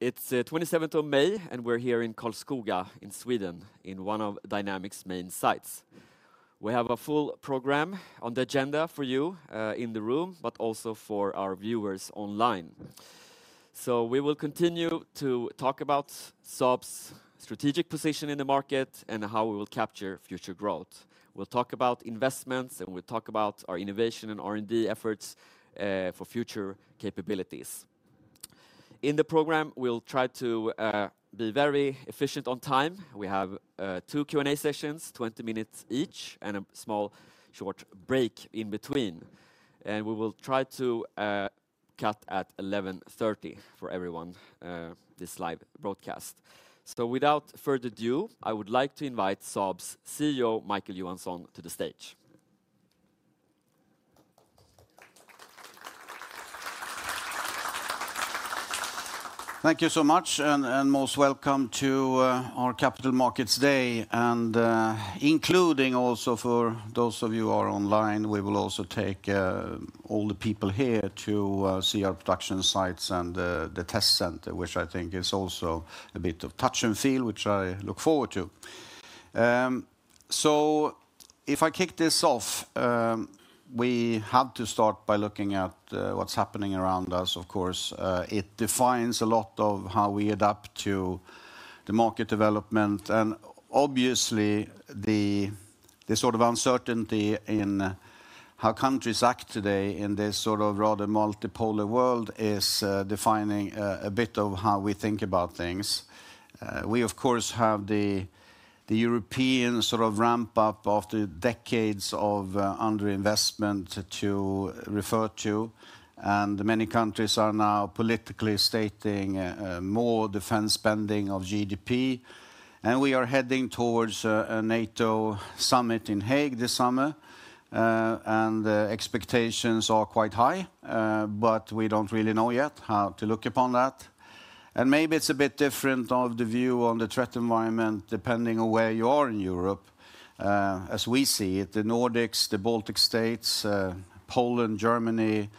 It's the 27th of May, and we're here in Karlskoga in Sweden, in one of Dynamics' main sites. We have a full program on the agenda for you in the room, but also for our viewers online. We will continue to talk about Saab's strategic position in the market and how we will capture future growth. We'll talk about investments, and we'll talk about our innovation and R&D efforts for future capabilities. In the program, we'll try to be very efficient on time. We have two Q&A sessions, 20 minutes each, and a small short break in between. We will try to cut at 11:30 for everyone this live broadcast. Without further ado, I would like to invite Saab's CEO, Micael Johansson, to the stage. Thank you so much, and most welcome to our Capital Markets Day. Including also for those of you who are online, we will also take all the people here to see our production sites and the test center, which I think is also a bit of touch and feel, which I look forward to. If I kick this off, we had to start by looking at what is happening around us. Of course, it defines a lot of how we adapt to the market development. Obviously, the sort of uncertainty in how countries act today in this sort of rather multipolar world is defining a bit of how we think about things. We, of course, have the European sort of ramp-up after decades of underinvestment to refer to. Many countries are now politically stating more defense spending of GDP. We are heading towards a NATO summit in Hague this summer. Expectations are quite high, but we do not really know yet how to look upon that. Maybe it is a bit different of the view on the threat environment, depending on where you are in Europe. As we see it, the Nordics, the Baltic states, Poland, Germany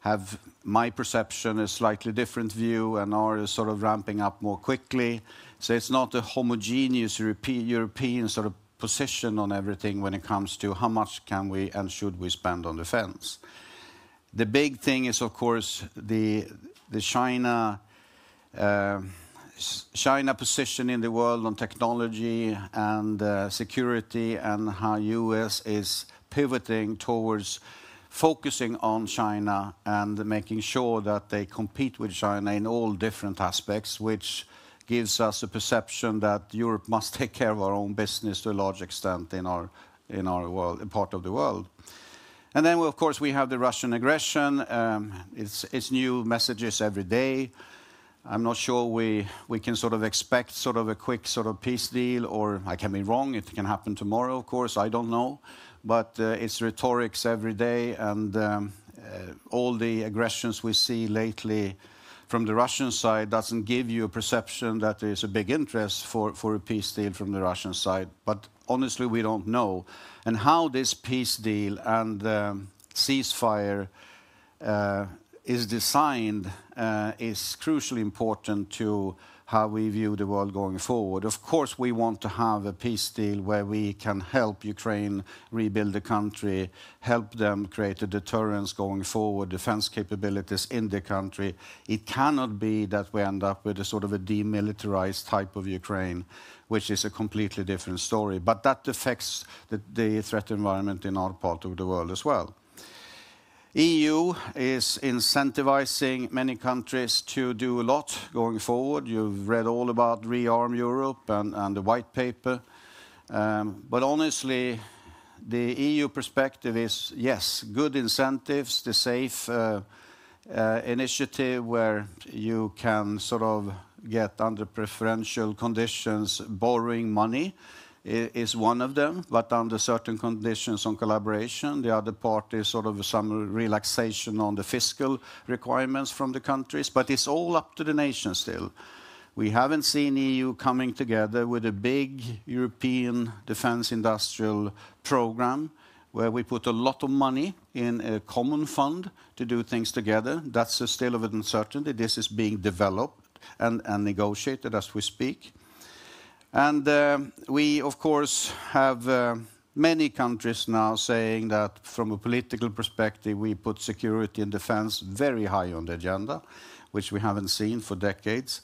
have, my perception, a slightly different view and are sort of ramping up more quickly. It is not a homogeneous European sort of position on everything when it comes to how much can we and should we spend on defense. The big thing is, of course, the China position in the world on technology and security and how the U.S. is pivoting towards focusing on China and making sure that they compete with China in all different aspects, which gives us a perception that Europe must take care of our own business to a large extent in our part of the world. Of course, we have the Russian aggression. It's new messages every day. I'm not sure we can sort of expect sort of a quick sort of peace deal, or I can be wrong. It can happen tomorrow, of course. I don't know. It's rhetorics every day. All the aggressions we see lately from the Russian side doesn't give you a perception that there's a big interest for a peace deal from the Russian side. Honestly, we don't know. How this peace deal and ceasefire is designed is crucially important to how we view the world going forward. Of course, we want to have a peace deal where we can help Ukraine rebuild the country, help them create a deterrence going forward, defense capabilities in the country. It cannot be that we end up with a sort of a demilitarized type of Ukraine, which is a completely different story. That affects the threat environment in our part of the world as well. The EU is incentivizing many countries to do a lot going forward. You've read all about ReArm Europe and the white paper. Honestly, the EU perspective is, yes, good incentives, the SAFE Initiative where you can sort of get under preferential conditions, borrowing money is one of them, but under certain conditions on collaboration. The other part is sort of some relaxation on the fiscal requirements from the countries. It is all up to the nation still. We have not seen the EU coming together with a big European defense industrial program where we put a lot of money in a common fund to do things together. That is still of uncertainty. This is being developed and negotiated as we speak. We, of course, have many countries now saying that from a political perspective, we put security and defense very high on the agenda, which we have not seen for decades.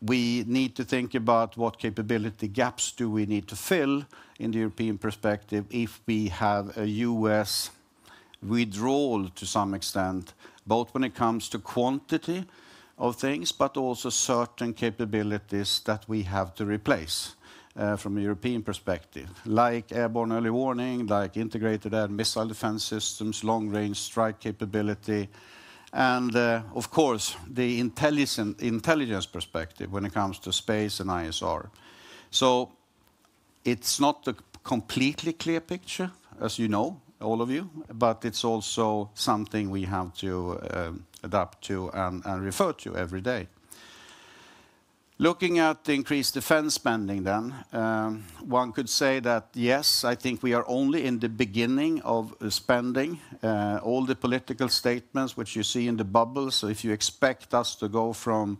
We need to think about what capability gaps do we need to fill in the European perspective if we have a U.S. withdrawal to some extent, both when it comes to quantity of things, but also certain capabilities that we have to replace from a European perspective, like airborne early warning, like integrated air and missile defense systems, long-range strike capability. Of course, the intelligence perspective when it comes to space and ISR. It is not a completely clear picture, as you know, all of you, but it is also something we have to adapt to and refer to every day. Looking at the increased defense spending then, one could say that, yes, I think we are only in the beginning of spending. All the political statements which you see in the bubbles, if you expect us to go from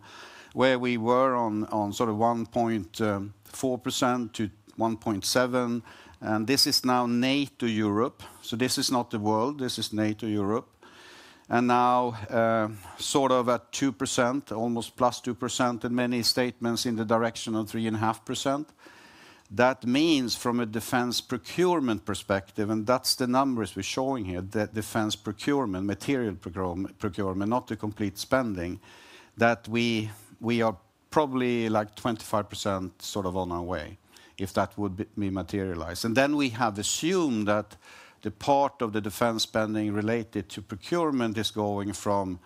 where we were on sort of 1.4%-1.7%, and this is now NATO Europe. This is not the world. This is NATO Europe. Now sort of at 2%, almost +2% in many statements in the direction of 3.5%. That means from a defense procurement perspective, and that's the numbers we're showing here, defense procurement, material procurement, not the complete spending, that we are probably like 25% sort of on our way if that would be materialized. We have assumed that the part of the defense spending related to procurement is going from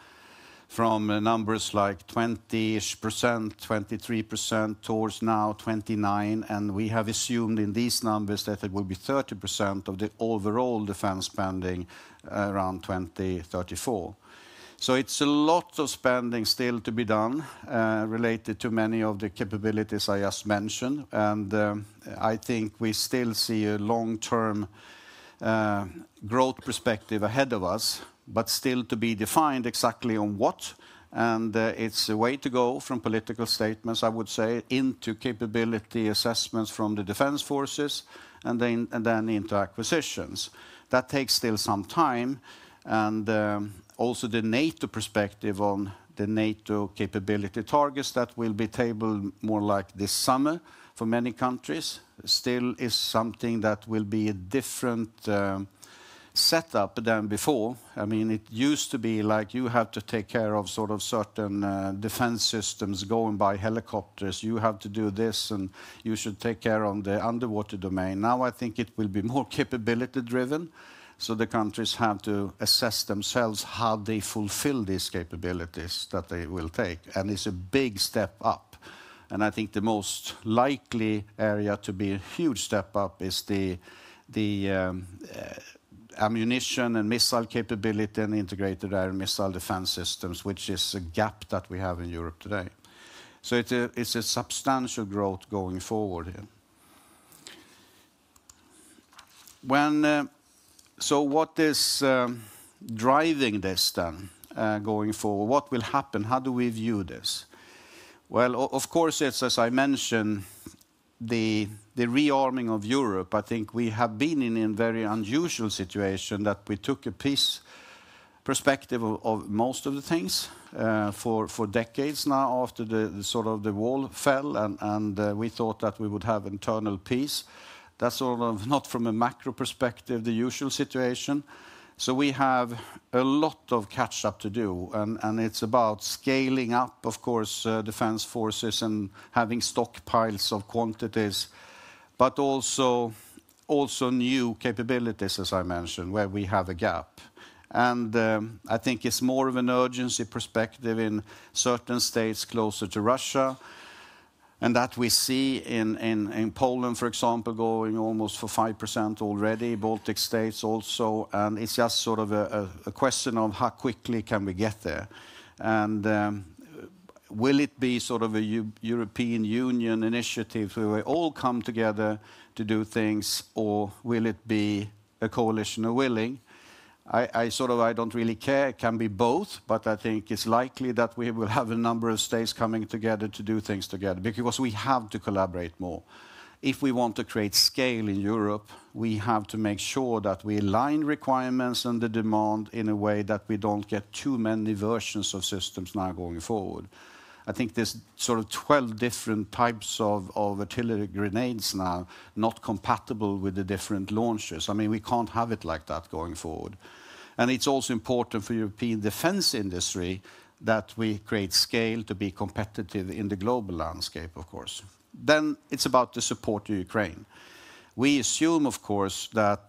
numbers like 20%, 23% towards now 29%. We have assumed in these numbers that it will be 30% of the overall defense spending around 2034. It's a lot of spending still to be done related to many of the capabilities I just mentioned. I think we still see a long-term growth perspective ahead of us, but still to be defined exactly on what. It's a way to go from political statements, I would say, into capability assessments from the defense forces and then into acquisitions. That takes still some time. Also, the NATO perspective on the NATO capability targets that will be tabled more like this summer for many countries still is something that will be a different setup than before. I mean, it used to be like you have to take care of sort of certain defense systems going by helicopters. You have to do this, and you should take care of the underwater domain. Now I think it will be more capability-driven. The countries have to assess themselves how they fulfill these capabilities that they will take. It's a big step up. I think the most likely area to be a huge step up is the ammunition and missile capability and integrated air and missile defense systems, which is a gap that we have in Europe today. It's a substantial growth going forward here. What is driving this then going forward? What will happen? How do we view this? Of course, it's, as I mentioned, the rearming of Europe. I think we have been in a very unusual situation that we took a peace perspective of most of the things for decades now after the sort of the wall fell, and we thought that we would have internal peace. That's sort of not from a macro perspective, the U.S.ual situation. We have a lot of catch-up to do. It is about scaling up, of course, defense forces and having stockpiles of quantities, but also new capabilities, as I mentioned, where we have a gap. I think it is more of an urgency perspective in certain states closer to Russia. We see that in Poland, for example, going almost for 5% already, Baltic states also. It is just sort of a question of how quickly we can get there. Will it be sort of a European Union initiative where we all come together to do things, or will it be a coalition of willing? I sort of, I do not really care. It can be both, but I think it is likely that we will have a number of states coming together to do things together because we have to collaborate more. If we want to create scale in Europe, we have to make sure that we align requirements and the demand in a way that we do not get too many versions of systems now going forward. I think there are sort of 12 different types of artillery grenades now, not compatible with the different launchers. I mean, we cannot have it like that going forward. It is also important for the European defense industry that we create scale to be competitive in the global landscape, of course. Then it is about the support to Ukraine. We assume, of course, that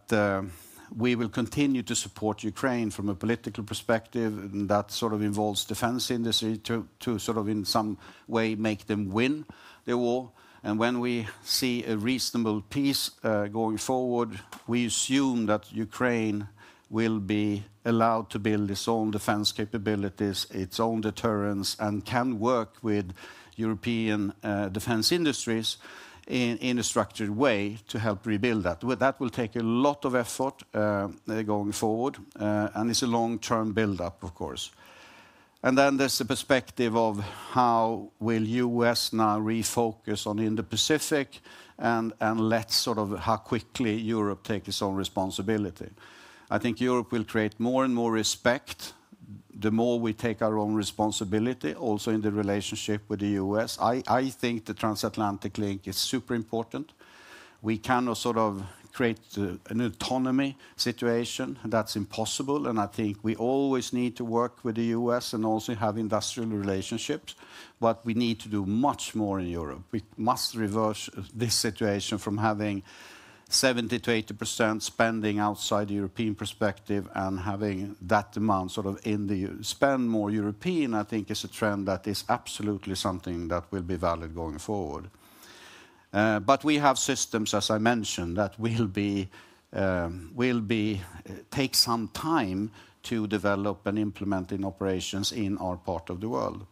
we will continue to support Ukraine from a political perspective. That sort of involves the defense industry to sort of in some way make them win the war. When we see a reasonable peace going forward, we assume that Ukraine will be allowed to build its own defense capabilities, its own deterrence, and can work with European defense industries in a structured way to help rebuild that. That will take a lot of effort going forward. It is a long-term buildup, of course. There is the perspective of how will the U.S. now refocus on the Indo-Pacific and let's sort of how quickly Europe takes its own responsibility. I think Europe will create more and more respect the more we take our own responsibility also in the relationship with the U.S. I think the transatlantic link is super important. We cannot sort of create an autonomy situation. That is impossible. I think we always need to work with the U.S. and also have industrial relationships. We need to do much more in Europe. We must reverse this situation from having 70%-80% spending outside the European perspective and having that demand sort of in the spend more European, I think is a trend that is absolutely something that will be valid going forward. We have systems, as I mentioned, that will take some time to develop and implement in operations in our part of the world.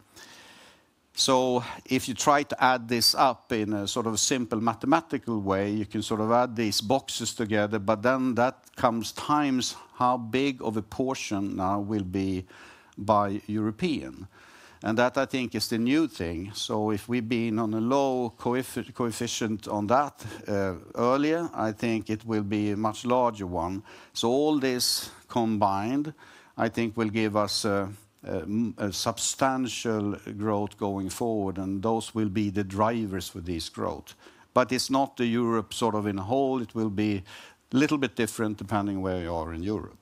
If you try to add this up in a sort of simple mathematical way, you can sort of add these boxes together, but then that comes times how big of a portion now will be by European. That, I think, is the new thing. If we've been on a low coefficient on that earlier, I think it will be a much larger one. All this combined, I think, will give us a substantial growth going forward. Those will be the drivers for this growth. It is not the Europe sort of in a whole. It will be a little bit different depending where you are in Europe.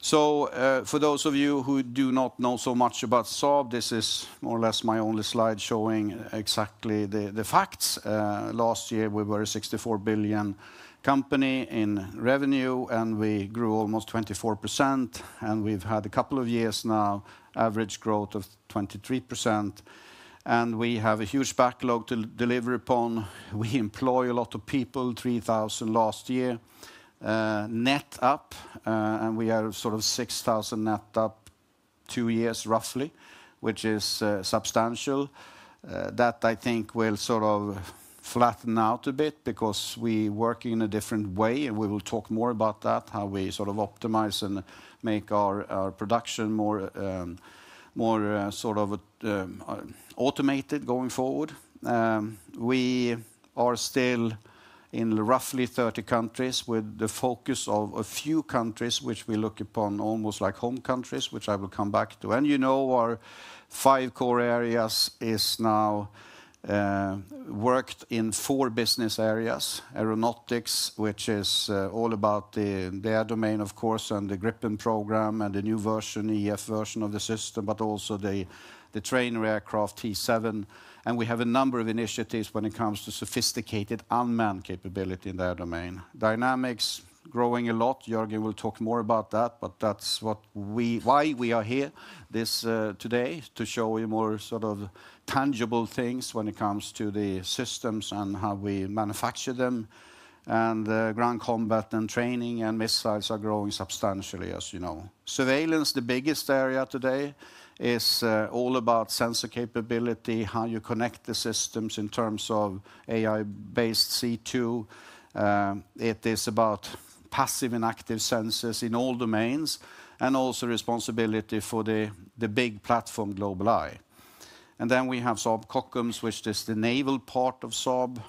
For those of you who do not know so much about Saab, this is more or less my only slide showing exactly the facts. Last year, we were a 64 billion company in revenue, and we grew almost 24%. We have had a couple of years now average growth of 23%. We have a huge backlog to deliver upon. We employ a lot of people, 3,000 last year, net up. We are sort of 6,000 net up two years roughly, which is substantial. That, I think, will sort of flatten out a bit because we work in a different way. We will talk more about that, how we sort of optimize and make our production more sort of automated going forward. We are still in roughly 30 countries with the focus of a few countries, which we look upon almost like home countries, which I will come back to. You know our five core areas is now worked in four business areas: Aeronautics, which is all about the air domain, of course, and the Gripen program and the new version, EF version of the system, but also the trainer aircraft T-7. We have a number of initiatives when it comes to sophisticated unmanned capability in the air domain. Dynamics growing a lot. Görgen will talk more about that, but that's why we are here today to show you more sort of tangible things when it comes to the systems and how we manufacture them. Ground combat and training and missiles are growing substantially, as you know. Surveillance, the biggest area today, is all about sensor capability, how you connect the systems in terms of AI-based C2. It is about passive and active sensors in all domains and also responsibility for the big platform, GlobalEye. We have Saab Kockums, which is the naval part of Saab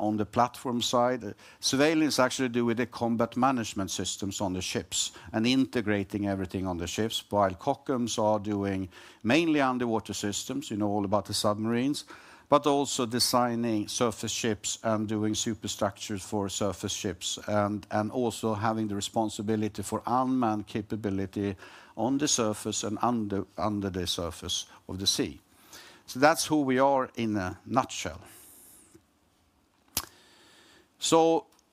on the platform side. Surveillance actually deals with the combat management systems on the ships and integrating everything on the ships, while Kockums are doing mainly underwater systems. You know all about the submarines, but also designing surface ships and doing superstructures for surface ships and also having the responsibility for unmanned capability on the surface and under the surface of the sea. That is who we are in a nutshell.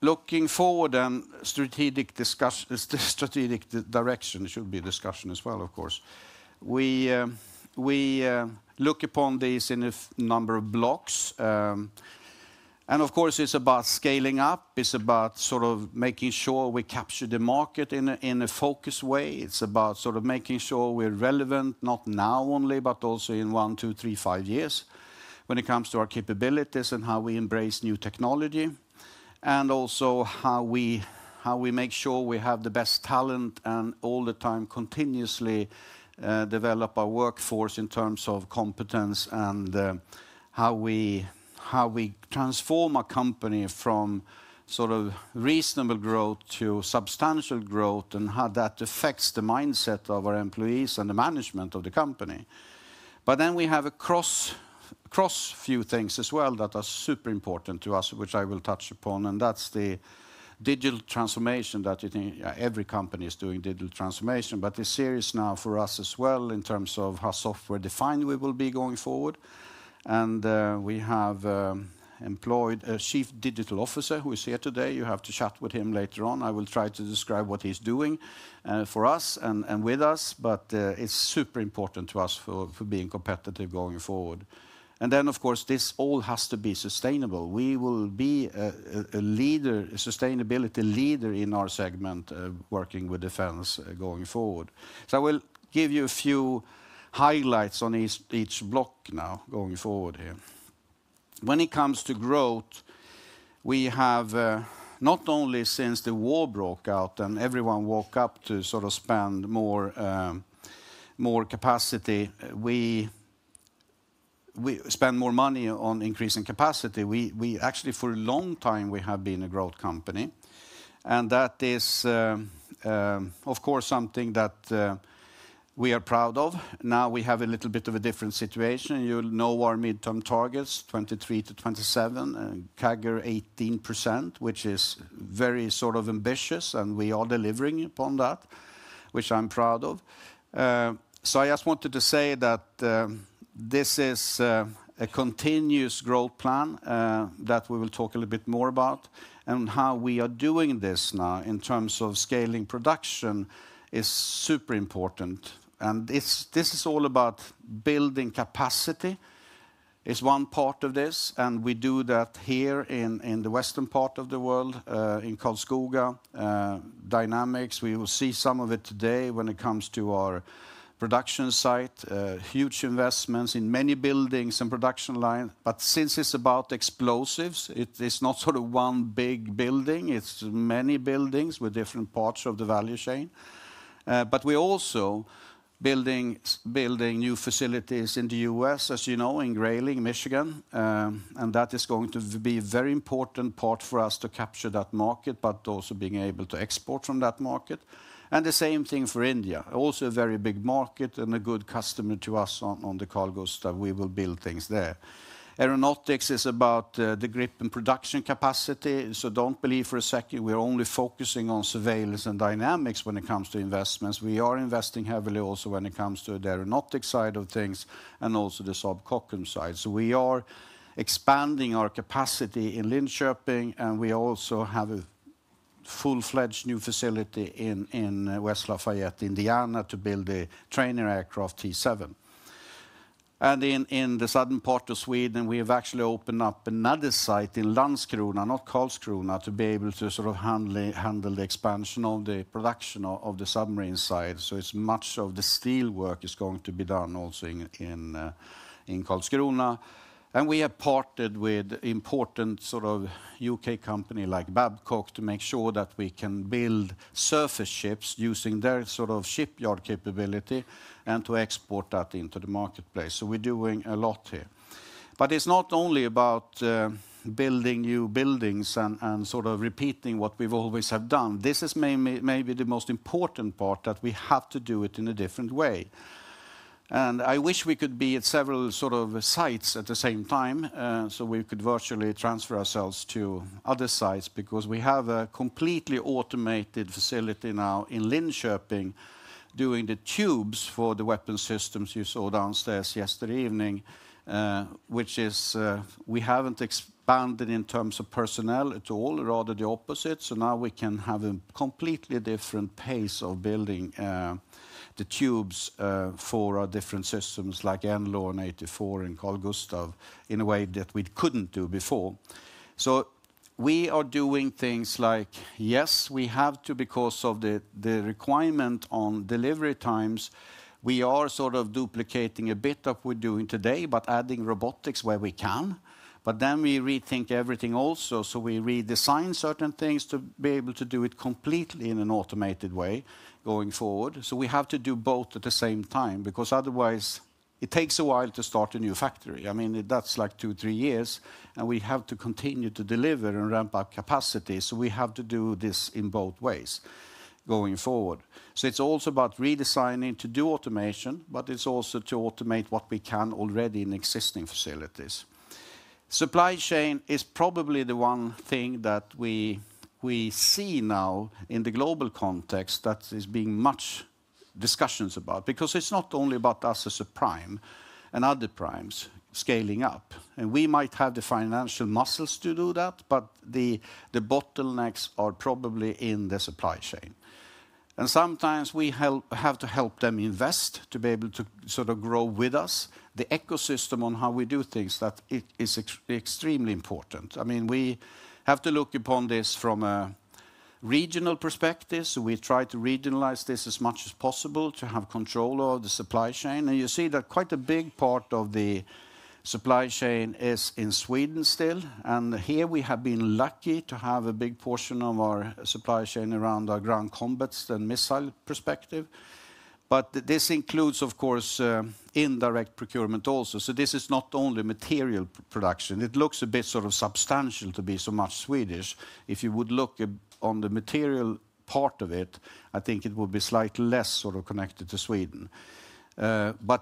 Looking forward and strategic direction, it should be a discussion as well, of course. We look upon these in a number of blocks. Of course, it's about scaling up. It's about sort of making sure we capture the market in a focused way. It's about sort of making sure we're relevant, not now only, but also in one, two, three, five years when it comes to our capabilities and how we embrace new technology and also how we make sure we have the best talent and all the time continuously develop our workforce in terms of competence and how we transform a company from sort of reasonable growth to substantial growth and how that affects the mindset of our employees and the management of the company. Then we have a cross few things as well that are super important to us, which I will touch upon. That is the digital transformation that every company is doing, digital transformation, but it is serious now for us as well in terms of how software defined we will be going forward. We have employed a Chief Digital Officer who is here today. You have to chat with him later on. I will try to describe what he is doing for us and with us, but it is super important to us for being competitive going forward. Of course, this all has to be sustainable. We will be a leader, a sustainability leader in our segment working with defense going forward. I will give you a few highlights on each block now going forward here. When it comes to growth, we have not only since the war broke out and everyone woke up to sort of spend more capacity, we spend more money on increasing capacity. Actually, for a long time, we have been a growth company. That is, of course, something that we are proud of. Now we have a little bit of a different situation. You will know our midterm targets, 23%-27%, Kaggle 18%, which is very sort of ambitious. We are delivering upon that, which I am proud of. I just wanted to say that this is a continuous growth plan that we will talk a little bit more about. How we are doing this now in terms of scaling production is super important. This is all about building capacity, which is one part of this. We do that here in the western part of the world in Karlskoga, Dynamics. You will see some of it today when it comes to our production site, huge investments in many buildings and production lines. Since it is about explosives, it is not sort of one big building. It is many buildings with different parts of the value chain. We are also building new facilities in the U.S., as you know, in Grayling, Michigan. That is going to be a very important part for us to capture that market, but also being able to export from that market. The same thing for India, also a very big market and a good customer to us on the Carl-Gustaf. We will build things there. Aeronautics is about the Gripen production capacity. Do not believe for a second we are only focusing on surveillance and dynamics when it comes to investments. We are investing heavily also when it comes to the Aeronautics side of things and also the Saab Kockums side. We are expanding our capacity in Linköping. We also have a full-fledged new facility in West Lafayette, Indiana, to build the trainer aircraft T-7. In the southern part of Sweden, we have actually opened up another site in Landskrona, not Karlskoga, to be able to sort of handle the expansion of the production of the submarine side. Much of the steel work is going to be done also in Karlskoga. We have partnered with important sort of U.K. company like Babcock to make sure that we can build surface ships using their sort of shipyard capability and to export that into the marketplace. We are doing a lot here. It is not only about building new buildings and sort of repeating what we have always done. This is maybe the most important part, that we have to do it in a different way. I wish we could be at several sort of sites at the same time so we could virtually transfer ourselves to other sites because we have a completely automated facility now in Linköping doing the tubes for the weapon systems you saw downstairs yesterday evening, which is we have not expanded in terms of personnel at all, rather the opposite. Now we can have a completely different pace of building the tubes for our different systems like NLAW and 84mm and Carl-Gustaf in a way that we could not do before. We are doing things like, yes, we have to because of the requirement on delivery times. We are sort of duplicating a bit of what we are doing today, but adding robotics where we can. Then we rethink everything also. We redesign certain things to be able to do it completely in an automated way going forward. We have to do both at the same time because otherwise it takes a while to start a new factory. I mean, that's like two, three years. We have to continue to deliver and ramp up capacity. We have to do this in both ways going forward. It's also about redesigning to do automation, but it's also to automate what we can already in existing facilities. Supply chain is probably the one thing that we see now in the global context that is being much discussed because it's not only about us as a prime and other primes scaling up. We might have the financial muscles to do that, but the bottlenecks are probably in the supply chain. Sometimes we have to help them invest to be able to sort of grow with us. The ecosystem on how we do things, that is extremely important. I mean, we have to look upon this from a regional perspective. We try to regionalize this as much as possible to have control of the supply chain. You see that quite a big part of the supply chain is in Sweden still. Here we have been lucky to have a big portion of our supply chain around our ground combat and missile perspective. This includes, of course, indirect procurement also. This is not only material production. It looks a bit sort of substantial to be so much Swedish. If you would look on the material part of it, I think it will be slightly less sort of connected to Sweden.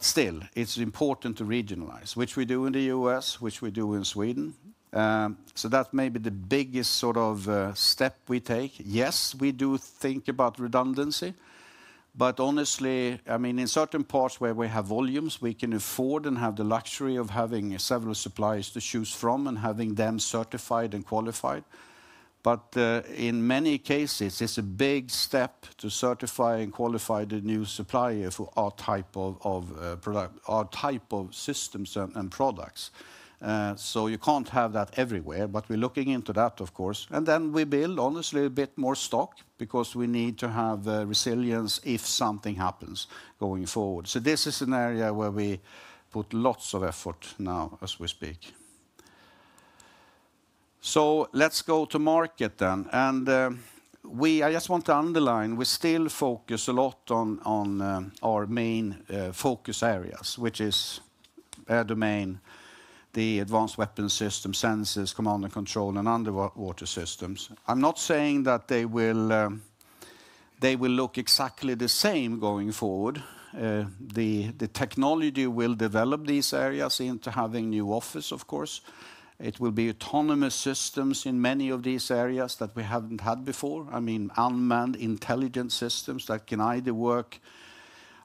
Still, it's important to regionalize, which we do in the U.S., which we do in Sweden. That may be the biggest sort of step we take. Yes, we do think about redundancy. Honestly, I mean, in certain parts where we have volumes, we can afford and have the luxury of having several suppliers to choose from and having them certified and qualified. In many cases, it's a big step to certify and qualify the new supplier for our type of systems and products. You can't have that everywhere, but we're looking into that, of course. We build, honestly, a bit more stock because we need to have resilience if something happens going forward. This is an area where we put lots of effort now as we speak. Let's go to market then. I just want to underline, we still focus a lot on our main focus areas, which is air domain, the advanced weapon systems, sensors, command and control, and underwater systems. I'm not saying that they will look exactly the same going forward. The technology will develop these areas into having new office, of course. It will be autonomous systems in many of these areas that we haven't had before. I mean, unmanned intelligence systems that can either work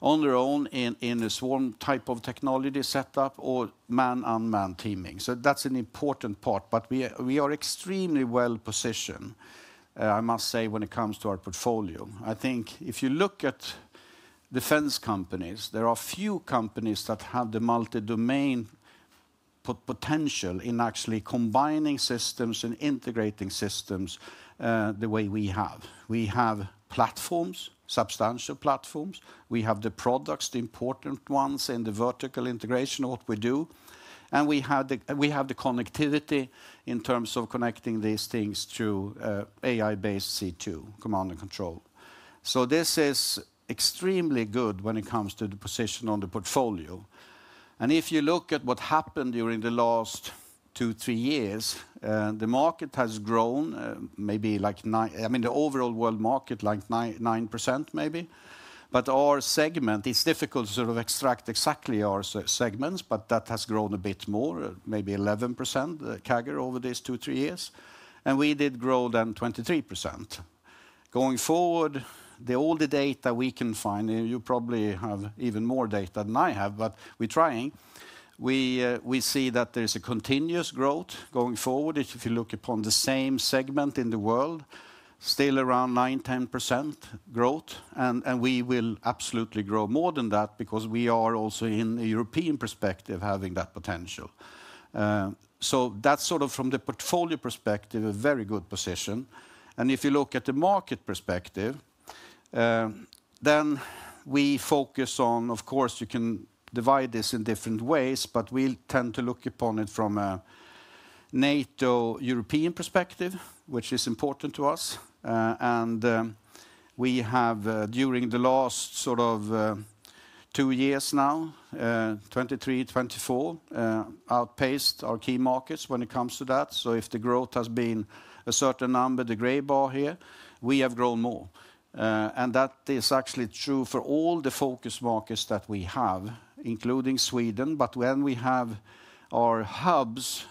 on their own in a swarm type of technology setup or man-on-man teaming. That's an important part. We are extremely well positioned, I must say, when it comes to our portfolio. I think if you look at defense companies, there are few companies that have the multi-domain potential in actually combining systems and integrating systems the way we have. We have platforms, substantial platforms. We have the products, the important ones in the vertical integration, what we do. And we have the connectivity in terms of connecting these things to AI-based C2, command and control. This is extremely good when it comes to the position on the portfolio. If you look at what happened during the last two, three years, the market has grown maybe like, I mean, the overall world market like 9% maybe. Our segment, it's difficult to sort of extract exactly our segments, but that has grown a bit more, maybe 11% CAGR, over these two, three years. We did grow then 23%. Going forward, all the data we can find, and you probably have even more data than I have, but we're trying, we see that there is a continuous growth going forward. If you look upon the same segment in the world, still around 9%-10% growth. We will absolutely grow more than that because we are also in a European perspective having that potential. That is sort of from the portfolio perspective, a very good position. If you look at the market perspective, then we focus on, of course, you can divide this in different ways, but we tend to look upon it from a NATO European perspective, which is important to us. We have, during the last sort of two years now, 2023, 2024, outpaced our key markets when it comes to that. If the growth has been a certain number, the gray bar here, we have grown more. That is actually true for all the focus markets that we have, including Sweden. When we have our hubs,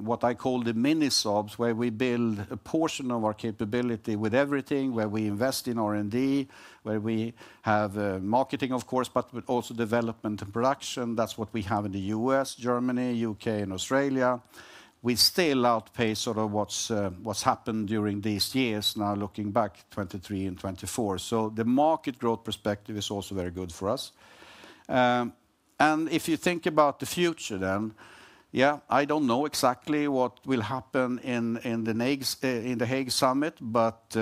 what I call the many solves, where we build a portion of our capability with everything, where we invest in R&D, where we have marketing, of course, but also development and production, that is what we have in the U.S., Germany, U.K., and Australia. We still outpace sort of what has happened during these years now, looking back 2023 and 2024. The market growth perspective is also very good for us. If you think about the future then, yeah, I do not know exactly what will happen in the Hague Summit, but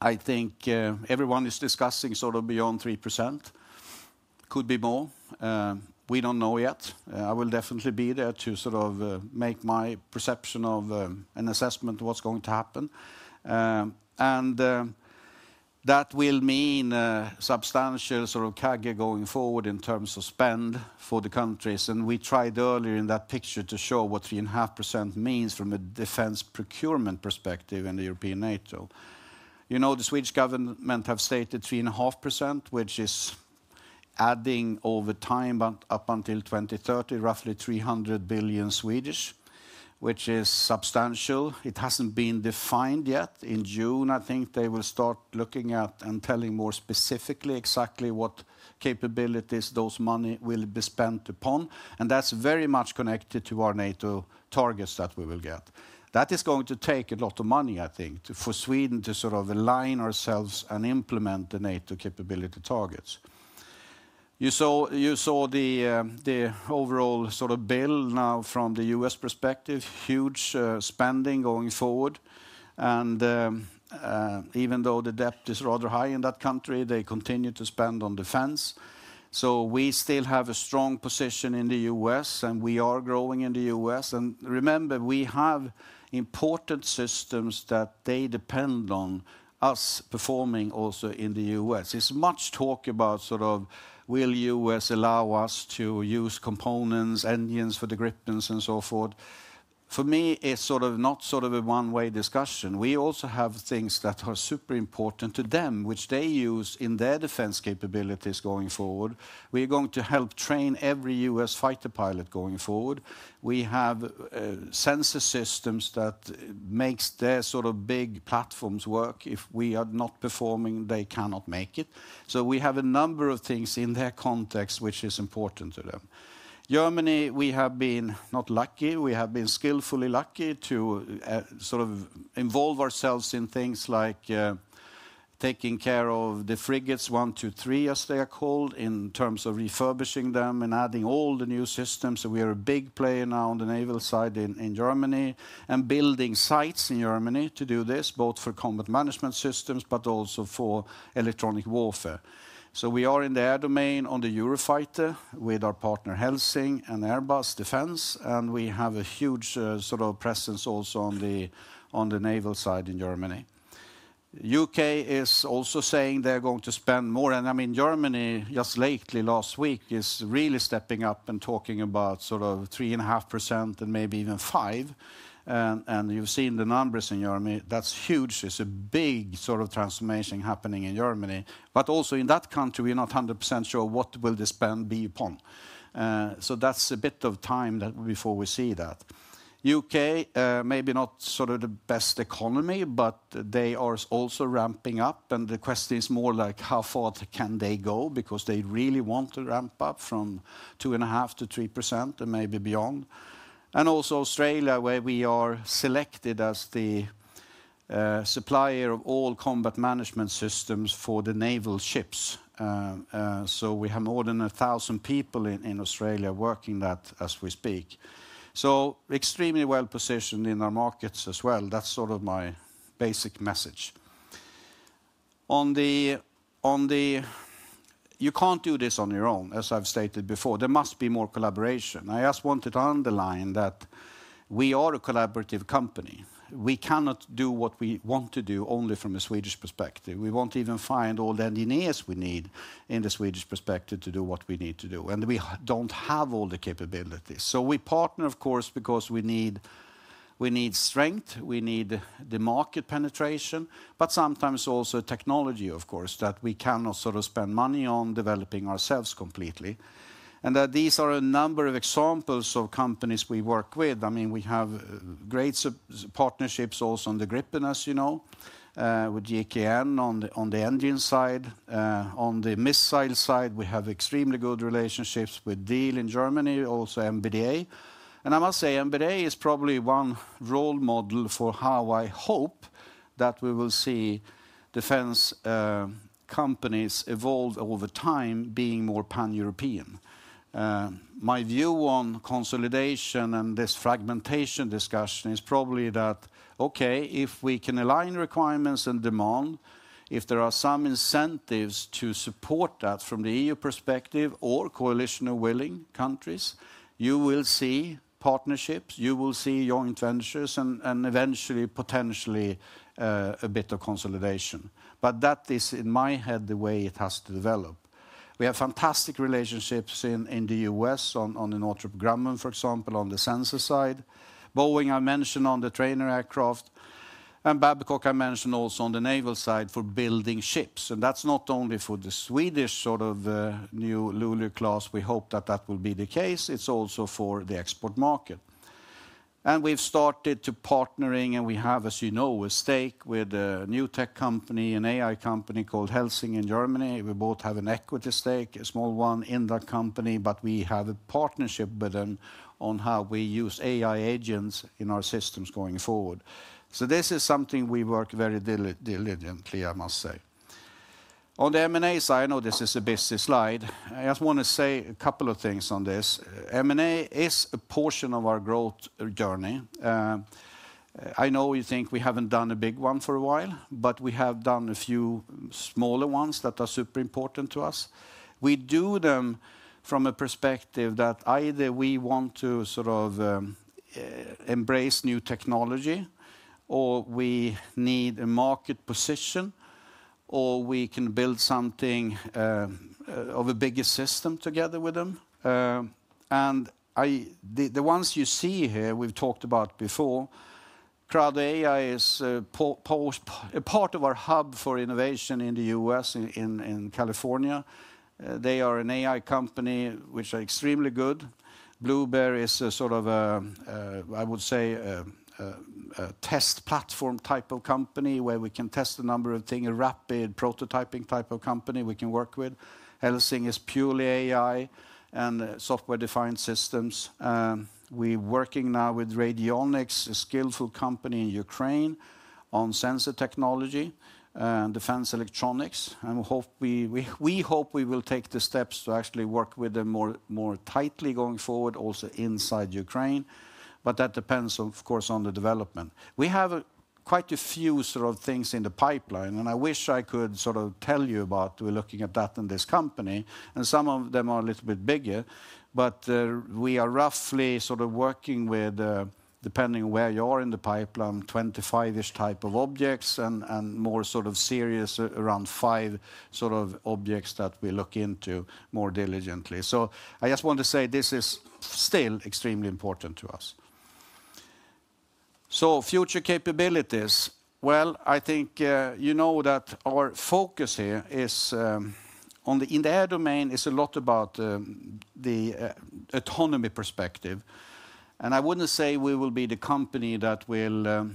I think everyone is discussing sort of beyond 3%. It could be more. We do not know yet. I will definitely be there to sort of make my perception of an assessment of what is going to happen. That will mean substantial sort of CAGR going forward in terms of spend for the countries. We tried earlier in that picture to show what 3.5% means from a defense procurement perspective in the European NATO. You know, the Swedish government have stated 3.5%, which is adding over time up until 2030, roughly 300 billion, which is substantial. It has not been defined yet. In June, I think they will start looking at and telling more specifically exactly what capabilities those money will be spent upon. That is very much connected to our NATO targets that we will get. That is going to take a lot of money, I think, for Sweden to sort of align ourselves and implement the NATO capability targets. You saw the overall sort of bill now from the U.S. perspective, huge spending going forward. Even though the debt is rather high in that country, they continue to spend on defense. We still have a strong position in the U.S., and we are growing in the U.S.. Remember, we have important systems that they depend on us performing also in the U.S. There is much talk about will U.S. allow us to use components, engines for the Gripen and so forth. For me, it is not a one-way discussion. We also have things that are super important to them, which they use in their defense capabilities going forward. We are going to help train every U.S. fighter pilot going forward. We have sensor systems that make their big platforms work. If we are not performing, they cannot make it. We have a number of things in their context, which is important to them. Germany, we have been not lucky. We have been skillfully lucky to sort of involve ourselves in things like taking care of the frigates, one, two, three, as they are called, in terms of refurbishing them and adding all the new systems. We are a big player now on the naval side in Germany and building sites in Germany to do this, both for combat management systems, but also for electronic warfare. We are in the air domain on the Eurofighter with our partner Helsing and Airbus Defence. We have a huge sort of presence also on the naval side in Germany. U.K. is also saying they're going to spend more. I mean, Germany just lately, last week, is really stepping up and talking about sort of 3.5% and maybe even 5%. You have seen the numbers in Germany. That is huge. It is a big sort of transformation happening in Germany. But also in that country, we're not 100% sure what will the spend be upon. That is a bit of time before we see that. U.K., maybe not sort of the best economy, but they are also ramping up. The question is more like how far can they go because they really want to ramp up from 2.5% to 3% and maybe beyond. Also Australia, where we are selected as the supplier of all combat management systems for the naval ships. We have more than 1,000 people in Australia working that as we speak. Extremely well positioned in our markets as well. That is sort of my basic message. You cannot do this on your own, as I have stated before. There must be more collaboration. I just wanted to underline that we are a collaborative company. We cannot do what we want to do only from a Swedish perspective. We will not even find all the engineers we need in the Swedish perspective to do what we need to do. We do not have all the capabilities. We partner, of course, because we need strength. We need the market penetration, but sometimes also technology, of course, that we cannot sort of spend money on developing ourselves completely. These are a number of examples of companies we work with. I mean, we have great partnerships also on the Gripen, as you know, with GKN on the engine side. On the missile side, we have extremely good relationships with Diehl in Germany, also MBDA. I must say MBDA is probably one role model for how I hope that we will see defense companies evolve over time, being more pan-European. My view on consolidation and this fragmentation discussion is probably that, okay, if we can align requirements and demand, if there are some incentives to support that from the EU perspective or coalition of willing countries, you will see partnerships, you will see joint ventures, and eventually, potentially a bit of consolidation. That is, in my head, the way it has to develop. We have fantastic relationships in the U.S. on the Northrop Grumman, for example, on the sensor side. Boeing, I mentioned on the trainer aircraft. Babcock, I mentioned also on the naval side for building ships. That is not only for the Swedish sort of new Luleå class. We hope that that will be the case. It is also for the export market. We have started to partnering, and we have, as you know, a stake with a new tech company, an AI company called Helsing in Germany. We both have an equity stake, a small one in that company, but we have a partnership with them on how we use AI agents in our systems going forward. This is something we work very diligently, I must say. On the M&A side, I know this is a busy slide. I just want to say a couple of things on this. M&A is a portion of our growth journey. I know you think we have not done a big one for a while, but we have done a few smaller ones that are super important to us. We do them from a perspective that either we want to sort of embrace new technology, or we need a market position, or we can build something of a bigger system together with them. The ones you see here, we've talked about before. CrowdAI is a part of our hub for innovation in the U.S. in California. They are an AI company which are extremely good. Blueberry is a sort of, I would say, a test platform type of company where we can test a number of things, a rapid prototyping type of company we can work with. Helsing is purely AI and software-defined systems. We're working now with Radionix, a skillful company in Ukraine on sensor technology and defense electronics. We hope we will take the steps to actually work with them more tightly going forward, also inside Ukraine. That depends, of course, on the development. We have quite a few sort of things in the pipeline, and I wish I could sort of tell you about we're looking at that in this company. Some of them are a little bit bigger, but we are roughly sort of working with, depending on where you are in the pipeline, 25-ish type of objects and more sort of serious around five sort of objects that we look into more diligently. I just want to say this is still extremely important to us. Future capabilities, I think you know that our focus here is on the in the air domain is a lot about the autonomy perspective. I would not say we will be the company that will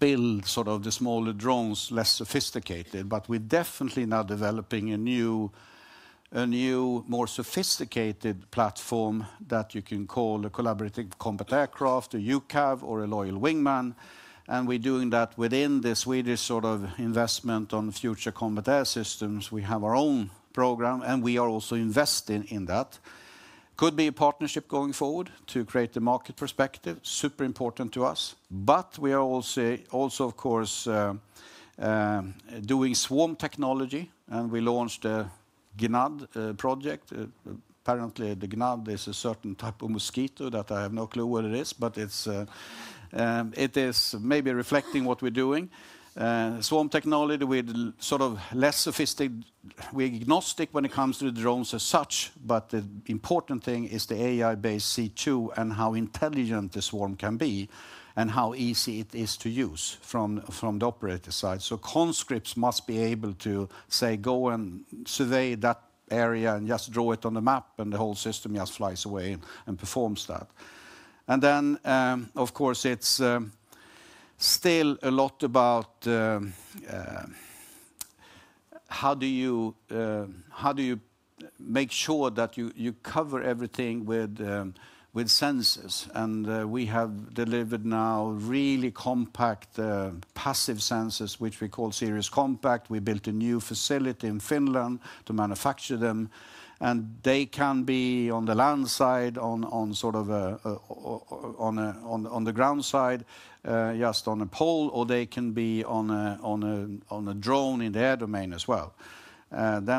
build sort of the smaller drones, less sophisticated, but we are definitely now developing a new, a new more sophisticated platform that you can call a collaborative combat aircraft, a UCAV, or a Loyal Wingman. We are doing that within the Swedish sort of investment on future combat air systems. We have our own program, and we are also investing in that. Could be a partnership going forward to create the market perspective, super important to us. We are also, of course, doing swarm technology, and we launched the ginad project. Apparently, the ginad is a certain type of mosquito that I have no clue what it is, but it is maybe reflecting what we are doing. Swarm technology with sort of less sophisticated, we're agnostic when it comes to the drones as such, but the important thing is the AI-based C2 and how intelligent the swarm can be and how easy it is to use from the operator side. Conscripts must be able to say, go and survey that area and just draw it on the map, and the whole system just flies away and performs that. Of course, it's still a lot about how do you make sure that you cover everything with sensors. We have delivered now really compact passive sensors, which we call Sirius Compact. We built a new facility in Finland to manufacture them. They can be on the land side, on sort of on the ground side, just on a pole, or they can be on a drone in the air domain as well.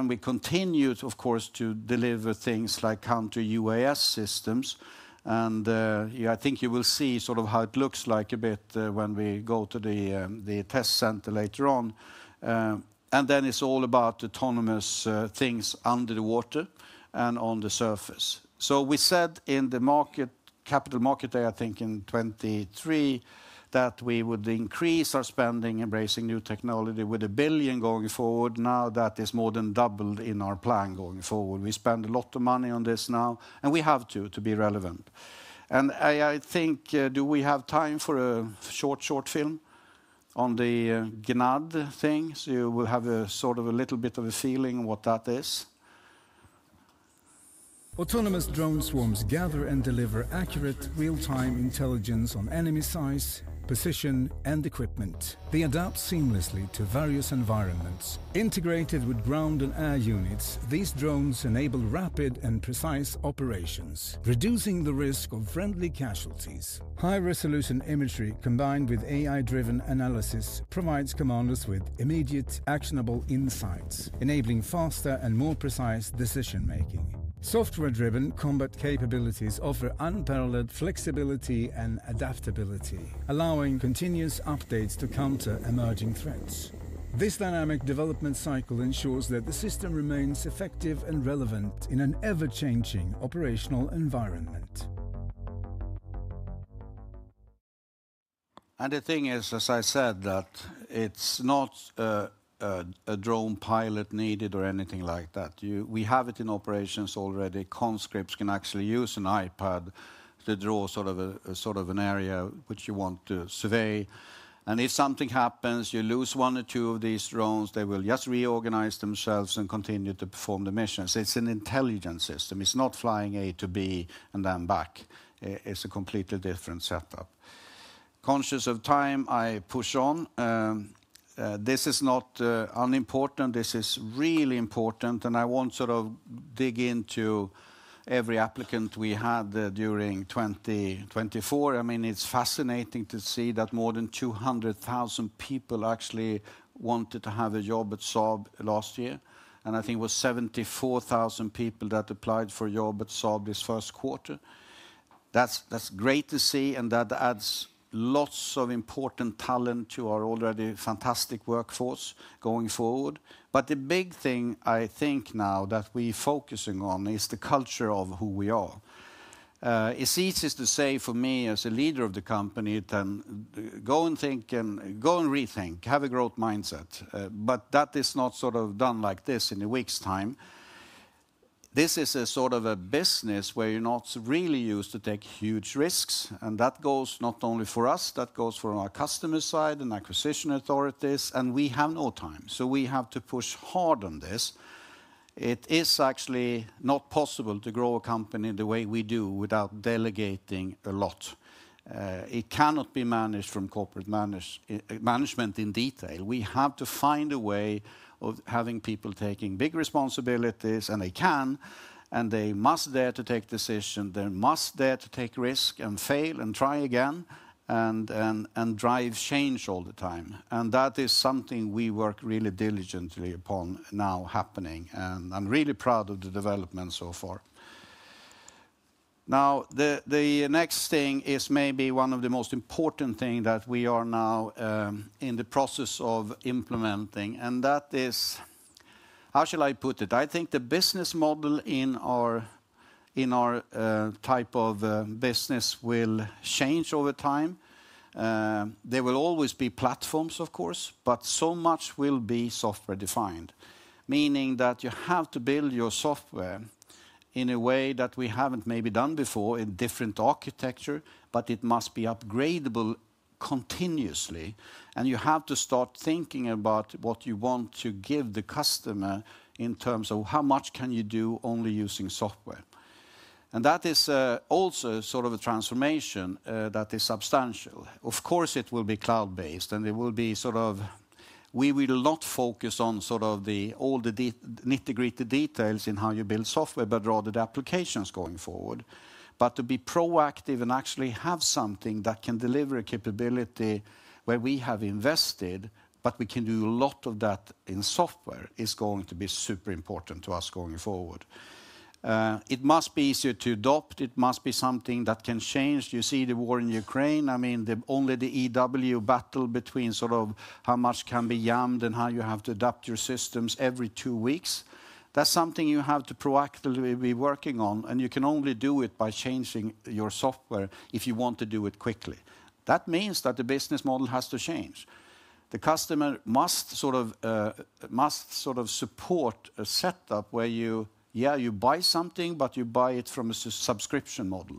We continue, of course, to deliver things like counter UAS systems. I think you will see sort of how it looks like a bit when we go to the test center later on. It is all about autonomous things under the water and on the surface. We said in the market, capital market there, I think in 2023, that we would increase our spending embracing new technology with 1 billion going forward. Now that is more than doubled in our plan going forward. We spend a lot of money on this now, and we have to, to be relevant. I think, do we have time for a short, short film on the ginad thing? You will have a sort of a little bit of a feeling of what that is. Autonomous drone swarms gather and deliver accurate, real-time intelligence on enemy size, position, and equipment. They adapt seamlessly to various environments. Integrated with ground and air units, these drones enable rapid and precise operations, reducing the risk of friendly casualties. High-resolution imagery combined with AI-driven analysis provides commanders with immediate, actionable insights, enabling faster and more precise decision-making. Software-driven combat capabilities offer unparalleled flexibility and adaptability, allowing continuous updates to counter emerging threats. This dynamic development cycle ensures that the system remains effective and relevant in an ever-changing operational environment. The thing is, as I said, that it's not a drone pilot needed or anything like that. We have it in operations already. Conscripts can actually use an iPad to draw sort of an area which you want to survey. If something happens, you lose one or two of these drones, they will just reorganize themselves and continue to perform the missions. It is an intelligence system. It is not flying A to B and then back. It is a completely different setup. Conscious of time, I push on. This is not unimportant. This is really important. I will not sort of dig into every applicant we had during 2024. I mean, it is fascinating to see that more than 200,000 people actually wanted to have a job at Saab last year. I think it was 74,000 people that applied for a job at Saab this first quarter. That is great to see, and that adds lots of important talent to our already fantastic workforce going forward. The big thing I think now that we are focusing on is the culture of who we are. It's easy to say for me as a leader of the company, then go and think and go and rethink, have a growth mindset. That is not sort of done like this in a week's time. This is a sort of a business where you're not really used to take huge risks. That goes not only for us, that goes for our customer side and acquisition authorities. We have no time. We have to push hard on this. It is actually not possible to grow a company the way we do without delegating a lot. It cannot be managed from corporate management in detail. We have to find a way of having people taking big responsibilities, and they can, and they must dare to take decisions. They must dare to take risk and fail and try again and drive change all the time. That is something we work really diligently upon now happening. I'm really proud of the development so far. The next thing is maybe one of the most important things that we are now in the process of implementing. That is, how shall I put it? I think the business model in our type of business will change over time. There will always be platforms, of course, but so much will be software-defined, meaning that you have to build your software in a way that we have not maybe done before in different architecture, but it must be upgradable continuously. You have to start thinking about what you want to give the customer in terms of how much can you do only using software. That is also sort of a transformation that is substantial. Of course, it will be cloud-based, and it will be sort of, we will not focus on sort of all the nitty-gritty details in how you build software, but rather the applications going forward. To be proactive and actually have something that can deliver a capability where we have invested, but we can do a lot of that in software, is going to be super important to us going forward. It must be easier to adopt. It must be something that can change. You see the war in Ukraine. I mean, only the EW battle between sort of how much can be jammed and how you have to adapt your systems every two weeks. That is something you have to proactively be working on. You can only do it by changing your software if you want to do it quickly. That means that the business model has to change. The customer must sort of support a setup where you, yeah, you buy something, but you buy it from a subscription model.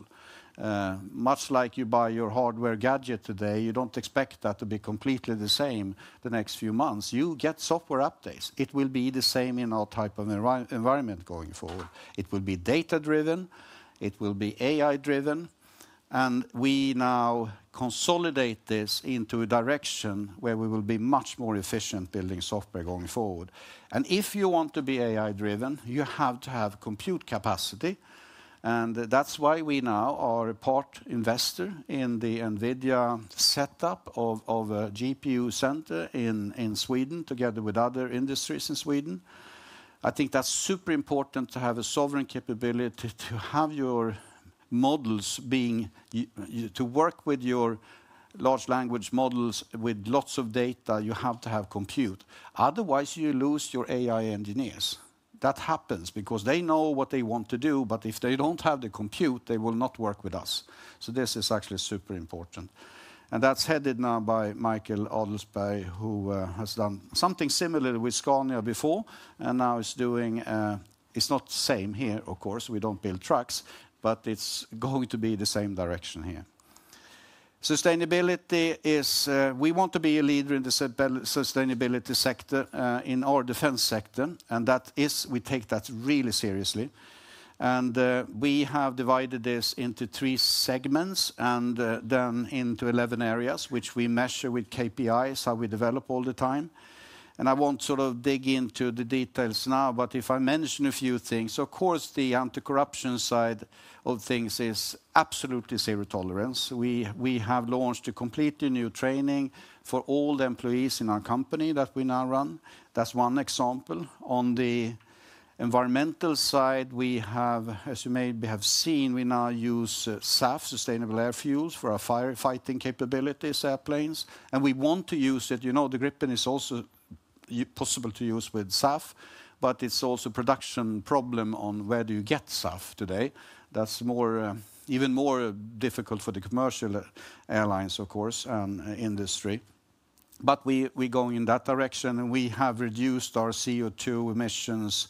Much like you buy your hardware gadget today, you do not expect that to be completely the same the next few months. You get software updates. It will be the same in our type of environment going forward. It will be data-driven. It will be AI-driven. We now consolidate this into a direction where we will be much more efficient building software going forward. If you want to be AI-driven, you have to have compute capacity. That is why we now are a part investor in the NVIDIA setup of a GPU center in Sweden together with other industries in Sweden. I think that is super important to have a sovereign capability to have your models being to work with your large language models with lots of data. You have to have compute. Otherwise, you lose your AI engineers. That happens because they know what they want to do, but if they do not have the compute, they will not work with us. This is actually super important. That is headed now by Mikael Ohlsson, who has done something similar with Scania before, and now is doing, it is not the same here, of course. We do not build trucks, but it is going to be the same direction here. Sustainability is, we want to be a leader in the sustainability sector in our defense sector, and that is, we take that really seriously. We have divided this into three segments and then into 11 areas, which we measure with KPIs, how we develop all the time. I will not sort of dig into the details now, but if I mention a few things, of course, the anti-corruption side of things is absolutely zero tolerance. We have launched a completely new training for all the employees in our company that we now run. That is one example. On the environmental side, we have, as you may have seen, we now use SAF, Sustainable Air Fuels, for our firefighting capabilities, airplanes. We want to use it. You know, the Gripen is also possible to use with SAF, but it is also a production problem on where do you get SAF today. That is even more difficult for the commercial airlines, of course, and industry. We are going in that direction. We have reduced our CO2 emissions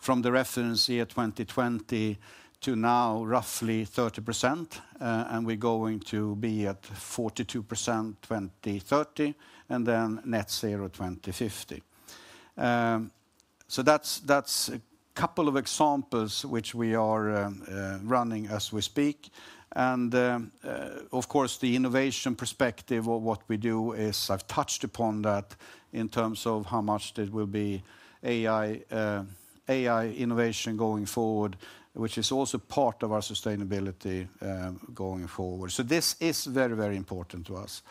from the reference year 2020 to now roughly 30%, and we are going to be at 42% 2030, and then net zero 2050. That's a couple of examples which we are running as we speak. Of course, the innovation perspective of what we do is I've touched upon that in terms of how much there will be AI innovation going forward, which is also part of our sustainability going forward. This is very, very important to us.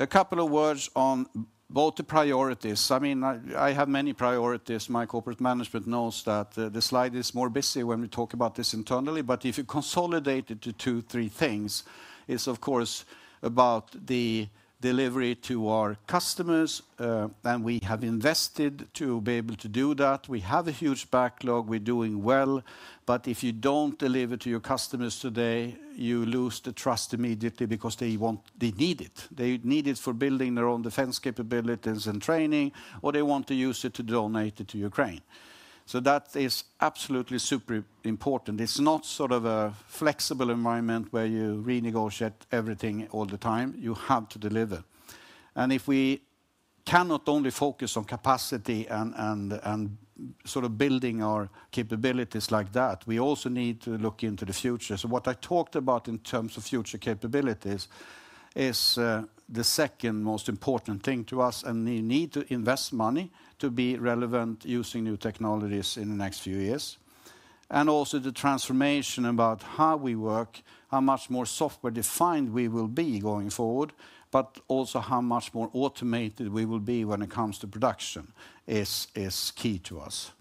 A couple of words on both the priorities. I mean, I have many priorities. My corporate management knows that the slide is more busy when we talk about this internally, but if you consolidate it to two, three things, it's of course about the delivery to our customers. We have invested to be able to do that. We have a huge backlog. We're doing well. If you do not deliver to your customers today, you lose the trust immediately because they need it. They need it for building their own defense capabilities and training, or they want to use it to donate it to Ukraine. That is absolutely super important. It is not sort of a flexible environment where you renegotiate everything all the time. You have to deliver. If we cannot only focus on capacity and sort of building our capabilities like that, we also need to look into the future. What I talked about in terms of future capabilities is the second most important thing to us, and you need to invest money to be relevant using new technologies in the next few years. Also, the transformation about how we work, how much more software-defined we will be going forward, but also how much more automated we will be when it comes to production is key to us.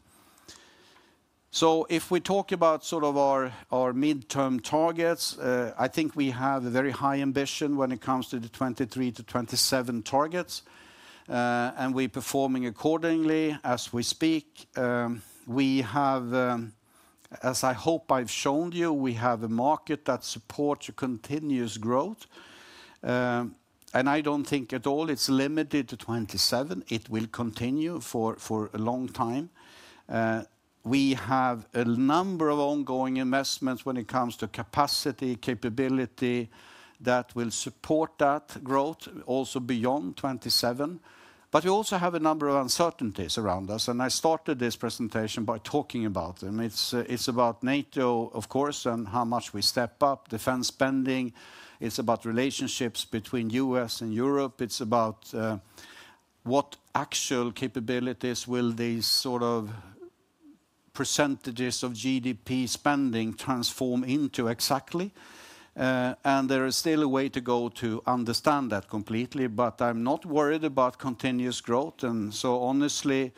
If we talk about sort of our midterm targets, I think we have a very high ambition when it comes to the 2023-2027 targets. We're performing accordingly as we speak. We have, as I hope I've shown you, a market that supports continuous growth. I don't think at all it's limited to 2027. It will continue for a long time. We have a number of ongoing investments when it comes to capacity, capability that will support that growth also beyond 2027. We also have a number of uncertainties around us. I started this presentation by talking about them. It's about NATO, of course, and how much we step up defense spending. It's about relationships between the U.S. and Europe. It's about what actual capabilities will these sort of percentages of GDP spending transform into exactly. There is still a way to go to understand that completely, but I'm not worried about continuous growth. Honestly,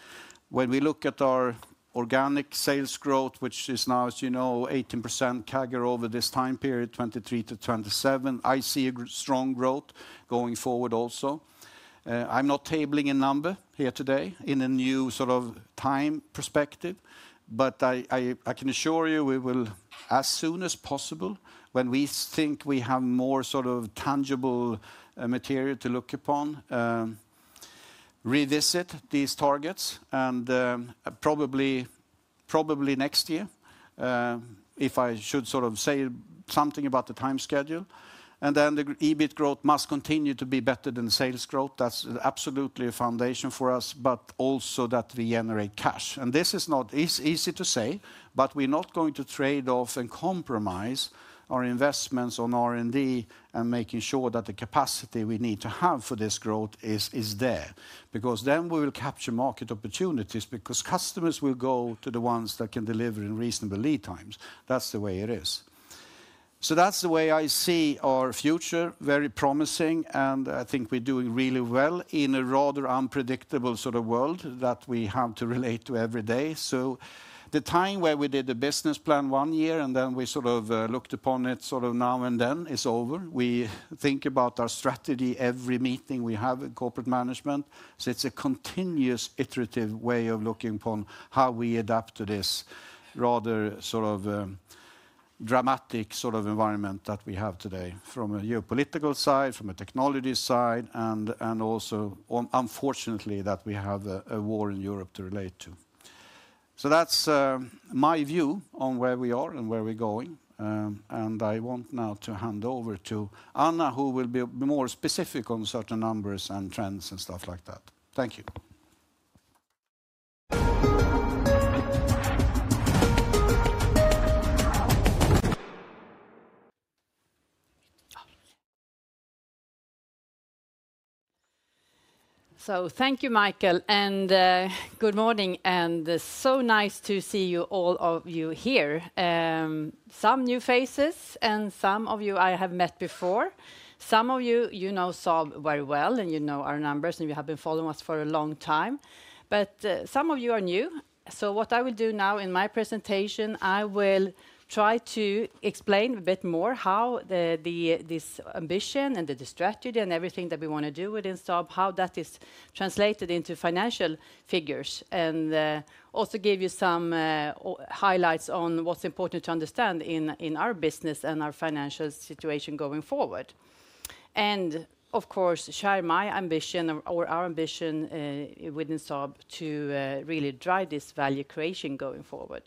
when we look at our organic sales growth, which is now, as you know, 18% CAGR over this time period, 2023-2027, I see a strong growth going forward also. I'm not tabling a number here today in a new sort of time perspective, but I can assure you we will, as soon as possible, when we think we have more sort of tangible material to look upon, revisit these targets and probably next year, if I should sort of say something about the time schedule. The EBIT growth must continue to be better than sales growth. That's absolutely a foundation for us, but also that we generate cash. This is not easy to say, but we're not going to trade off and compromise our investments on R&D and making sure that the capacity we need to have for this growth is there because then we will capture market opportunities because customers will go to the ones that can deliver in reasonable lead times. That is the way it is. That is the way I see our future, very promising, and I think we're doing really well in a rather unpredictable sort of world that we have to relate to every day. The time where we did the business plan one year and then we sort of looked upon it sort of now and then is over. We think about our strategy every meeting we have in corporate management. It is a continuous iterative way of looking upon how we adapt to this rather sort of dramatic sort of environment that we have today from a geopolitical side, from a technology side, and also unfortunately that we have a war in Europe to relate to. That is my view on where we are and where we are going. I want now to hand over to Anna, who will be more specific on certain numbers and trends and whostuff like that. Thank you. Thank you, Micael. Good morning. It is so nice to see all of you here. Some new faces and some of you I have met before. Some of you, you know Saab very well and you know our numbers and you have been following us for a long time. Some of you are new. What I will do now in my presentation, I will try to explain a bit more how this ambition and the strategy and everything that we want to do within Saab, how that is translated into financial figures, and also give you some highlights on what's important to understand in our business and our financial situation going forward. Of course, share my ambition or our ambition within Saab to really drive this value creation going forward.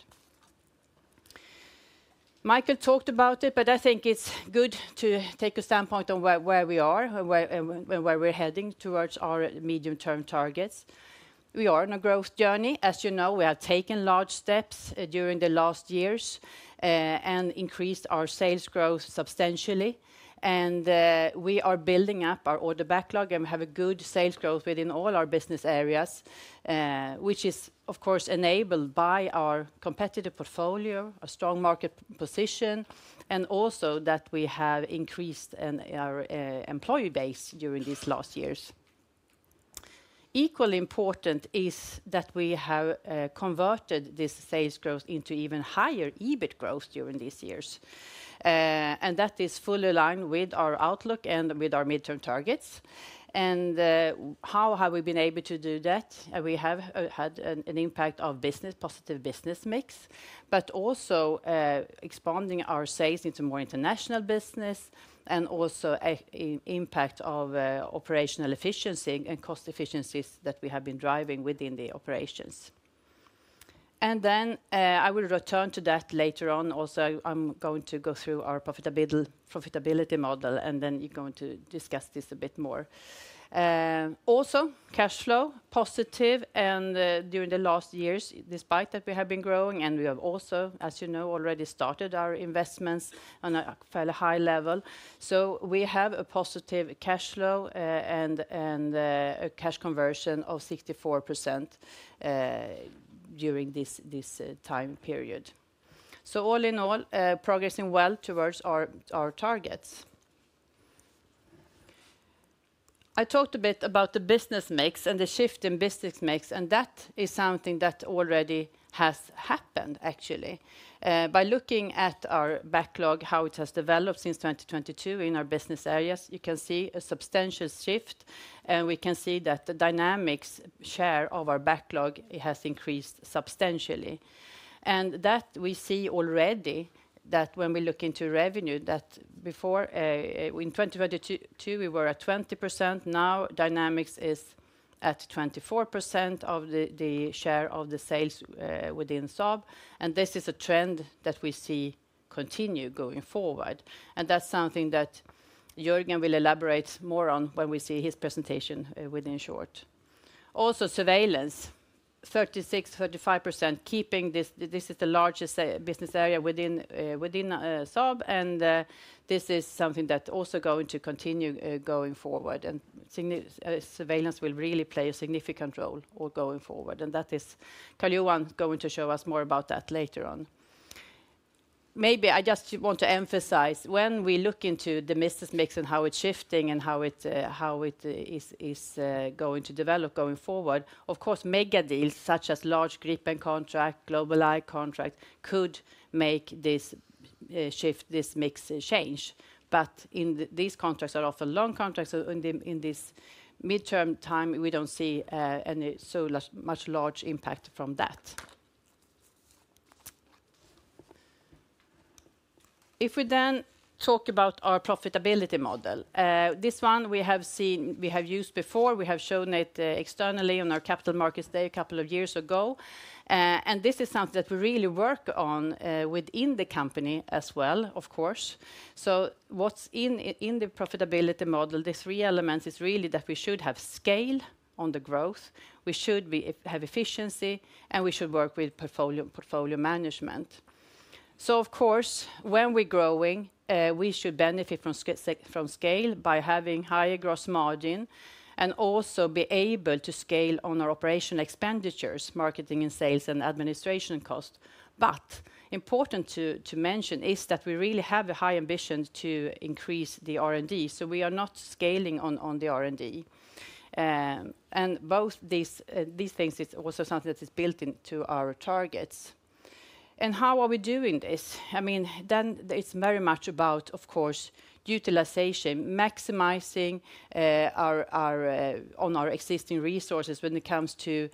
Micael talked about it, but I think it's good to take a standpoint on where we are and where we're heading towards our medium-term targets. We are on a growth journey. As you know, we have taken large steps during the last years and increased our sales growth substantially. We are building up our order backlog and we have good sales growth within all our business areas, which is of course enabled by our competitive portfolio, a strong market position, and also that we have increased our employee base during these last years. Equally important is that we have converted this sales growth into even higher EBIT growth during these years. That is fully aligned with our outlook and with our midterm targets. How have we been able to do that? We have had an impact of positive business mix, but also expanding our sales into more international business and also an impact of operational efficiency and cost efficiencies that we have been driving within the operations. I will return to that later on. Also, I'm going to go through our profitability model, and then you're going to discuss this a bit more. Also, cash flow, positive. During the last years, despite that we have been growing, and we have also, as you know, already started our investments on a fairly high level. We have a positive cash flow and a cash conversion of 64% during this time period. All in all, progressing well towards our targets. I talked a bit about the business mix and the shift in business mix, and that is something that already has happened, actually. By looking at our backlog, how it has developed since 2022 in our business areas, you can see a substantial shift, and we can see that the Dynamics share of our backlog has increased substantially. We see already that when we look into revenue, before in 2022, we were at 20%. Now Dynamics is at 24% of the share of the sales within Saab. This is a trend that we see continue going forward. That is something that Görgen will elaborate more on when we see his presentation within short. Also, Surveillance, 36%, 35%, keeping this. This is the largest business area within Saab, and this is something that is also going to continue going forward. Surveillance will really play a significant role going forward. That is Carl-Johan going to show us more about later on. Maybe I just want to emphasize when we look into the business mix and how it's shifting and how it is going to develop going forward. Of course, mega deals such as large Gripen contract, GlobalEye contract could make this shift, this mix change. These contracts are often long contracts. In this midterm time, we do not see any so much large impact from that. If we then talk about our profitability model, this one we have seen, we have used before. We have shown it externally on our Capital Markets Day a couple of years ago. This is something that we really work on within the company as well, of course. What's in the profitability model, the three elements is really that we should have scale on the growth, we should have efficiency, and we should work with portfolio management. When we are growing, we should benefit from scale by having higher gross margin and also be able to scale on our operational expenditures, marketing and sales and administration costs. Important to mention is that we really have a high ambition to increase the R&D. We are not scaling on the R&D. Both these things, it's also something that is built into our targets. How are we doing this? I mean, then it's very much about, of course, utilization, maximizing on our existing resources when it comes to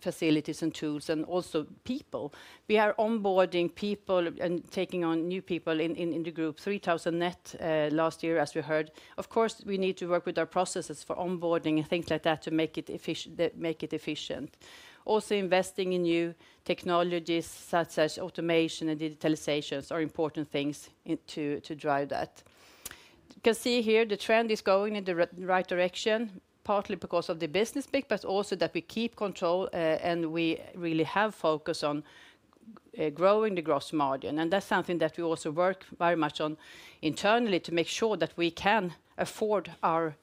facilities and tools and also people. We are onboarding people and taking on new people in the group, 3,000 net last year, as we heard. Of course, we need to work with our processes for onboarding and things like that to make it efficient. Also, investing in new technologies such as automation and digitalization are important things to drive that. You can see here the trend is going in the right direction, partly because of the business big, but also that we keep control and we really have focus on growing the gross margin. That's something that we also work very much on internally to make sure that we can afford our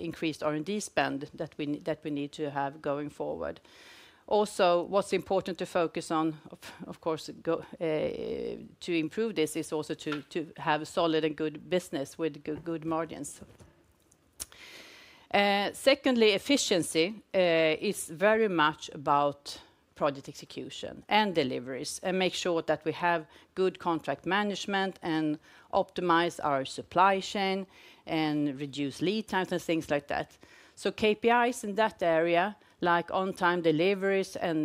increased R&D spend that we need to have going forward. Also, what's important to focus on, of course, to improve this is also to have solid and good business with good margins. Secondly, efficiency is very much about project execution and deliveries and make sure that we have good contract management and optimize our supply chain and reduce lead times and things like that. KPIs in that area, like on-time deliveries and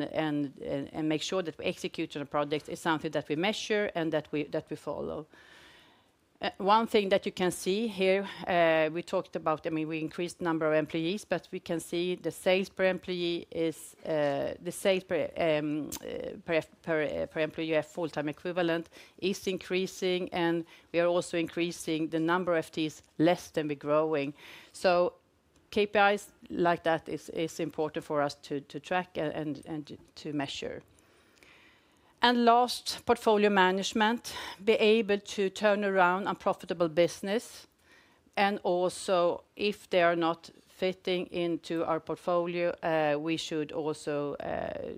make sure that we execute on a project, is something that we measure and that we follow. One thing that you can see here, we talked about, I mean, we increased the number of employees, but we can see the sales per employee, the sales per employee full-time equivalent is increasing, and we are also increasing the number of these less than we're growing. KPIs like that are important for us to track and to measure. Last, portfolio management, be able to turn around a profitable business. Also, if they are not fitting into our portfolio, we should also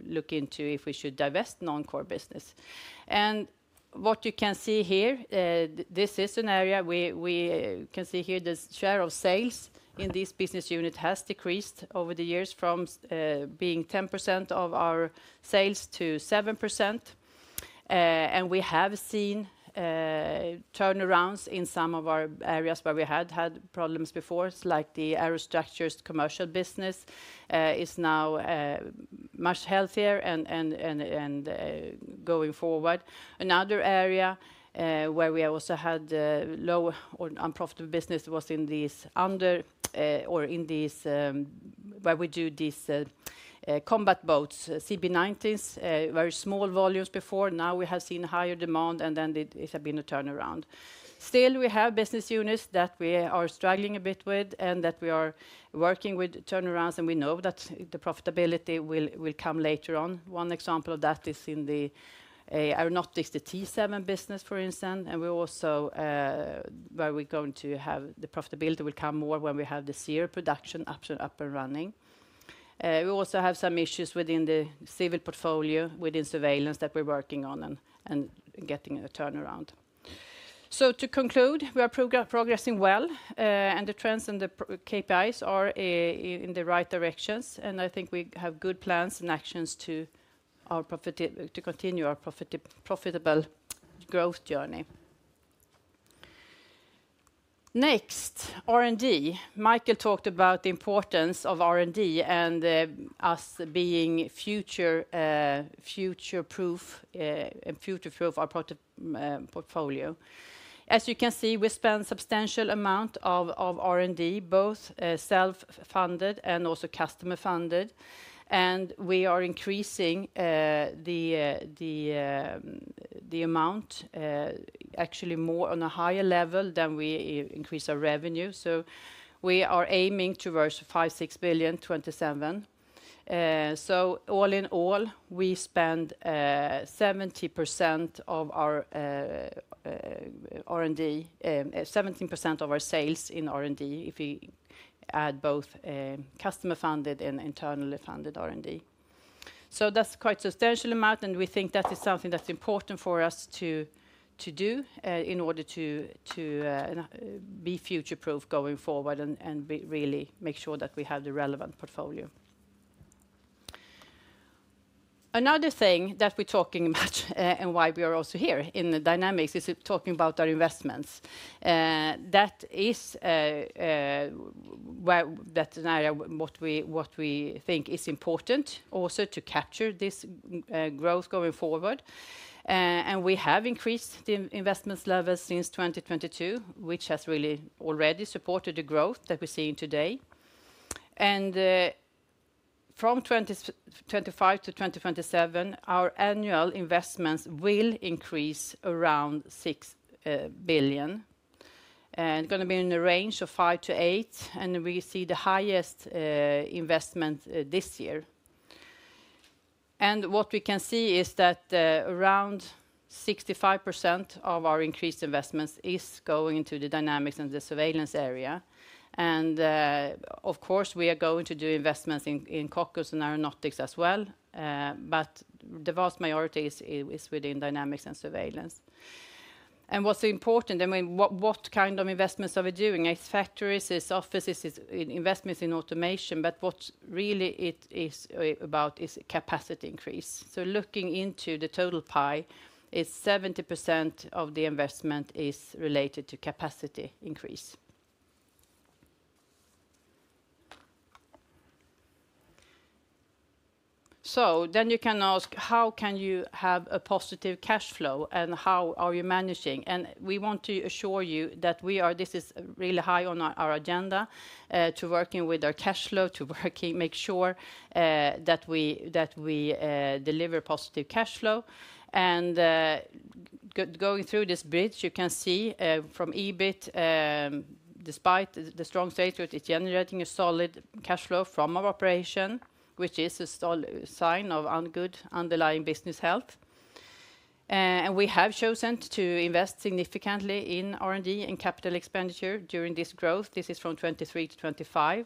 look into if we should divest non-core business. What you can see here, this is an area we can see here the share of sales in this business unit has decreased over the years from being 10% of our sales to 7%. We have seen turnarounds in some of our areas where we had had problems before, like the aerostructures commercial business is now much healthier and going forward. Another area where we also had low or unprofitable business was in these, where we do these combat boats, CB19s, very small volumes before. Now we have seen higher demand and then it has been a turnaround. Still, we have business units that we are struggling a bit with and that we are working with turnarounds and we know that the profitability will come later on. One example of that is in the Aeronautics, the T-7 business, for instance. We also, where we're going to have the profitability will come more when we have the serial production up and running. We also have some issues within the civil portfolio within Surveillance that we're working on and getting a turnaround. To conclude, we are progressing well and the trends and the KPIs are in the right directions. I think we have good plans and actions to continue our profitable growth journey. Next, R&D. Micael talked about the importance of R&D and us being future-proof and future-proof our portfolio. As you can see, we spend a substantial amount of R&D, both self-funded and also customer-funded. We are increasing the amount actually more on a higher level than we increase our revenue. We are aiming towards 5 billion-6 billion 2027. All in all, we spend 70% of our R&D, 17% of our sales in R&D if we add both customer-funded and internally funded R&D. That's quite a substantial amount and we think that is something that's important for us to do in order to be future-proof going forward and really make sure that we have the relevant portfolio. Another thing that we're talking about and why we are also here in the Dynamics is talking about our investments. That is an area that we think is important also to capture this growth going forward. We have increased the investment levels since 2022, which has really already supported the growth that we're seeing today. From 2025 to 2027, our annual investments will increase around 6 billion. It's going to be in the range of 5 billion-8 billion, and we see the highest investment this year. What we can see is that around 65% of our increased investments is going to the Dynamics and the Surveillance area. Of course, we are going to do investments in cockpits and Aeronautics as well. The vast majority is within dynamics and surveillance. What is important, I mean, what kind of investments are we doing? It is factories, it is offices, it is investments in automation. What it really is about is capacity increase. Looking into the total pie, 70% of the investment is related to capacity increase. You can ask, how can you have a positive cash flow and how are you managing? We want to assure you that this is really high on our agenda to working with our cash flow, to make sure that we deliver positive cash flow. Going through this bridge, you can see from EBIT, despite the strong status, it is generating a solid cash flow from our operation, which is a sign of good underlying business health. We have chosen to invest significantly in R&D and capital expenditure during this growth. This is from 2023 to 2025.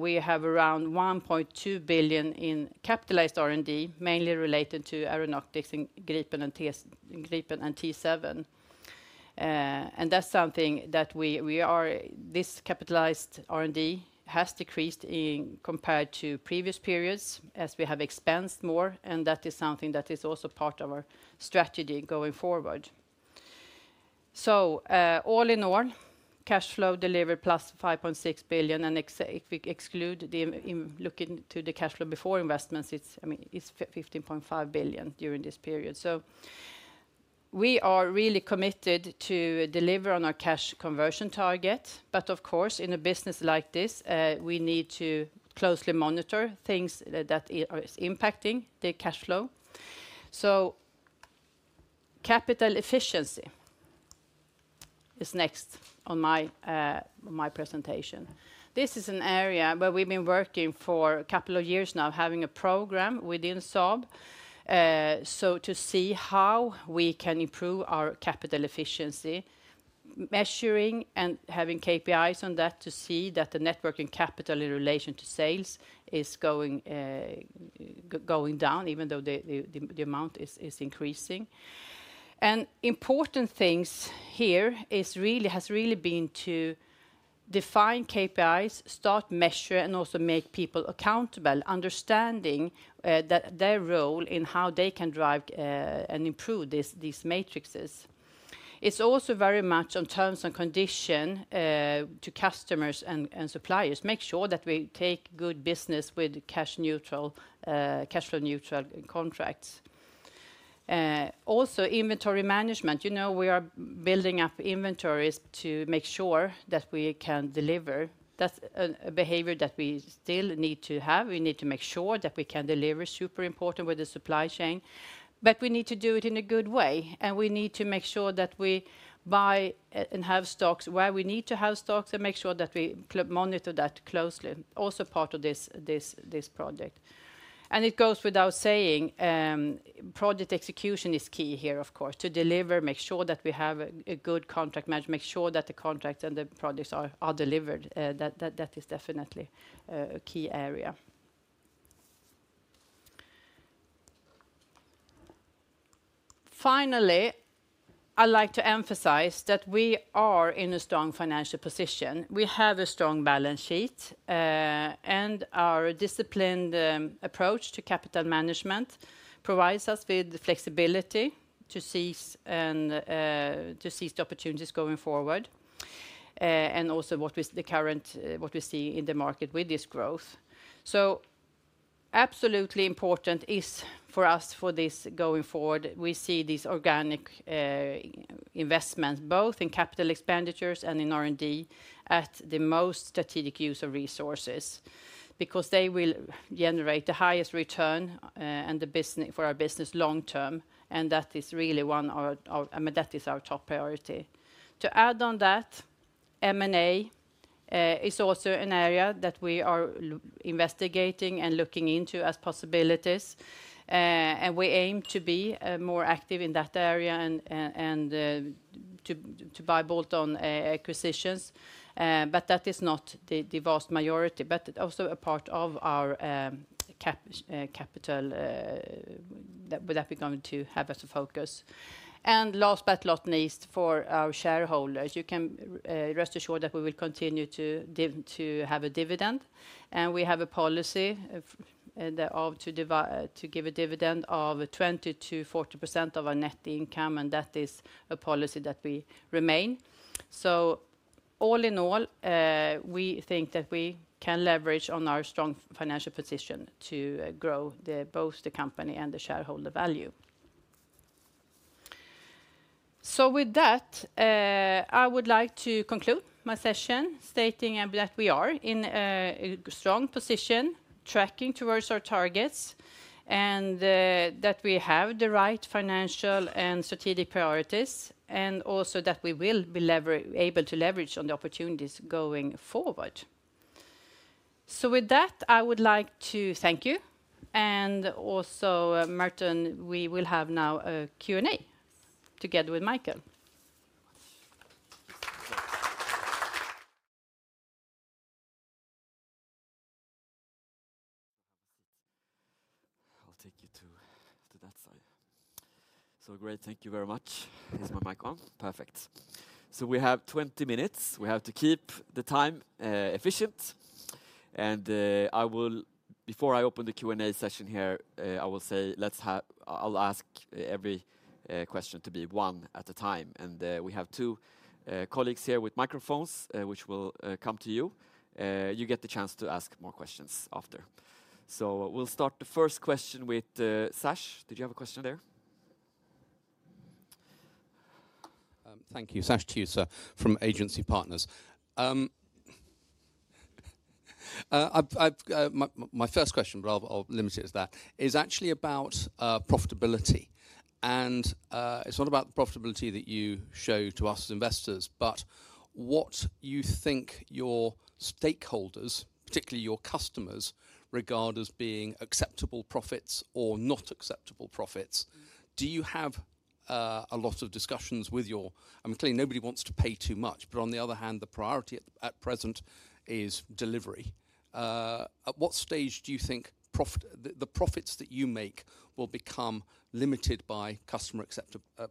We have around 1.2 billion in capitalized R&D, mainly related to Aeronautics and Gripen and T-7. That is something that we are, this capitalized R&D has decreased compared to previous periods as we have expensed more. That is something that is also part of our strategy going forward. All in all, cash flow delivered +5.6 billion. If we exclude the looking to the cash flow before investments, it is 15.5 billion during this period. We are really committed to deliver on our cash conversion target. Of course, in a business like this, we need to closely monitor things that are impacting the cash flow. Capital efficiency is next on my presentation. This is an area where we've been working for a couple of years now, having a program within Saab to see how we can improve our capital efficiency, measuring and having KPIs on that to see that the networking capital in relation to sales is going down, even though the amount is increasing. Important things here have really been to define KPIs, start measuring, and also make people accountable, understanding their role in how they can drive and improve these matrices. It's also very much on terms and conditions to customers and suppliers. Make sure that we take good business with cash-neutral, cash flow-neutral contracts. Also inventory management. You know, we are building up inventories to make sure that we can deliver. That's a behavior that we still need to have. We need to make sure that we can deliver, super important with the supply chain. We need to do it in a good way. We need to make sure that we buy and have stocks where we need to have stocks and make sure that we monitor that closely. Also part of this project. It goes without saying, project execution is key here, of course, to deliver, make sure that we have good contract management, make sure that the contracts and the projects are delivered. That is definitely a key area. Finally, I'd like to emphasize that we are in a strong financial position. We have a strong balance sheet. Our disciplined approach to capital management provides us with flexibility to seize opportunities going forward. Also what we see in the market with this growth. Absolutely important is for us for this going forward, we see these organic investments both in capital expenditures and in R&D as the most strategic use of resources because they will generate the highest return for our business long term. That is really one of, I mean, that is our top priority. To add on that, M&A is also an area that we are investigating and looking into as possibilities. We aim to be more active in that area and to buy both on acquisitions. That is not the vast majority, but also a part of our capital that we're going to have as a focus. Last but not least for our shareholders, you can rest assured that we will continue to have a dividend. We have a policy to give a dividend of 20%-40% of our net income. That is a policy that we remain. All in all, we think that we can leverage on our strong financial position to grow both the company and the shareholder value. With that, I would like to conclude my session stating that we are in a strong position, tracking towards our targets, and that we have the right financial and strategic priorities, and also that we will be able to leverage on the opportunities going forward. With that, I would like to thank you. Also, Merton, we will have now a Q&A together with Micael. I'll take you to that side. Great, thank you very much. Is my mic on? Perfect. We have 20 minutes. We have to keep the time efficient. Before I open the Q&A session here, I will say, I'll ask every question to be one at a time. We have two colleagues here with microphones, which will come to you. You get the chance to ask more questions after. We'll start the first question with Sash. Did you have a question there? Thank you. Sash Tusa from Agency Partners. My first question, but I'll limit it to that, is actually about profitability. It's not about the profitability that you show to us as investors, but what you think your stakeholders, particularly your customers, regard as being acceptable profits or not acceptable profits. Do you have a lot of discussions with your, I mean, clearly nobody wants to pay too much, but on the other hand, the priority at present is delivery. At what stage do you think the profits that you make will become limited by customer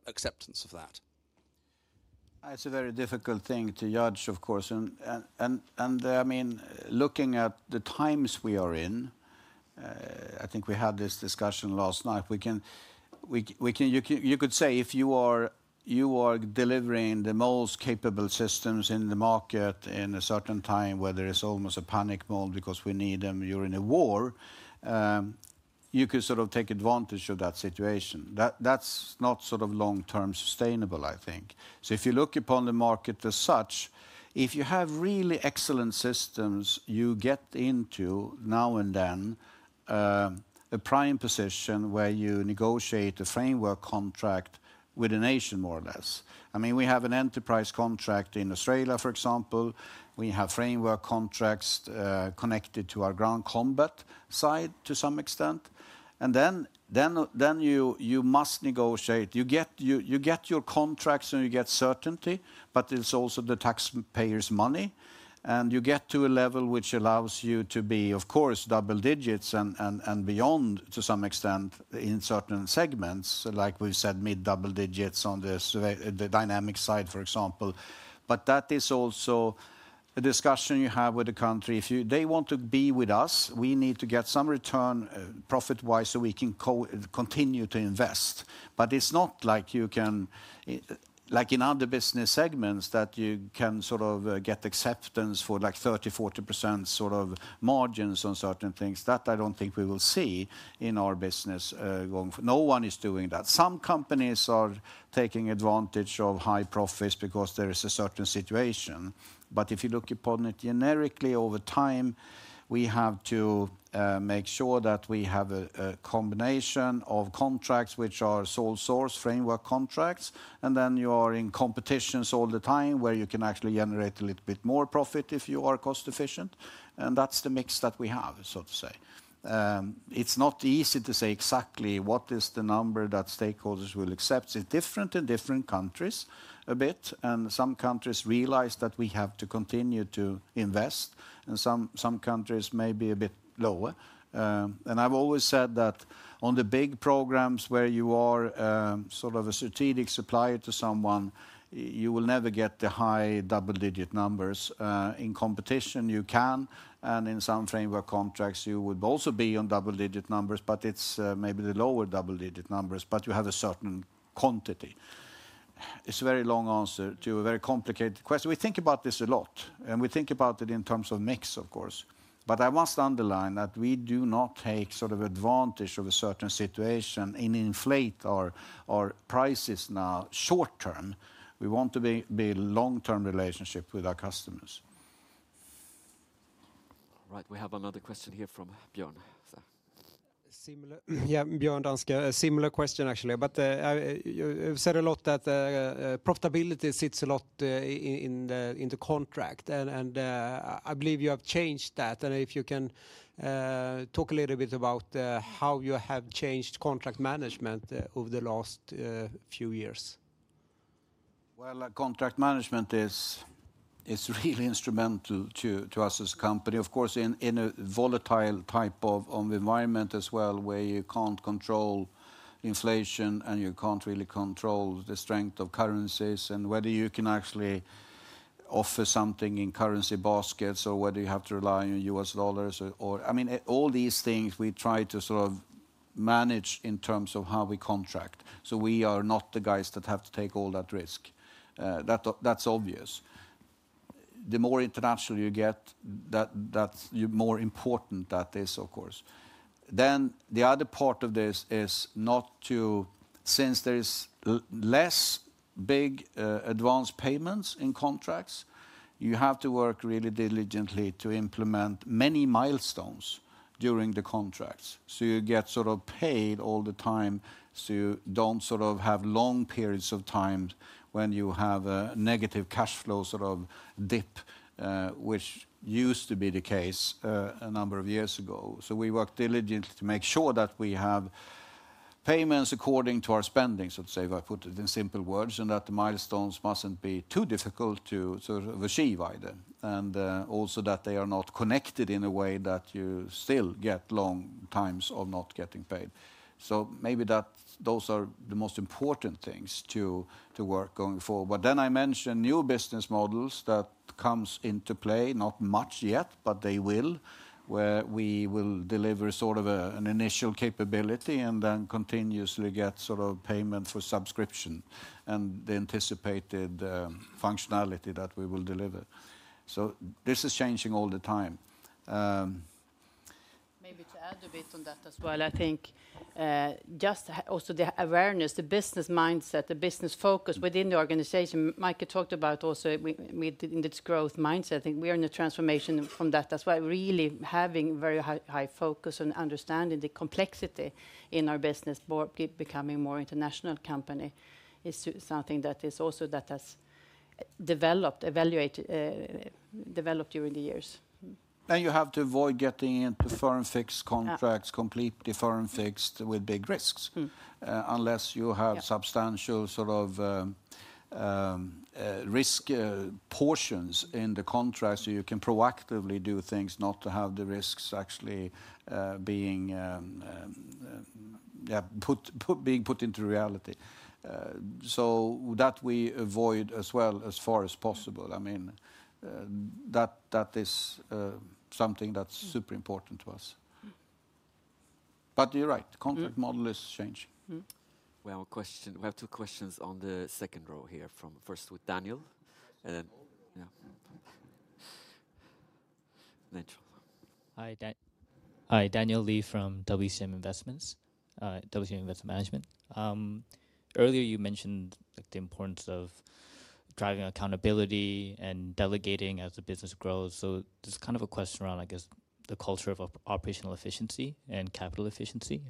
acceptance of that? It's a very difficult thing to judge, of course. I mean, looking at the times we are in, I think we had this discussion last night. You could say if you are delivering the most capable systems in the market in a certain time where there is almost a panic mode because we need them, you're in a war, you could sort of take advantage of that situation. That's not sort of long-term sustainable, I think. If you look upon the market as such, if you have really excellent systems, you get into now and then a prime position where you negotiate a framework contract with a nation, more or less. I mean, we have an enterprise contract in Australia, for example. We have framework contracts connected to our ground combat side to some extent. You must negotiate. You get your contracts and you get certainty, but it's also the taxpayers' money. You get to a level which allows you to be, of course, double digits and beyond to some extent in certain segments, like we said, mid-double digits on the Dynamics side, for example. That is also a discussion you have with the country. If they want to be with us, we need to get some return profit-wise so we can continue to invest. It is not like you can, like in other business segments, that you can sort of get acceptance for like 30%-40% sort of margins on certain things. That I do not think we will see in our business going forward. No one is doing that. Some companies are taking advantage of high profits because there is a certain situation. If you look upon it generically over time, we have to make sure that we have a combination of contracts which are sole source framework contracts. Then you are in competitions all the time where you can actually generate a little bit more profit if you are cost efficient. That's the mix that we have, so to say. It's not easy to say exactly what is the number that stakeholders will accept. It's different in different countries a bit. Some countries realize that we have to continue to invest. Some countries may be a bit lower. I've always said that on the big programs where you are sort of a strategic supplier to someone, you will never get the high double digit numbers. In competition, you can. In some framework contracts, you would also be on double digit numbers, but it is maybe the lower double digit numbers, but you have a certain quantity. It is a very long answer to a very complicated question. We think about this a lot. We think about it in terms of mix, of course. I must underline that we do not take sort of advantage of a certain situation and inflate our prices now short term. We want to build long-term relationships with our customers. All right, we have another question here from Björn. Yeah, Björn, Danske, a similar question actually. You said a lot that profitability sits a lot in the contract. I believe you have changed that. If you can talk a little bit about how you have changed contract management over the last few years. Contract management is really instrumental to us as a company. Of course, in a volatile type of environment as well, where you can't control inflation and you can't really control the strength of currencies. Whether you can actually offer something in currency baskets or whether you have to rely on US dollars or, I mean, all these things we try to sort of manage in terms of how we contract. We are not the guys that have to take all that risk. That's obvious. The more international you get, the more important that is, of course. The other part of this is not to, since there is less big advance payments in contracts, you have to work really diligently to implement many milestones during the contracts. You get sort of paid all the time so you do not sort of have long periods of time when you have a negative cash flow sort of dip, which used to be the case a number of years ago. We work diligently to make sure that we have payments according to our spending, so to say, if I put it in simple words, and that the milestones must not be too difficult to sort of achieve either. Also, they are not connected in a way that you still get long times of not getting paid. Maybe those are the most important things to work going forward. I mentioned new business models that come into play, not much yet, but they will, where we will deliver sort of an initial capability and then continuously get sort of payment for subscription and the anticipated functionality that we will deliver. This is changing all the time. Maybe to add a bit on that as well, I think just also the awareness, the business mindset, the business focus within the organization. Mike talked about also in this growth mindset. I think we are in a transformation from that as well, really having very high focus on understanding the complexity in our business, becoming a more international company is something that is also that has developed during the years. You have to avoid getting into firm-fixed contracts, completely firm-fixed with big risks, unless you have substantial sort of risk portions in the contract so you can proactively do things, not to have the risks actually being put into reality. That we avoid as well as far as possible. I mean, that is something that's super important to us. You're right, the contract model is changing. We have two questions on the second row here, first with Daniel. Hi, Daniel Lee from WCM Investments, WCM Investment Management. Earlier you mentioned the importance of driving accountability and delegating as the business grows. There's kind of a question around, I guess, the culture of operational efficiency and capital efficiency.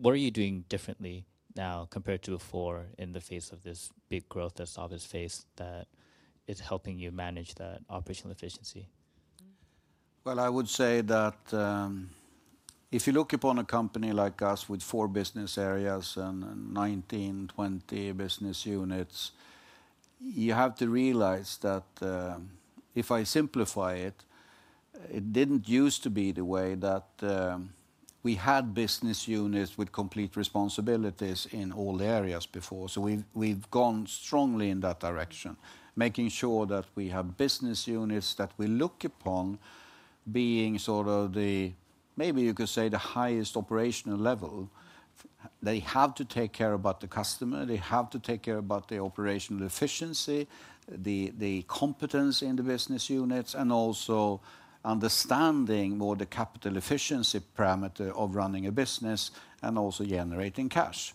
What are you doing differently now compared to before in the face of this big growth that's obviously faced that is helping you manage that operational efficiency? I would say that if you look upon a company like us with four business areas and 19, 20 business units, you have to realize that if I simplify it, it did not used to be the way that we had business units with complete responsibilities in all the areas before. We have gone strongly in that direction, making sure that we have business units that we look upon being sort of the, maybe you could say the highest operational level. They have to take care about the customer. They have to take care about the operational efficiency, the competence in the business units, and also understanding what the capital efficiency parameter of running a business and also generating cash.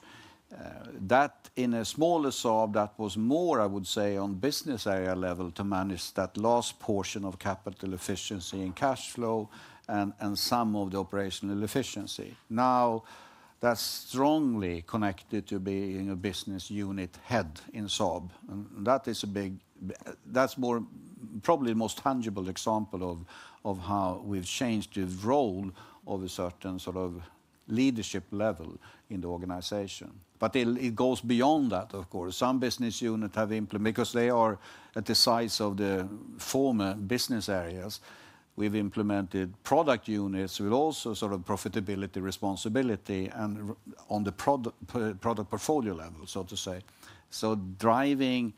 That in a smaller Saab, that was more, I would say, on business area level to manage that last portion of capital efficiency and cash flow and some of the operational efficiency. Now that's strongly connected to being a business unit head in Saab. That is a big, that's probably the most tangible example of how we've changed the role of a certain sort of leadership level in the organization. It goes beyond that, of course. Some business units have implemented, because they are at the size of the former business areas, we've implemented product units with also sort of profitability responsibility and on the product portfolio level, so to say. Driving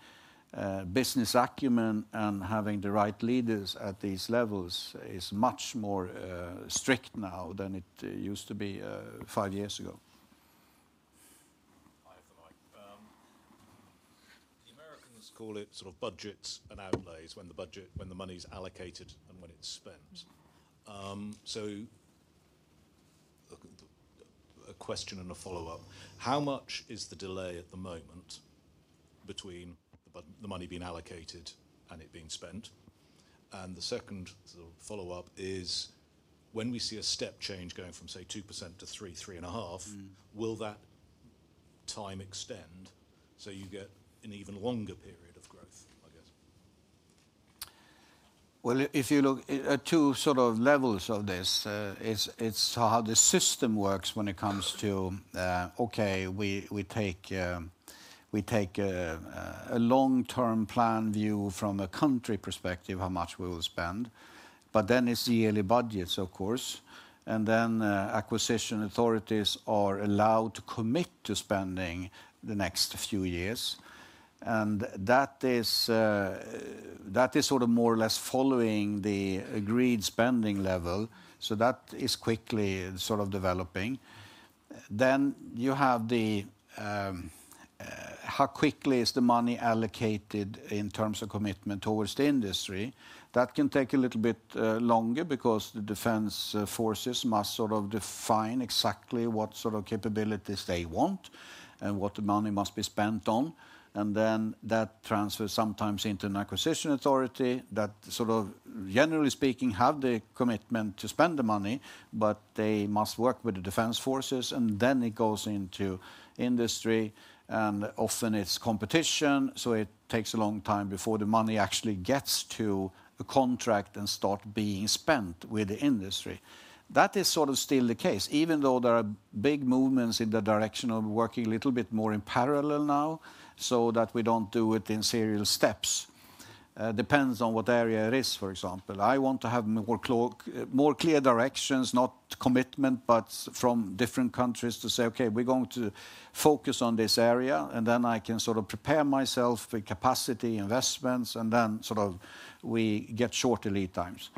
business acumen and having the right leaders at these levels is much more strict now than it used to be five years ago. The Americans call it sort of budgets and outlays when the money's allocated and when it's spent. A question and a follow-up. How much is the delay at the moment between the money being allocated and it being spent? The second follow-up is, when we see a step change going from, say, 2% to 3%-3.5%, will that time extend so you get an even longer period of growth, I guess? If you look at two sort of levels of this, it's how the system works when it comes to, okay, we take a long-term plan view from a country perspective, how much we will spend. Then it's yearly budgets, of course. Acquisition authorities are allowed to commit to spending the next few years. That is sort of more or less following the agreed spending level. That is quickly sort of developing. You have the, how quickly is the money allocated in terms of commitment towards the industry? That can take a little bit longer because the defense forces must sort of define exactly what sort of capabilities they want and what the money must be spent on. That transfers sometimes into an acquisition authority that, generally speaking, has the commitment to spend the money, but they must work with the defense forces. It goes into industry. Often it's competition. It takes a long time before the money actually gets to a contract and starts being spent with the industry. That is still the case, even though there are big movements in the direction of working a little bit more in parallel now so that we do not do it in serial steps. Depends on what area it is, for example. I want to have more clear directions, not commitment, but from different countries to say, okay, we're going to focus on this area. I can sort of prepare myself with capacity investments. We get shorter lead times.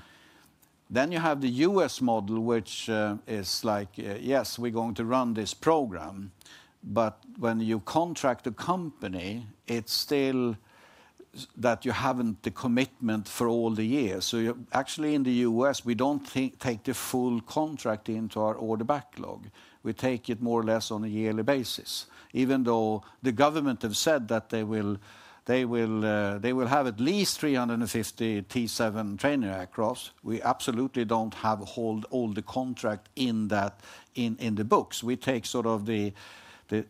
You have the U.S. model, which is like, yes, we're going to run this program. When you contract a company, it's still that you haven't the commitment for all the years. Actually in the U.S., we don't take the full contract into our order backlog. We take it more or less on a yearly basis. Even though the government has said that they will have at least 350 T-7 trainer aircraft, we absolutely don't hold all the contract in the books. We take the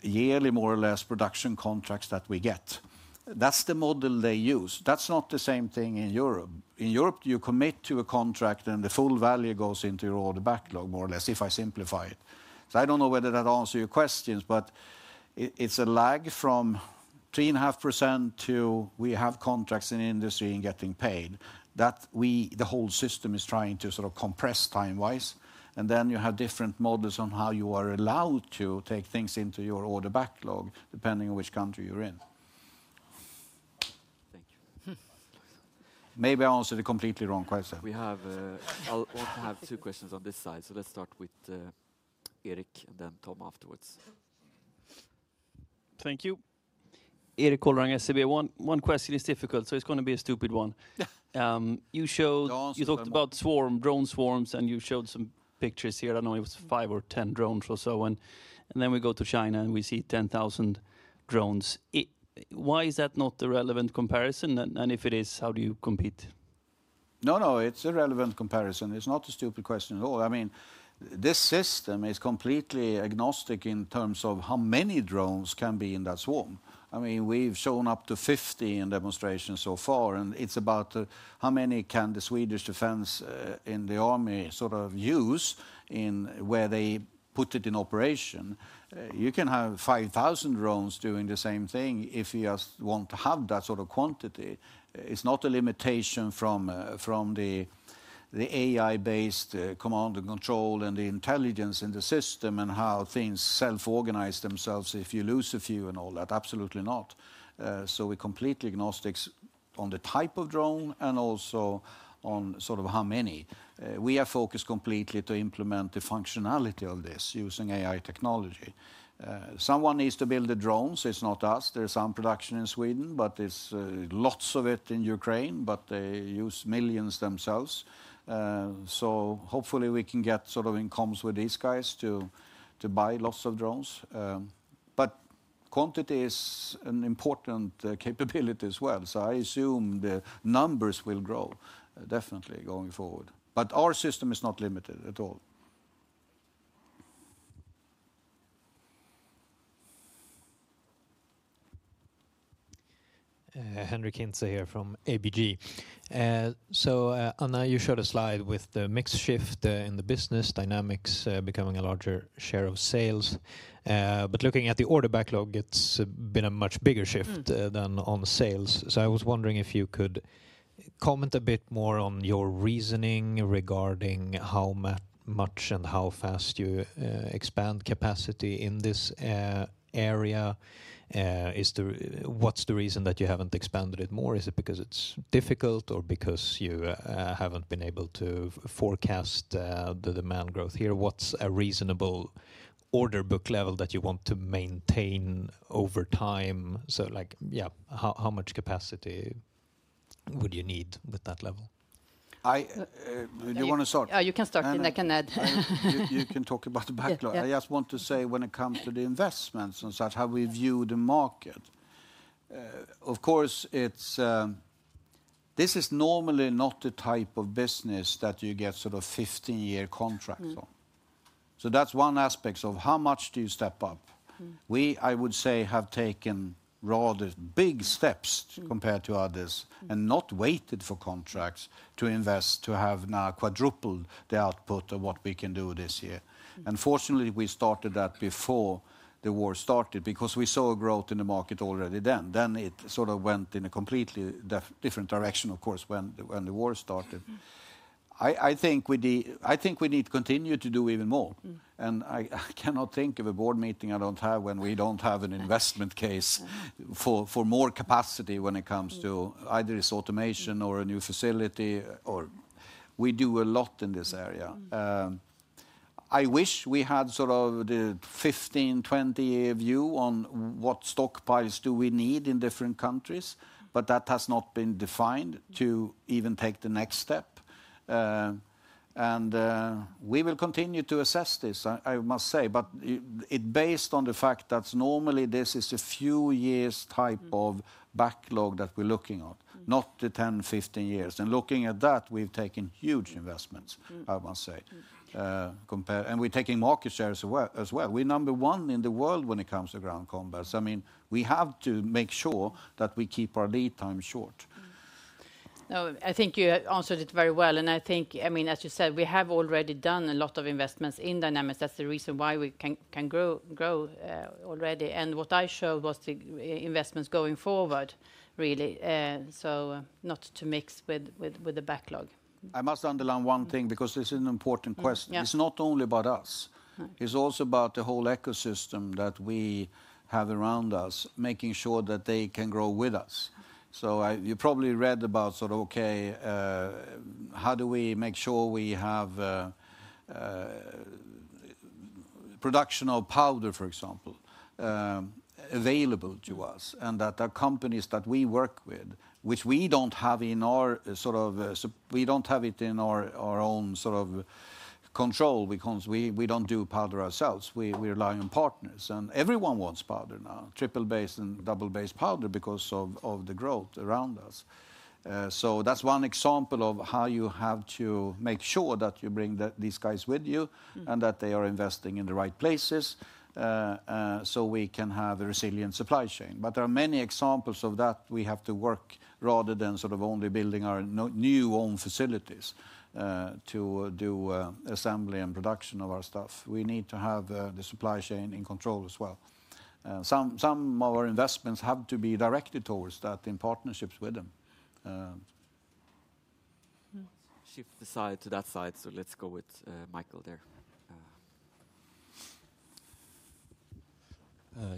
yearly, more or less, production contracts that we get. That's the model they use. That's not the same thing in Europe. In Europe, you commit to a contract and the full value goes into your order backlog, more or less, if I simplify it. I don't know whether that answers your questions, but it's a lag from 3.5% to we have contracts in industry and getting paid. That the whole system is trying to sort of compress time-wise. You have different models on how you are allowed to take things into your order backlog, depending on which country you're in. Maybe I answered a completely wrong question. We have two questions on this side. Let's start with Erik and then Tom afterwards. Thank you. Erik Golrang, SEB. One question is difficult, so it's going to be a stupid one. You talked about drone swarms, and you showed some pictures here. I know it was five or 10 drones or so. We go to China and we see 10,000 drones. Why is that not a relevant comparison? And if it is, how do you compete? No, no, it's a relevant comparison. It's not a stupid question at all. I mean, this system is completely agnostic in terms of how many drones can be in that swarm. I mean, we've shown up to 50 in demonstrations so far. It's about how many can the Swedish defense in the army sort of use in where they put it in operation. You can have 5,000 drones doing the same thing if you just want to have that sort of quantity. It's not a limitation from the AI-based command and control and the intelligence in the system and how things self-organize themselves if you lose a few and all that. Absolutely not. We're completely agnostic on the type of drone and also on sort of how many. We are focused completely to implement the functionality of this using AI technology. Someone needs to build the drones. It's not us. There's some production in Sweden, but there's lots of it in Ukraine, but they use millions themselves. Hopefully we can get sort of in coms with these guys to buy lots of drones. Quantity is an important capability as well. I assume the numbers will grow definitely going forward. Our system is not limited at all. Henric Hintze here from ABG. Anna, you showed a slide with the mixed shift in the business dynamics becoming a larger share of sales. Looking at the order backlog, it's been a much bigger shift than on sales. I was wondering if you could comment a bit more on your reasoning regarding how much and how fast you expand capacity in this area. What's the reason that you haven't expanded it more? Is it because it's difficult or because you haven't been able to forecast the demand growth here? What's a reasonable order book level that you want to maintain over time? Like, yeah, how much capacity would you need with that level? You want to start? Yeah, you can start. You can talk about the backlog. I just want to say when it comes to the investments and such, how we view the market. Of course, this is normally not the type of business that you get sort of 15-year contracts on. That's one aspect of how much do you step up. We, I would say, have taken rather big steps compared to others and not waited for contracts to invest to have now quadrupled the output of what we can do this year. Fortunately, we started that before the war started because we saw a growth in the market already then. It sort of went in a completely different direction, of course, when the war started. I think we need to continue to do even more. I cannot think of a board meeting I do not have when we do not have an investment case for more capacity when it comes to either it is automation or a new facility. We do a lot in this area. I wish we had sort of the 15 year-20 year view on what stockpiles do we need in different countries, but that has not been defined to even take the next step. We will continue to assess this, I must say, but it's based on the fact that normally this is a few years' type of backlog that we're looking at, not the 10 years-15 years. Looking at that, we've taken huge investments, I must say. We're taking market shares as well. We're number one in the world when it comes to ground combats. I mean, we have to make sure that we keep our lead time short. No, I think you answered it very well. I think, I mean, as you said, we have already done a lot of investments in Dynamics. That's the reason why we can grow already. What I showed was the investments going forward, really. Not to mix with the backlog. I must underline one thing because this is an important question. It's not only about us. It's also about the whole ecosystem that we have around us, making sure that they can grow with us. You probably read about, okay, how do we make sure we have production of powder, for example, available to us and that the companies that we work with, which we do not have in our own control because we do not do powder ourselves. We rely on partners. Everyone wants powder now, triple-based and double-based powder because of the growth around us. That is one example of how you have to make sure that you bring these guys with you and that they are investing in the right places so we can have a resilient supply chain. There are many examples of that. We have to work rather than sort of only building our new own facilities to do assembly and production of our stuff. We need to have the supply chain in control as well. Some of our investments have to be directed towards that in partnerships with them. Shift the slide to that side. Let's go with Mikael there.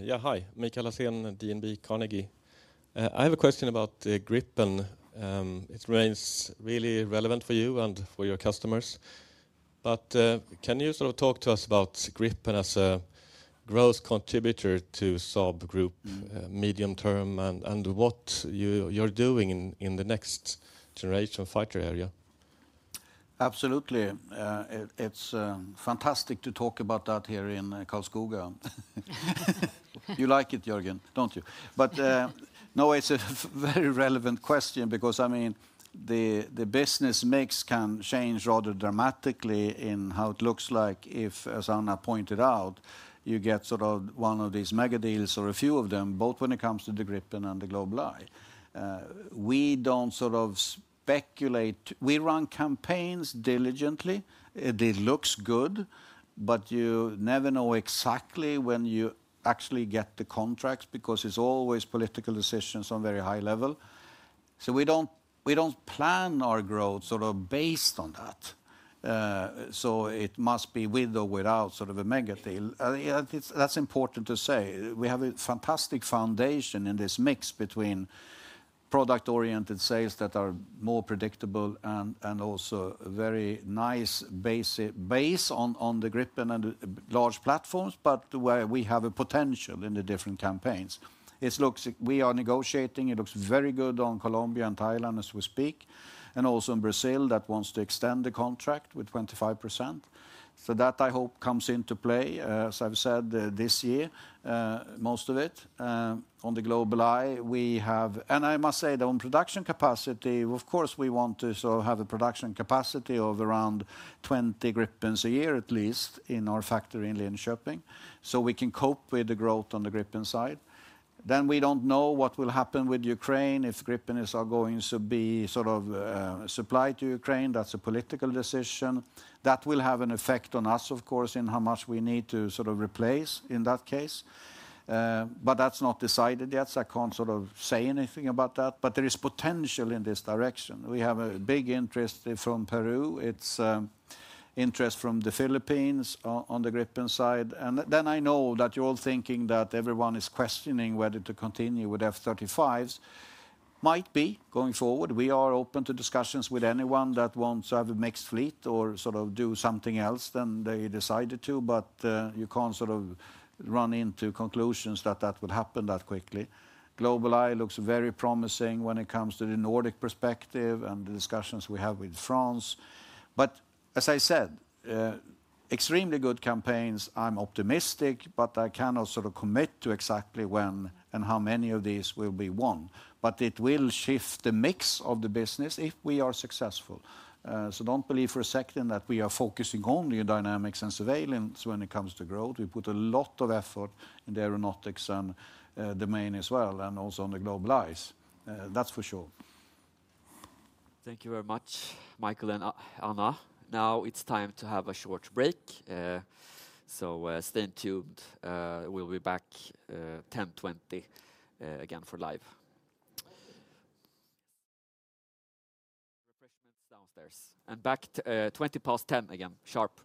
Yeah, hi. Mikael Laséen, DNB Carnegie. I have a question about Gripen. It remains really relevant for you and for your customers. Can you sort of talk to us about Gripen as a growth contributor to Saab group, medium term, and what you're doing in the next generation fighter area? Absolutely. It's fantastic to talk about that here in Karlskoga. You like it, Görgen, don't you? No, it's a very relevant question because, I mean, the business mix can change rather dramatically in how it looks like if, as Anna pointed out, you get sort of one of these mega deals or a few of them, both when it comes to the Gripen and the GlobalEye. We do not sort of speculate. We run campaigns diligently. It looks good, but you never know exactly when you actually get the contracts because it's always political decisions on a very high level. We do not plan our growth sort of based on that. It must be with or without sort of a mega deal. That's important to say. We have a fantastic foundation in this mix between product-oriented sales that are more predictable and also a very nice base on the Gripen and large platforms, but where we have a potential in the different campaigns. We are negotiating. It looks very good on Colombia and Thailand as we speak, and also in Brazil that wants to extend the contract with 25%. So that, I hope, comes into play. As I've said, this year, most of it on the GlobalEye, we have, and I must say that on production capacity, of course, we want to have a production capacity of around 20 Gripens a year at least in our factory in Linköping so we can cope with the growth on the Gripen side. Then we don't know what will happen with Ukraine if Gripen is going to be sort of supplied to Ukraine. That's a political decision. That will have an effect on us, of course, in how much we need to sort of replace in that case. But that's not decided yet. I can't sort of say anything about that. There is potential in this direction. We have a big interest from Peru. It's interest from the Philippines on the Gripen side. I know that you're all thinking that everyone is questioning whether to continue with F-35s. Might be going forward. We are open to discussions with anyone that wants to have a mixed fleet or sort of do something else than they decided to. You can't sort of run into conclusions that that will happen that quickly. GlobalEye looks very promising when it comes to the Nordic perspective and the discussions we have with France. As I said, extremely good campaigns. I'm optimistic, but I cannot sort of commit to exactly when and how many of these will be won. It will shift the mix of the business if we are successful. Do not believe for a second that we are focusing only on Dynamics and Surveillance when it comes to growth. We put a lot of effort in the Aeronautics domain as well, and also on the GlobalEye. That's for sure. Thank you very much, Micael and Anna. Now it's time to have a short break. Stay tuned. We'll be back 10:20 A.M. again for live. Refreshments downstairs. And back 20 past 10 again. Sharp.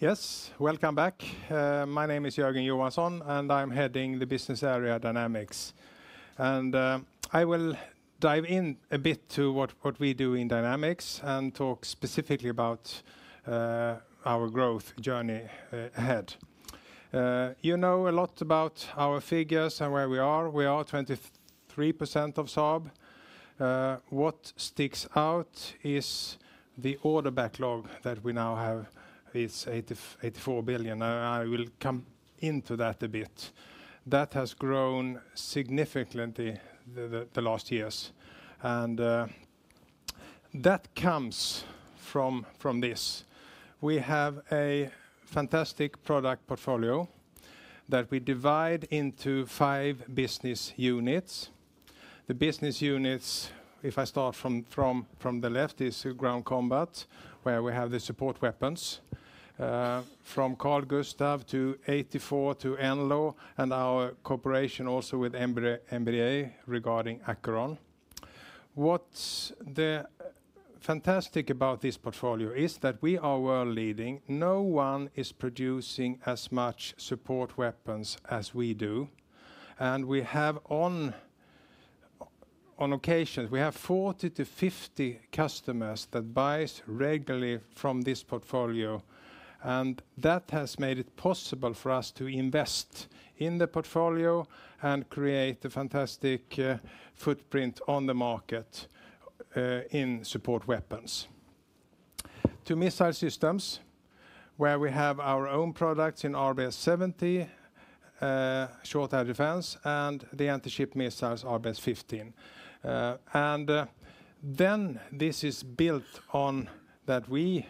Yes, welcome back. My name is Görgen Johansson, and I'm heading the Business Area Dynamics. I will dive in a bit to what we do in Dynamics and talk specifically about our growth journey ahead. You know a lot about our figures and where we are. We are 23% of Saab. What sticks out is the order backlog that we now have; it's 84 billion. I will come into that a bit. That has grown significantly the last years. That comes from this. We have a fantastic product portfolio that we divide into five business units. The business units, if I start from the left, is Ground Combat, where we have the support weapons, from Carl-Gustaf to 84mm to NLAW, and our cooperation also with MBDA regarding Akeron. What's fantastic about this portfolio is that we are world-leading. No one is producing as much support weapons as we do. We have, on occasions, 40-50 customers that buy regularly from this portfolio. That has made it possible for us to invest in the portfolio and create a fantastic footprint on the market in support weapons. To missile systems, where we have our own products in RBS 70, short air defense, and the anti-ship missiles RBS15. This is built on that we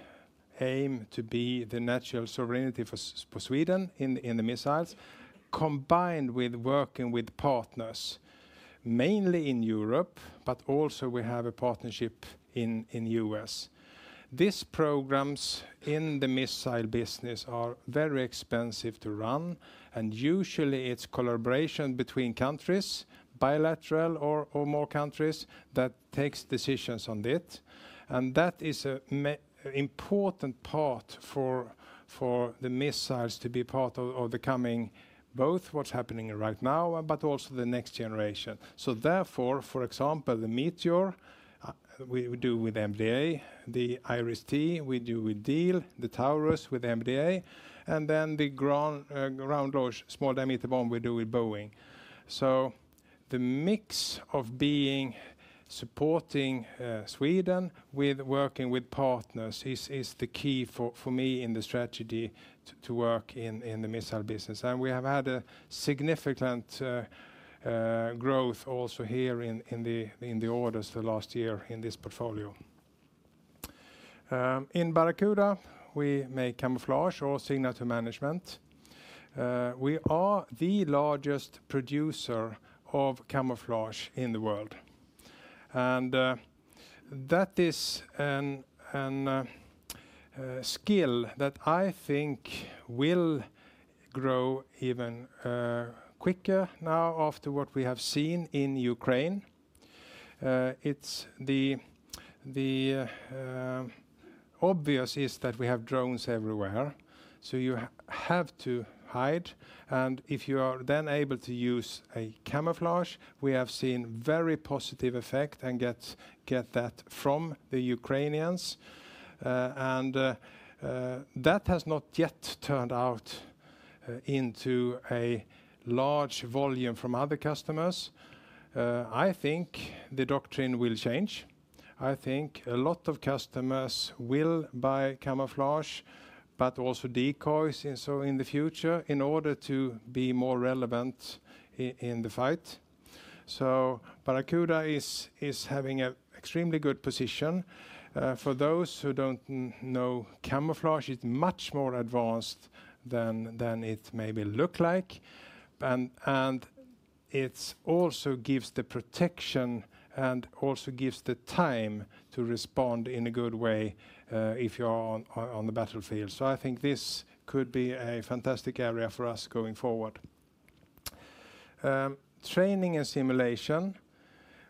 aim to be the natural sovereignty for Sweden in the missiles, combined with working with partners, mainly in Europe, but also we have a partnership in the U.S. These programs in the missile business are very expensive to run. Usually, it is collaboration between countries, bilateral or more countries, that takes decisions on it. That is an important part for the missiles to be part of the coming, both what's happening right now, but also the next generation. For example, the Meteor, we do with MBDA. The IRIS-T, we do with Diehl, the TAURUS with MBDA. The Ground Launch Small Diameter Bomb, we do with Boeing. The mix of supporting Sweden with working with partners is the key for me in the strategy to work in the missile business. We have had significant growth also here in the orders the last year in this portfolio. In Barracuda, we make camouflage or signature management. We are the largest producer of camouflage in the world. That is a skill that I think will grow even quicker now after what we have seen in Ukraine. The obvious is that we have drones everywhere, so you have to hide. If you are then able to use a camouflage, we have seen very positive effect and get that from the Ukrainians. That has not yet turned out into a large volume from other customers. I think the doctrine will change. I think a lot of customers will buy camouflage, but also decoys in the future in order to be more relevant in the fight. Barracuda is having an extremely good position. For those who do not know, camouflage is much more advanced than it may look like. It also gives the protection and also gives the time to respond in a good way if you are on the battlefield. I think this could be a fantastic area for us going forward. Training and simulation.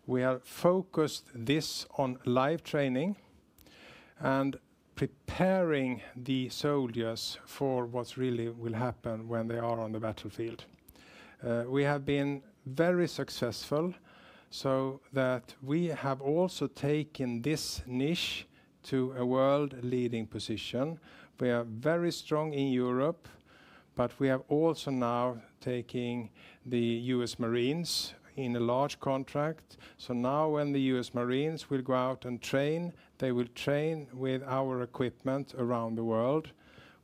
We have focused this on live training and preparing the soldiers for what really will happen when they are on the battlefield. We have been very successful so that we have also taken this niche to a world-leading position. We are very strong in Europe, but we are also now taking the U.S. Marines in a large contract. Now when the U.S. Marines will go out and train, they will train with our equipment around the world,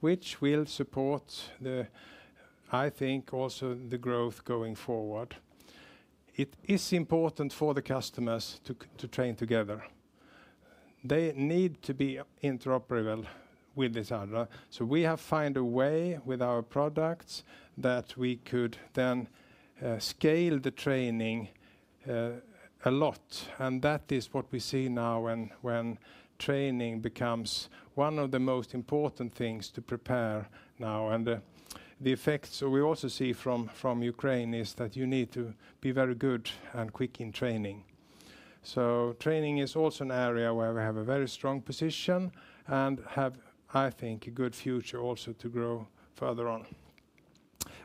which will support, I think, also the growth going forward. It is important for the customers to train together. They need to be interoperable with each other. We have found a way with our products that we could then scale the training a lot. That is what we see now when training becomes one of the most important things to prepare now. The effects we also see from Ukraine is that you need to be very good and quick in training. Training is also an area where we have a very strong position and have, I think, a good future also to grow further on.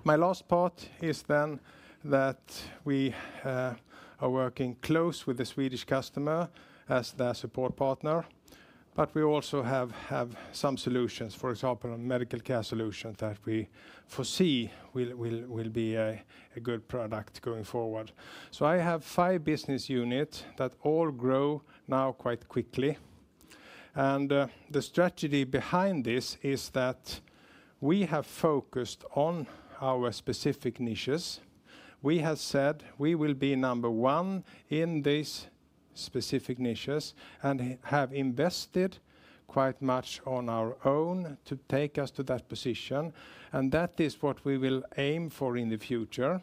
My last part is that we are working close with the Swedish customer as their support partner. We also have some solutions, for example, medical care solutions that we foresee will be a good product going forward. I have five business units that all grow now quite quickly. The strategy behind this is that we have focused on our specific niches. We have said we will be number one in these specific niches and have invested quite much on our own to take us to that position. That is what we will aim for in the future.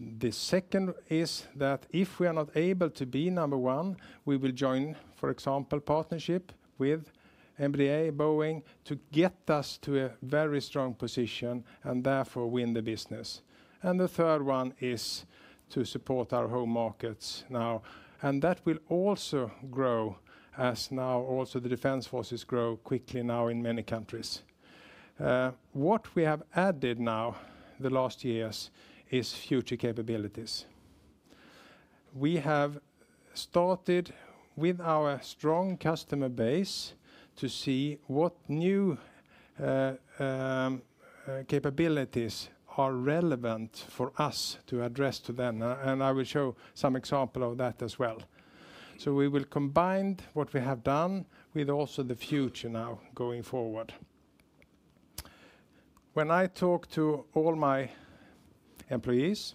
The second is that if we are not able to be number one, we will join, for example, partnership with MBDA, Boeing to get us to a very strong position and therefore win the business. The third one is to support our home markets now. That will also grow as now also the defense forces grow quickly now in many countries. What we have added now the last years is future capabilities. We have started with our strong customer base to see what new capabilities are relevant for us to address to them. I will show some example of that as well. We will combine what we have done with also the future now going forward. When I talk to all my employees,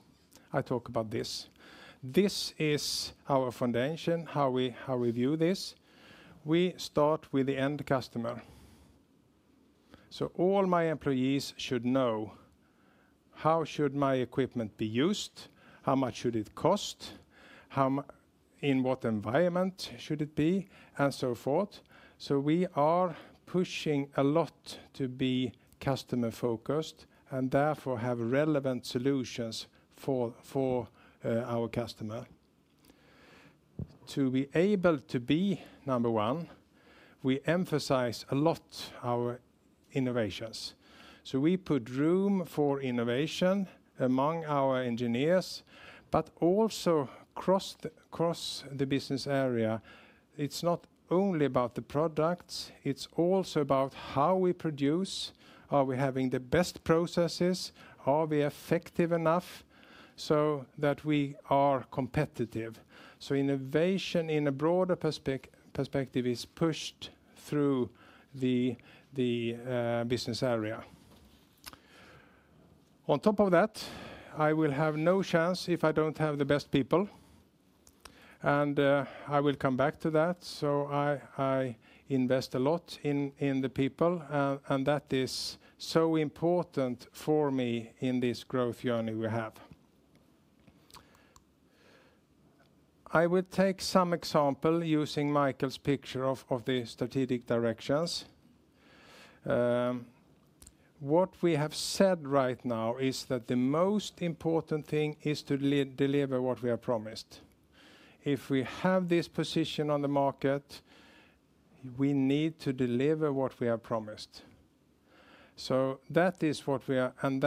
I talk about this. This is our foundation, how we view this. We start with the end customer. All my employees should know how should my equipment be used, how much should it cost, in what environment should it be, and so forth. We are pushing a lot to be customer-focused and therefore have relevant solutions for our customer. To be able to be number one, we emphasize a lot our innovations. We put room for innovation among our engineers, but also across the business area. It's not only about the products, it's also about how we produce. Are we having the best processes? Are we effective enough so that we are competitive? Innovation in a broader perspective is pushed through the business area. On top of that, I will have no chance if I do not have the best people. I will come back to that. I invest a lot in the people, and that is so important for me in this growth journey we have. I will take some example using Micael's picture of the strategic directions. What we have said right now is that the most important thing is to deliver what we have promised. If we have this position on the market, we need to deliver what we have promised. That is what we are, and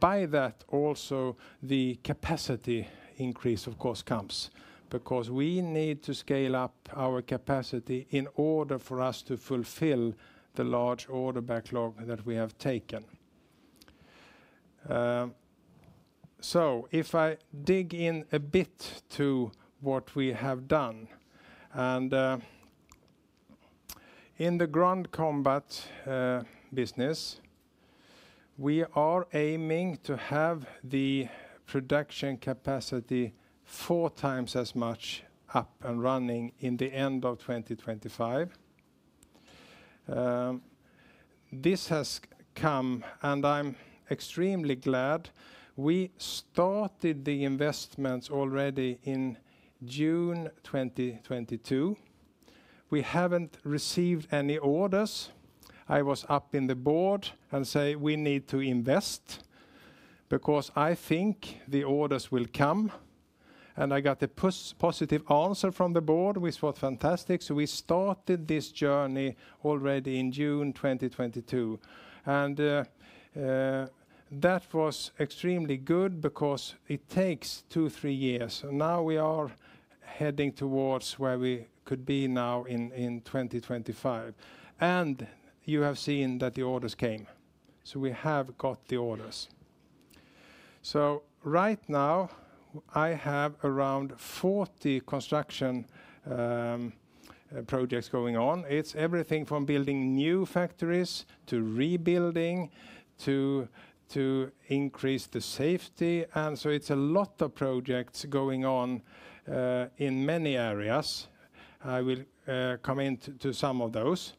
by that also, the capacity increase, of course, comes because we need to scale up our capacity in order for us to fulfill the large order backlog that we have taken. If I dig in a bit to what we have done, and in the Ground Combat business, we are aiming to have the production capacity 4x as much up and running in the end of 2025. This has come, and I'm extremely glad. We started the investments already in June 2022. We haven't received any orders. I was up in the board and said we need to invest because I think the orders will come. I got a positive answer from the board, which was fantastic. We started this journey already in June 2022. That was extremely good because it takes two, three years. Now we are heading towards where we could be now in 2025. You have seen that the orders came. We have got the orders. Right now, I have around 40 construction projects going on. It's everything from building new factories to rebuilding to increase the safety. It's a lot of projects going on in many areas. I will come into some of those.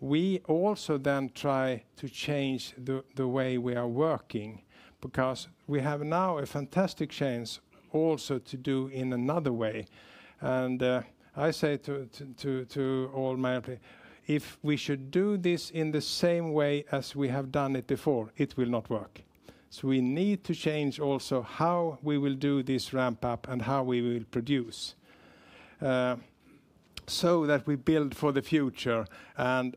We also then try to change the way we are working because we have now a fantastic chance also to do in another way. I say to all my employees, if we should do this in the same way as we have done it before, it will not work. We need to change also how we will do this ramp-up and how we will produce so that we build for the future and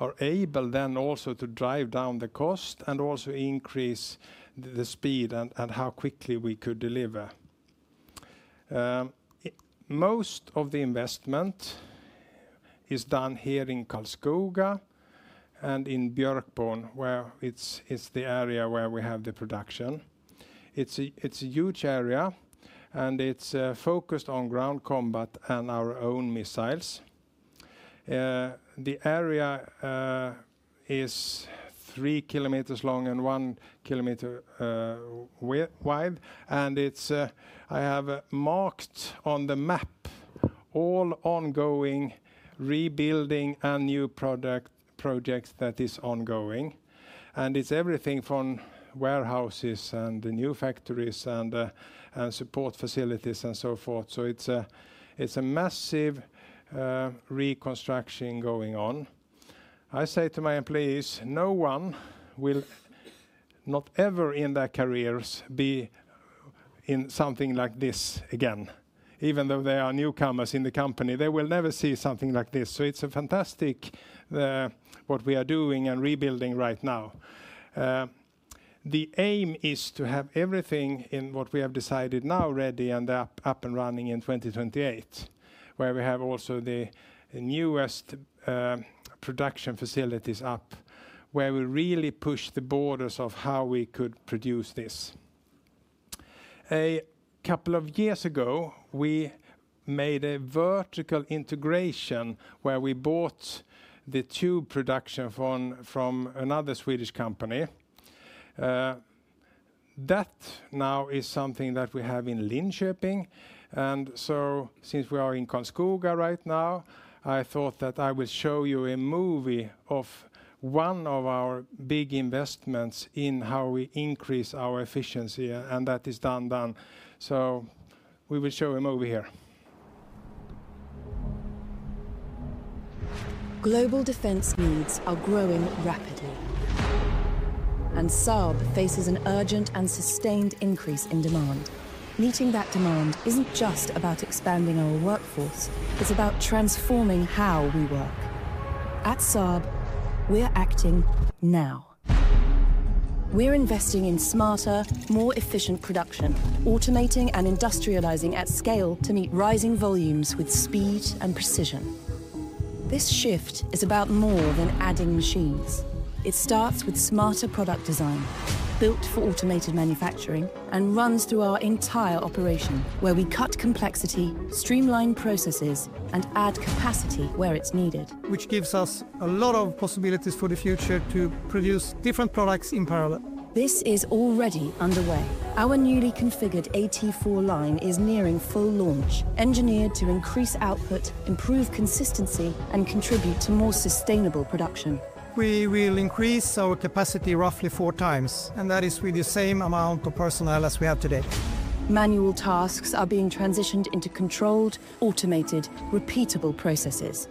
are able then also to drive down the cost and also increase the speed and how quickly we could deliver. Most of the investment is done here in Karlskoga and in Björkborn, where it's the area where we have the production. It's a huge area, and it's focused on ground combat and our own missiles. The area is 3 km long and 1 km wide. I have marked on the map all ongoing rebuilding and new projects that are ongoing. It's everything from warehouses and the new factories and support facilities and so forth. It's a massive reconstruction going on. I say to my employees, no one will not ever in their careers be in something like this again. Even though they are newcomers in the company, they will never see something like this. It's fantastic what we are doing and rebuilding right now. The aim is to have everything in what we have decided now ready and up and running in 2028, where we have also the newest production facilities up, where we really push the borders of how we could produce this. A couple of years ago, we made a vertical integration where we bought the tube production from another Swedish company. That now is something that we have in Linköping. Since we are in Karlskoga right now, I thought that I will show you a movie of one of our big investments in how we increase our efficiency, and that is done. We will show a movie here. Global defense needs are growing rapidly. And Saab faces an urgent and sustained increase in demand. Meeting that demand isn't just about expanding our workforce. It's about transforming how we work. At Saab, we're acting now. We're investing in smarter, more efficient production, automating and industrializing at scale to meet rising volumes with speed and precision. This shift is about more than adding machines. It starts with smarter product design, built for automated manufacturing, and runs through our entire operation, where we cut complexity, streamline processes, and add capacity where it's needed. This gives us a lot of possibilities for the future to produce different products in parallel. This is already underway. Our newly configured AT4 line is nearing full launch, engineered to increase output, improve consistency, and contribute to more sustainable production. We will increase our capacity roughly 4x, and that is with the same amount of personnel as we have today. Manual tasks are being transitioned into controlled, automated, repeatable processes.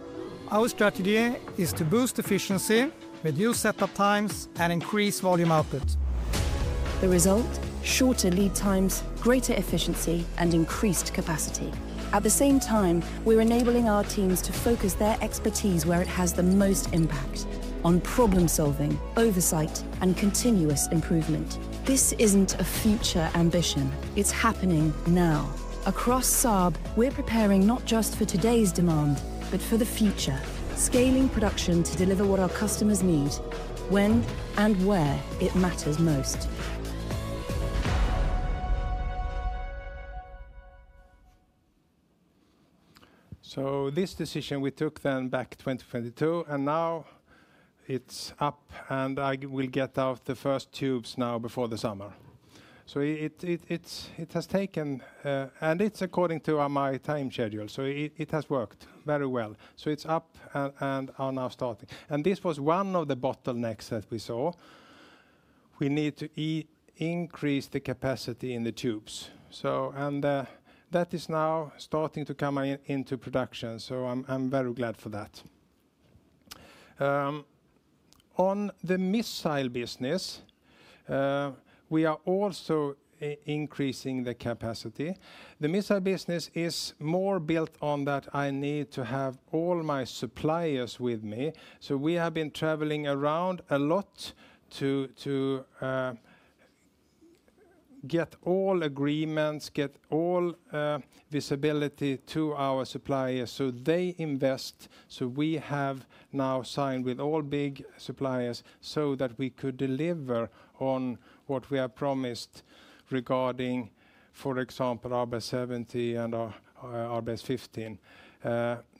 Our strategy is to boost efficiency, reduce setup times, and increase volume output. The result? Shorter lead times, greater efficiency, and increased capacity. At the same time, we're enabling our teams to focus their expertise where it has the most impact: on problem-solving, oversight, and continuous improvement. This is not a future ambition. It is happening now. Across Saab, we are preparing not just for today's demand, but for the future, scaling production to deliver what our customers need when and where it matters most. This decision we took back in 2022, and now it is up, and I will get out the first tubes now before the summer. It has taken, and it is according to my time schedule, so it has worked very well. It is up and is now starting. This was one of the bottlenecks that we saw. We need to increase the capacity in the tubes. That is now starting to come into production, so I am very glad for that. On the missile business, we are also increasing the capacity. The missile business is more built on that I need to have all my suppliers with me. We have been traveling around a lot to get all agreements, get all visibility to our suppliers so they invest. We have now signed with all big suppliers so that we could deliver on what we have promised regarding, for example, RBS 70 and RBS15.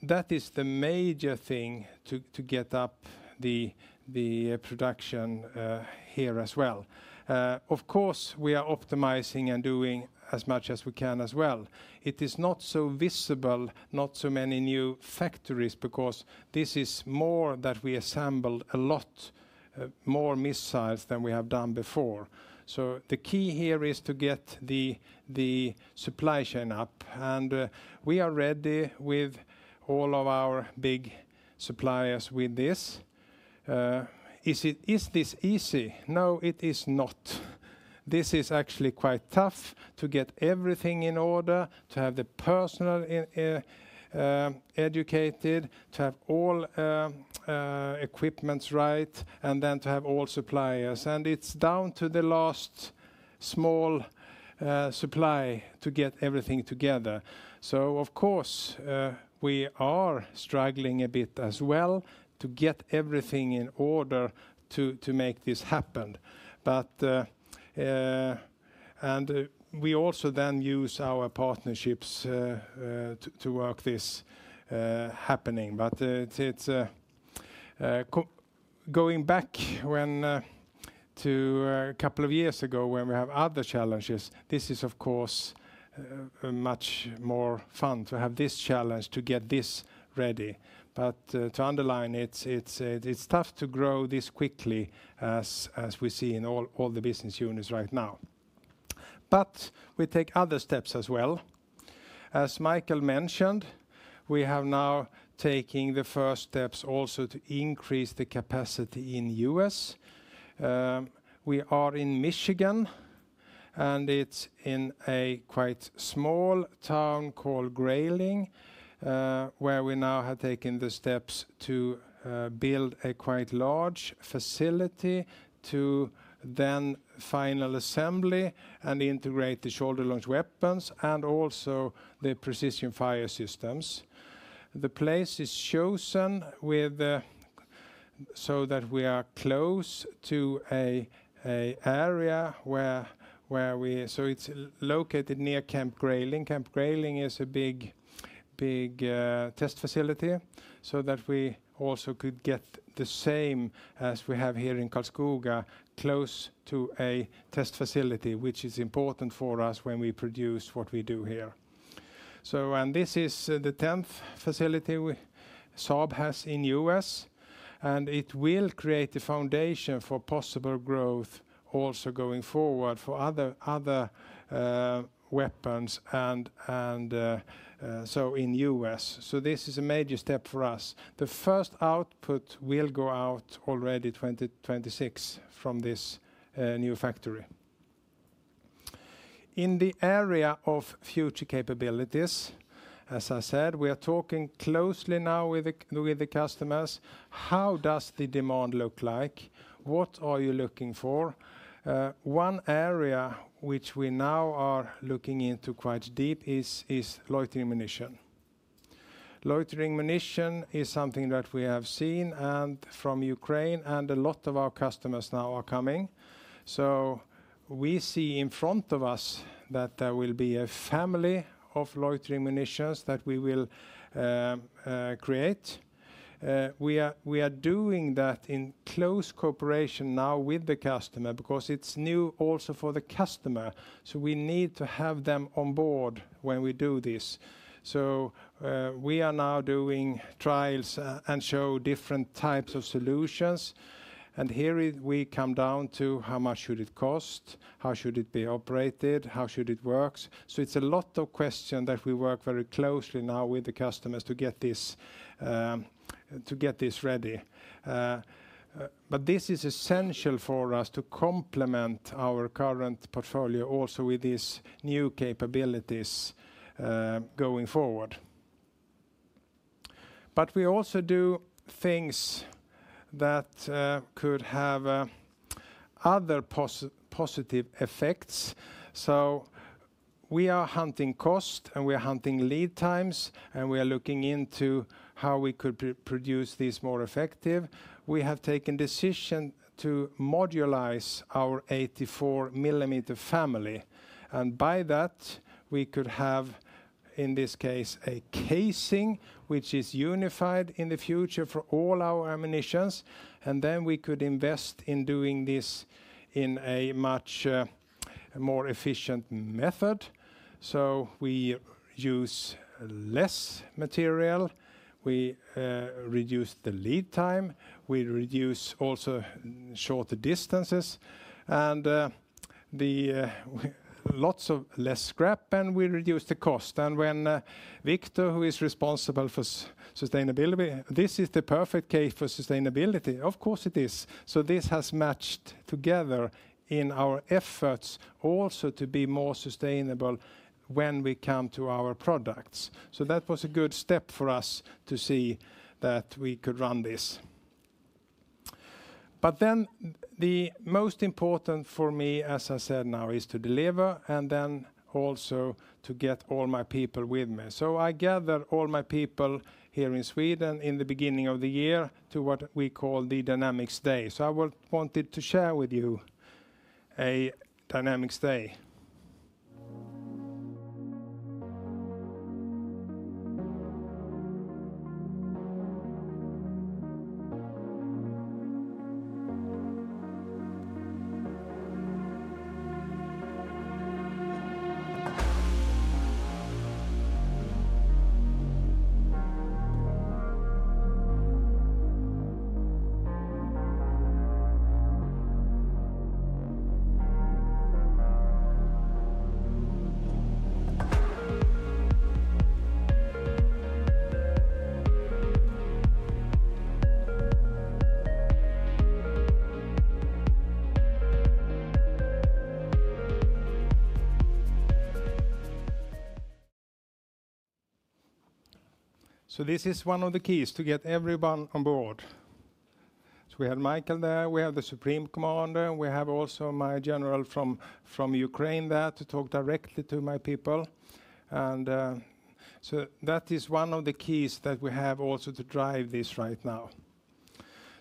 That is the major thing to get up the production here as well. Of course, we are optimizing and doing as much as we can as well. It is not so visible, not so many new factories because this is more that we assembled a lot more missiles than we have done before. The key here is to get the supply chain up. We are ready with all of our big suppliers with this. Is this easy? No, it is not. This is actually quite tough to get everything in order, to have the personnel educated, to have all equipment right, and then to have all suppliers. It's down to the last small supply to get everything together. Of course, we are struggling a bit as well to get everything in order to make this happen. We also then use our partnerships to work this happening. Going back to a couple of years ago when we have other challenges, this is of course much more fun to have this challenge to get this ready. To underline it, it's tough to grow this quickly as we see in all the business units right now. We take other steps as well. As Micael mentioned, we have now taken the first steps also to increase the capacity in the U.S. We are in Michigan, and it's in a quite small town called Grayling, where we now have taken the steps to build a quite large facility to then final assembly and integrate the shoulder-launched weapons and also the precision fire systems. The place is chosen so that we are close to an area where we, so it's located near Camp Grayling. Camp Grayling is a big test facility so that we also could get the same as we have here in Karlskoga, close to a test facility, which is important for us when we produce what we do here. This is the 10th facility Saab has in the U.S., and it will create the foundation for possible growth also going forward for other weapons and so in the U.S. This is a major step for us. The first output will go out already in 2026 from this new factory. In the area of future capabilities, as I said, we are talking closely now with the customers. How does the demand look like? What are you looking for? One area which we now are looking into quite deep is loitering munition. Loitering munition is something that we have seen from Ukraine, and a lot of our customers now are coming. We see in front of us that there will be a family of loitering munitions that we will create. We are doing that in close cooperation now with the customer because it's new also for the customer. We need to have them on board when we do this. We are now doing trials and show different types of solutions. Here we come down to how much should it cost, how should it be operated, how should it work. It is a lot of questions that we work very closely now with the customers to get this ready. This is essential for us to complement our current portfolio also with these new capabilities going forward. We also do things that could have other positive effects. We are hunting cost, and we are hunting lead times, and we are looking into how we could produce these more effectively. We have taken a decision to modularize our 84mm family. By that, we could have, in this case, a casing which is unified in the future for all our ammunitions. Then we could invest in doing this in a much more efficient method. We use less material. We reduce the lead time. We reduce also shorter distances. Lots of less scrap, and we reduce the cost. When Viktor, who is responsible for sustainability, this is the perfect case for sustainability. Of course, it is. This has matched together in our efforts also to be more sustainable when we come to our products. That was a good step for us to see that we could run this. The most important for me, as I said now, is to deliver and then also to get all my people with me. I gather all my people here in Sweden in the beginning of the year to what we call the Dynamics Day. I wanted to share with you a Dynamics Day. This is one of the keys to get everyone on board. We have Micael there. We have the Supreme Commander. We have also my general from Ukraine there to talk directly to my people. That is one of the keys that we have also to drive this right now.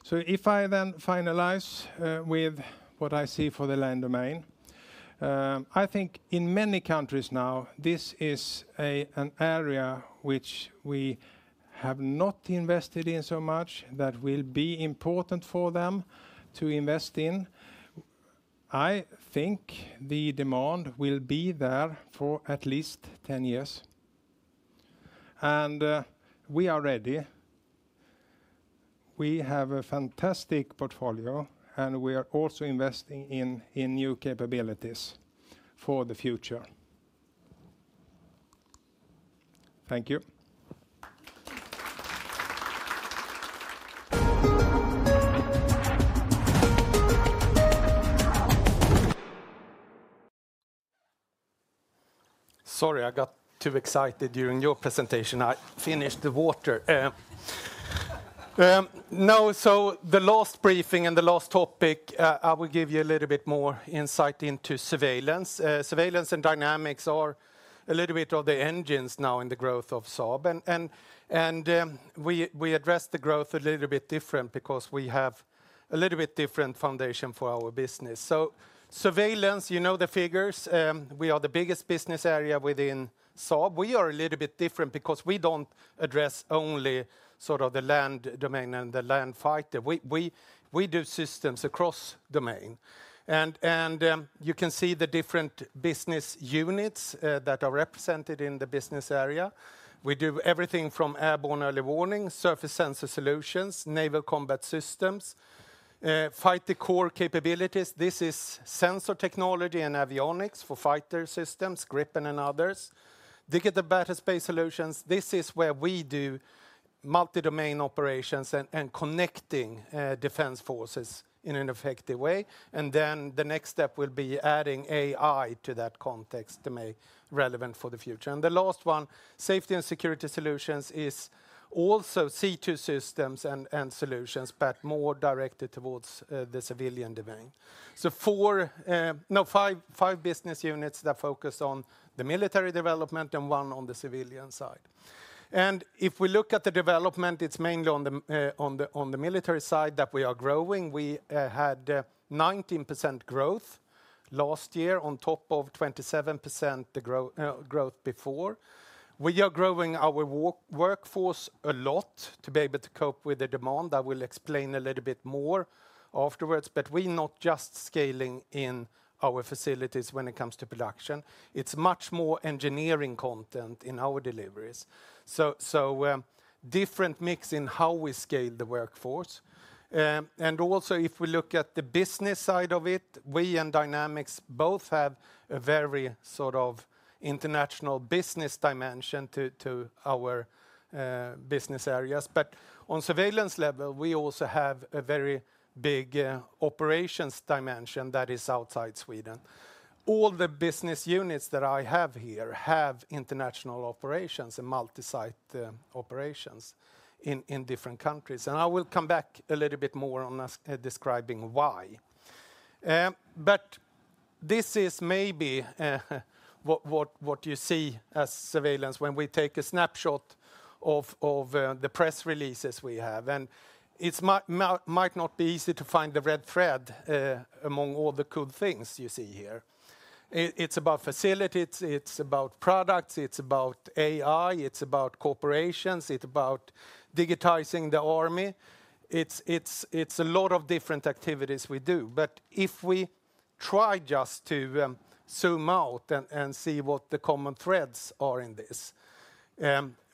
If I then finalize with what I see for the land domain, I think in many countries now, this is an area which we have not invested in so much that will be important for them to invest in. I think the demand will be there for at least 10 years. We are ready. We have a fantastic portfolio, and we are also investing in new capabilities for the future. Thank you. Sorry, I got too excited during your presentation. I finished the water. Now, the last briefing and the last topic, I will give you a little bit more insight into surveillance. Surveillance and dynamics are a little bit of the engines now in the growth of Saab. We address the growth a little bit different because we have a little bit different foundation for our business. Surveillance, you know the figures. We are the biggest business area within Saab. We are a little bit different because we do not address only sort of the land domain and the land fighter. We do systems across domain. You can see the different business units that are represented in the business area. We do everything from airborne early warning, surface sensor solutions, naval combat systems, fighter core capabilities. This is sensor technology and avionics for fighter systems, Gripen and others. Digital battlespace solutions. This is where we do multi-domain operations and connecting defense forces in an effective way. The next step will be adding AI to that context to make it relevant for the future. The last one, safety and security solutions, is also C2 systems and solutions, but more directed towards the civilian domain. Five business units focus on the military development and one on the civilian side. If we look at the development, it is mainly on the military side that we are growing. We had 19% growth last year on top of 27% growth before. We are growing our workforce a lot to be able to cope with the demand. I will explain a little bit more afterwards. We are not just scaling in our facilities when it comes to production. It is much more engineering content in our deliveries. Different mix in how we scale the workforce. If we look at the business side of it, we and Dynamics both have a very sort of international business dimension to our business areas. On surveillance level, we also have a very big operations dimension that is outside Sweden. All the business units that I have here have international operations and multi-site operations in different countries. I will come back a little bit more on describing why. This is maybe what you see as surveillance when we take a snapshot of the press releases we have. It might not be easy to find the red thread among all the cool things you see here. It's about facilities, it's about products, it's about AI, it's about corporations, it's about digitizing the army. It's a lot of different activities we do. If we try just to zoom out and see what the common threads are in this,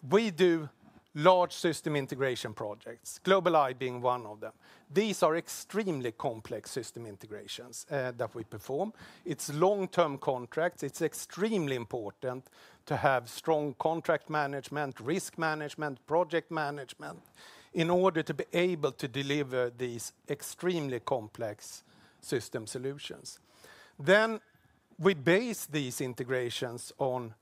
we do large system integration projects, GlobalEye being one of them. These are extremely complex system integrations that we perform. It's long-term contracts. It's extremely important to have strong contract management, risk management, project management in order to be able to deliver these extremely complex system solutions. We base these integrations to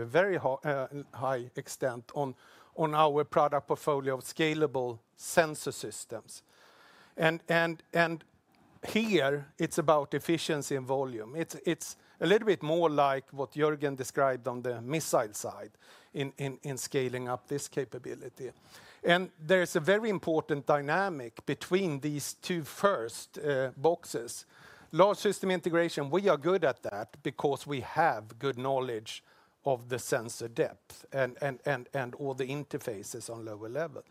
a very high extent on our product portfolio of scalable sensor systems. Here, it's about efficiency and volume. It's a little bit more like what Görgen described on the missile side in scaling up this capability. There's a very important dynamic between these two first boxes. Large system integration, we are good at that because we have good knowledge of the sensor depth and all the interfaces on lower level.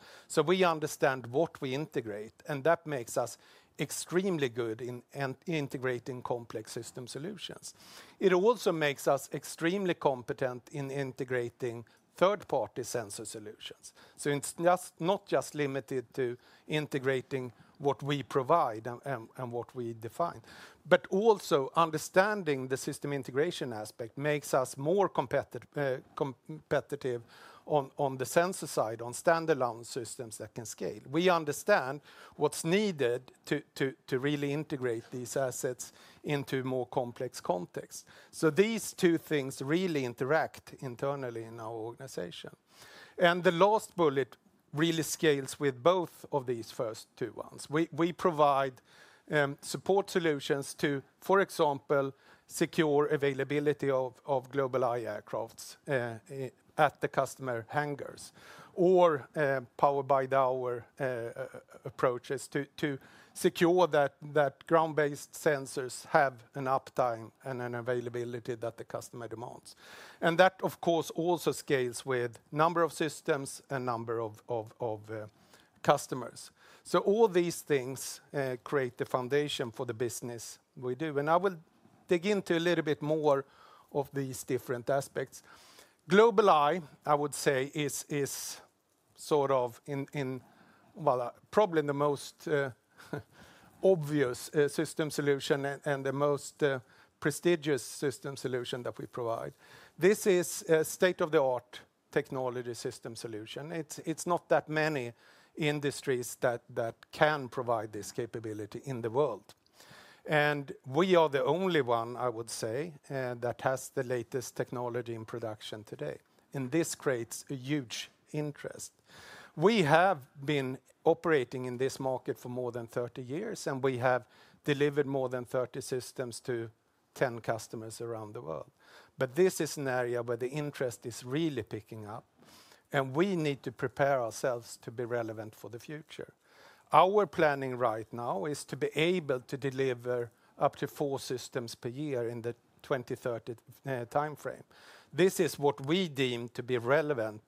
We understand what we integrate, and that makes us extremely good in integrating complex system solutions. It also makes us extremely competent in integrating third-party sensor solutions. It's not just limited to integrating what we provide and what we define. Also, understanding the system integration aspect makes us more competitive on the sensor side, on standalone systems that can scale. We understand what's needed to really integrate these assets into more complex contexts. These two things really interact internally in our organization. The last bullet really scales with both of these first two ones. We provide support solutions to, for example, secure availability of GlobalEye aircraft at the customer hangars or powered by our approaches to secure that ground-based sensors have an uptime and an availability that the customer demands. That, of course, also scales with a number of systems and a number of customers. All these things create the foundation for the business we do. I will dig into a little bit more of these different aspects. GlobalEye, I would say, is sort of in probably the most obvious system solution and the most prestigious system solution that we provide. This is a state-of-the-art technology system solution. It's not that many industries that can provide this capability in the world. We are the only one, I would say, that has the latest technology in production today. This creates a huge interest. We have been operating in this market for more than 30 years, and we have delivered more than 30 systems to 10 customers around the world. This is an area where the interest is really picking up, and we need to prepare ourselves to be relevant for the future. Our planning right now is to be able to deliver up to four systems per year in the 2030 timeframe. This is what we deem to be relevant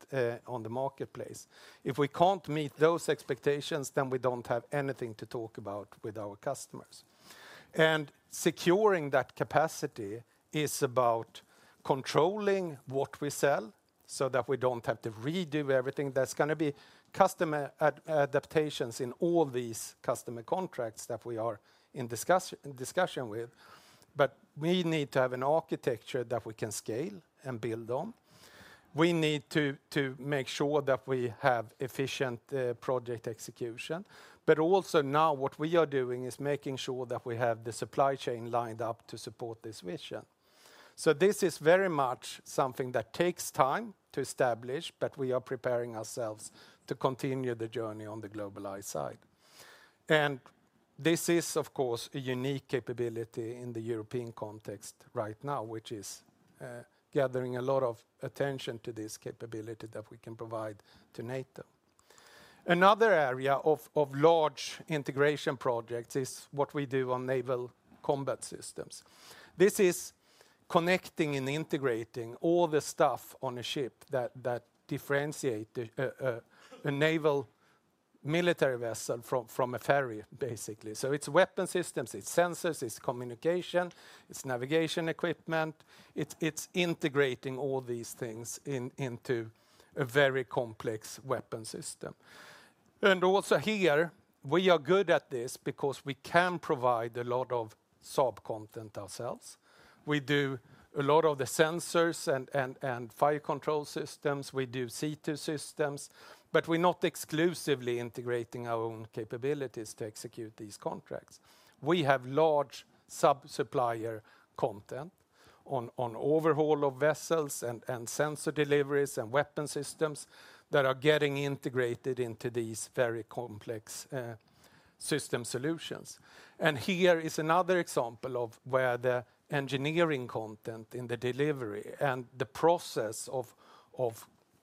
on the marketplace. If we can't meet those expectations, we don't have anything to talk about with our customers. Securing that capacity is about controlling what we sell so that we don't have to redo everything. There are going to be customer adaptations in all these customer contracts that we are in discussion with. We need to have an architecture that we can scale and build on. We need to make sure that we have efficient project execution. What we are doing now is making sure that we have the supply chain lined up to support this vision. This is very much something that takes time to establish, but we are preparing ourselves to continue the journey on the GlobalEye side. This is, of course, a unique capability in the European context right now, which is gathering a lot of attention to this capability that we can provide to NATO. Another area of large integration projects is what we do on naval combat systems. This is connecting and integrating all the stuff on a ship that differentiates a naval military vessel from a ferry, basically. It is weapon systems, sensors, communication, navigation equipment. It is integrating all these things into a very complex weapon system. Also here, we are good at this because we can provide a lot of sub-content ourselves. We do a lot of the sensors and fire control systems. We do C2 systems. We're not exclusively integrating our own capabilities to execute these contracts. We have large sub-supplier content on overhaul of vessels and sensor deliveries and weapon systems that are getting integrated into these very complex system solutions. Here is another example of where the engineering content in the delivery and the process of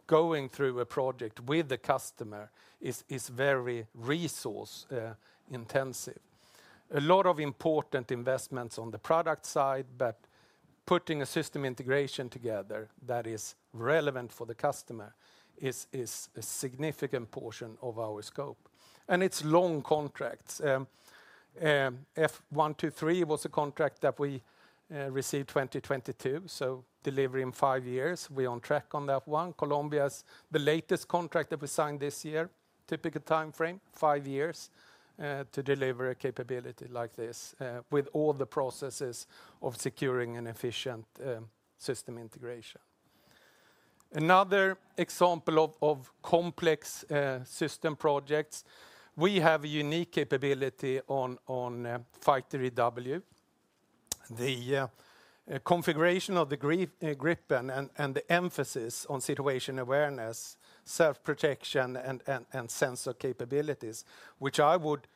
going through a project with the customer is very resource-intensive. A lot of important investments on the product side, but putting a system integration together that is relevant for the customer is a significant portion of our scope. It's long contracts. F123 was a contract that we received in 2022, so delivery in five years. We're on track on that one. Columbia is the latest contract that we signed this year. Typical timeframe, five years to deliver a capability like this with all the processes of securing an efficient system integration. Another example of complex system projects, we have a unique capability on Fighter EW. The configuration of the Gripen and the emphasis on situation awareness, self-protection, and sensor capabilities, which I would,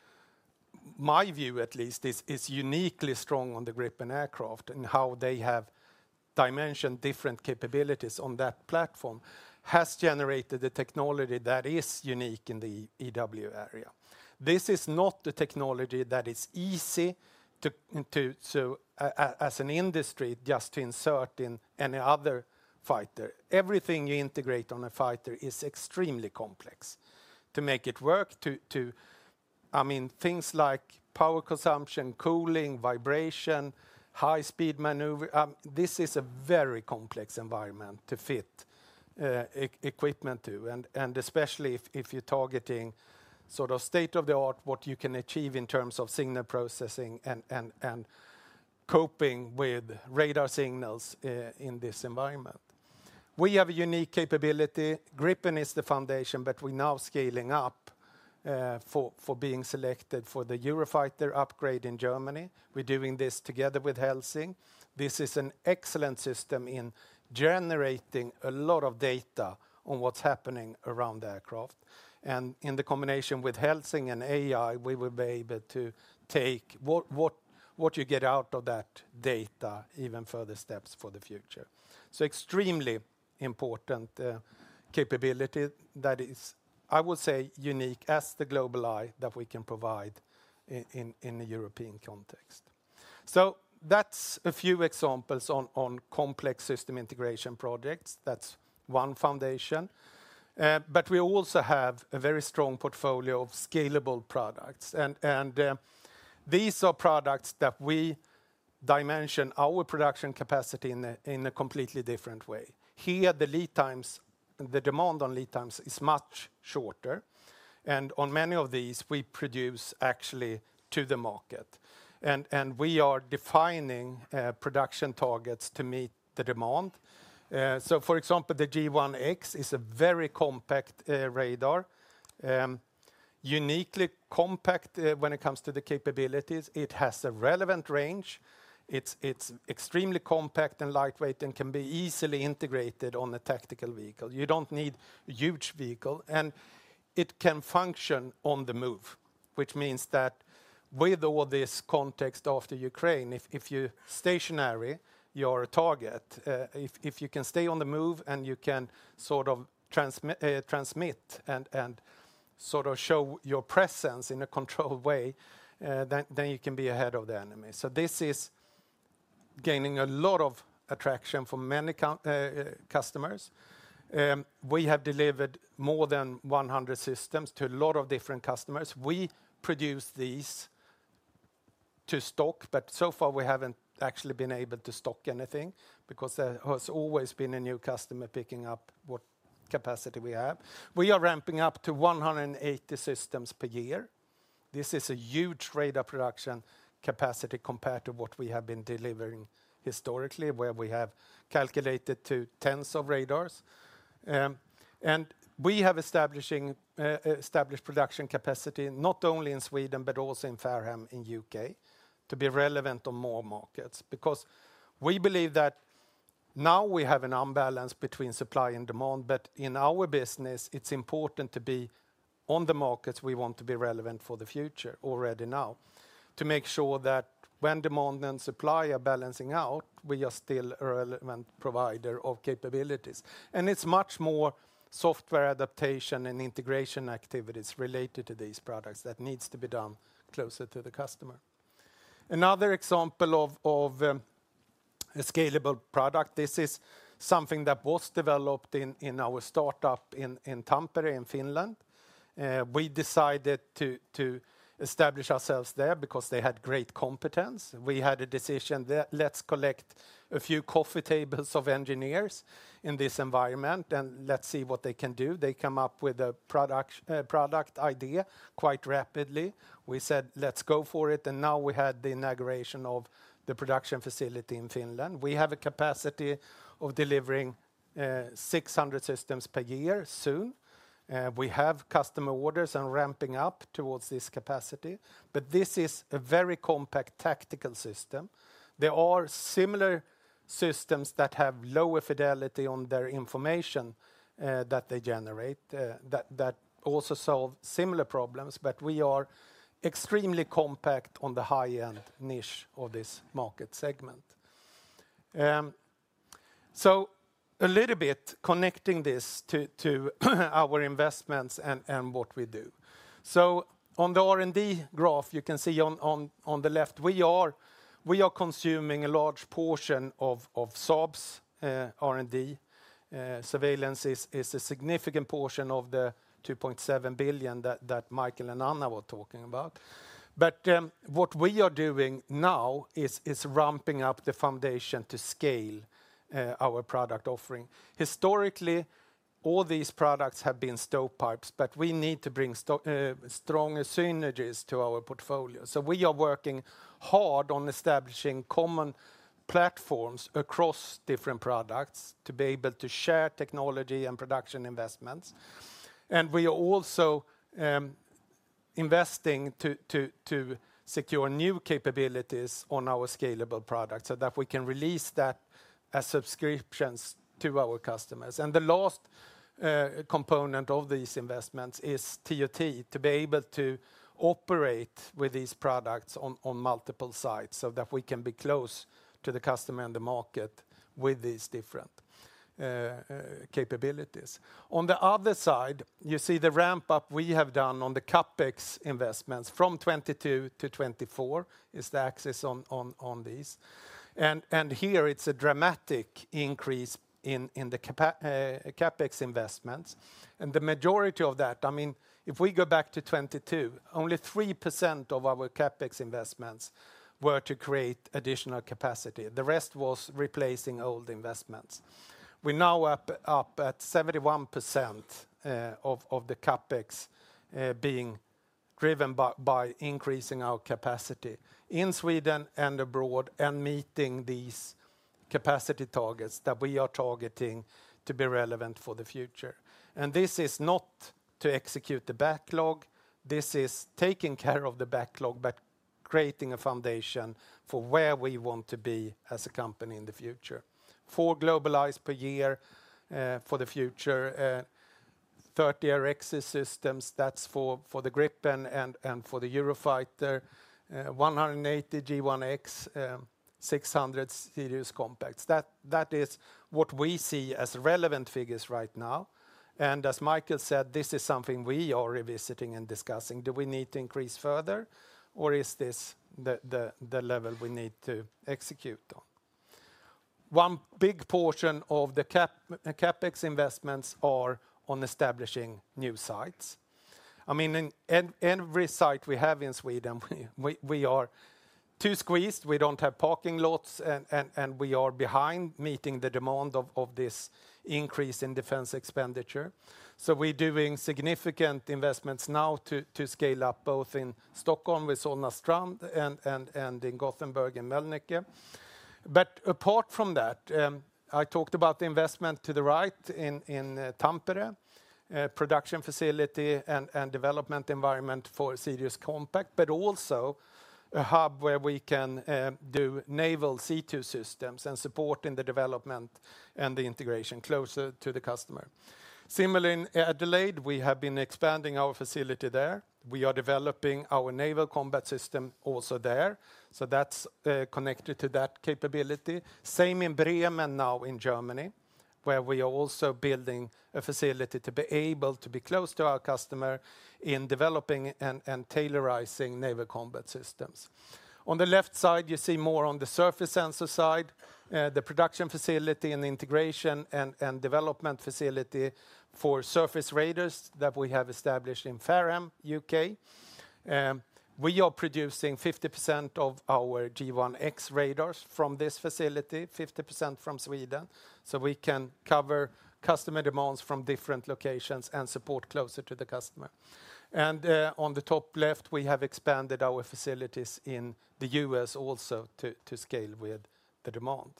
my view at least, is uniquely strong on the Gripen aircraft and how they have dimensioned different capabilities on that platform, has generated the technology that is unique in the EW area. This is not the technology that is easy to, as an industry, just to insert in any other fighter. Everything you integrate on a fighter is extremely complex to make it work. I mean, things like power consumption, cooling, vibration, high-speed maneuver, this is a very complex environment to fit equipment to. Especially if you're targeting sort of state-of-the-art, what you can achieve in terms of signal processing and coping with radar signals in this environment. We have a unique capability. Gripen is the foundation, but we're now scaling up for being selected for the Eurofighter upgrade in Germany. We're doing this together with Helsing. This is an excellent system in generating a lot of data on what's happening around the aircraft. In the combination with Helsing and AI, we will be able to take what you get out of that data even further steps for the future. Extremely important capability that is, I would say, unique as the GlobalEye that we can provide in the European context. That's a few examples on complex system integration projects. That's one foundation. We also have a very strong portfolio of scalable products. These are products that we dimension our production capacity in a completely different way. Here, the lead times, the demand on lead times is much shorter. On many of these, we produce actually to the market. We are defining production targets to meet the demand. For example, the G1X is a very compact radar. Uniquely compact when it comes to the capabilities. It has a relevant range. It's extremely compact and lightweight and can be easily integrated on a tactical vehicle. You don't need a huge vehicle. It can function on the move, which means that with all this context after Ukraine, if you're stationary, you are a target. If you can stay on the move and you can sort of transmit and sort of show your presence in a controlled way, then you can be ahead of the enemy. This is gaining a lot of attraction for many customers. We have delivered more than 100 systems to a lot of different customers. We produce these to stock, but so far we have not actually been able to stock anything because there has always been a new customer picking up what capacity we have. We are ramping up to 180 systems per year. This is a huge radar production capacity compared to what we have been delivering historically, where we have calculated to tens of radars. We have established production capacity not only in Sweden, but also in Fareham in the U.K. to be relevant on more markets because we believe that now we have an unbalance between supply and demand. In our business, it is important to be on the markets. We want to be relevant for the future already now to make sure that when demand and supply are balancing out, we are still a relevant provider of capabilities. It is much more software adaptation and integration activities related to these products that need to be done closer to the customer. Another example of a scalable product, this is something that was developed in our startup in Tampere in Finland. We decided to establish ourselves there because they had great competence. We had a decision that let's collect a few coffee tables of engineers in this environment and let's see what they can do. They come up with a product idea quite rapidly. We said, "Let's go for it." Now we had the inauguration of the production facility in Finland. We have a capacity of delivering 600 systems per year soon. We have customer orders and ramping up towards this capacity. This is a very compact tactical system. There are similar systems that have lower fidelity on their information that they generate that also solve similar problems. We are extremely compact on the high-end niche of this market segment. A little bit connecting this to our investments and what we do. On the R&D graph, you can see on the left, we are consuming a large portion of Saab's R&D. Surveillance is a significant portion of the 2.7 billion that Micael and Anna were talking about. What we are doing now is ramping up the foundation to scale our product offering. Historically, all these products have been stovepipes, but we need to bring stronger synergies to our portfolio. We are working hard on establishing common platforms across different products to be able to share technology and production investments. We are also investing to secure new capabilities on our scalable products so that we can release that as subscriptions to our customers. The last component of these investments is ToT to be able to operate with these products on multiple sites so that we can be close to the customer and the market with these different capabilities. On the other side, you see the ramp-up we have done on the CapEx investments from 2022 to 2024 is the axis on these. Here, it is a dramatic increase in the CapEx investments. The majority of that, I mean, if we go back to 2022, only 3% of our CapEx investments were to create additional capacity. The rest was replacing old investments. We're now up at 71% of the CapEx being driven by increasing our capacity in Sweden and abroad and meeting these capacity targets that we are targeting to be relevant for the future. This is not to execute the backlog. This is taking care of the backlog, but creating a foundation for where we want to be as a company in the future. Four GlobalEye per year for the future, 30 RX systems, that's for the Gripen and for the Eurofighter, 180 G1X, 600 Sirius Compacts. That is what we see as relevant figures right now. As Micael said, this is something we are revisiting and discussing. Do we need to increase further, or is this the level we need to execute on? One big portion of the CapEx investments are on establishing new sites. I mean, in every site we have in Sweden, we are too squeezed. We don't have parking lots, and we are behind meeting the demand of this increase in defense expenditure. We are doing significant investments now to scale up both in Stockholm with Solna Strand and in Gothenburg in Mölnlycke. Apart from that, I talked about the investment to the right in Tampere, production facility and development environment for Sirius Compact, but also a hub where we can do naval C2 systems and support in the development and the integration closer to the customer. Similarly, at Deloitte, we have been expanding our facility there. We are developing our naval combat system also there. That is connected to that capability. Same in Bremen now in Germany, where we are also building a facility to be able to be close to our customer in developing and tailorizing naval combat systems. On the left side, you see more on the surface sensor side, the production facility and integration and development facility for surface radars that we have established in Fareham, U.K. We are producing 50% of our G1X radars from this facility, 50% from Sweden. We can cover customer demands from different locations and support closer to the customer. On the top left, we have expanded our facilities in the U.S. also to scale with the demand.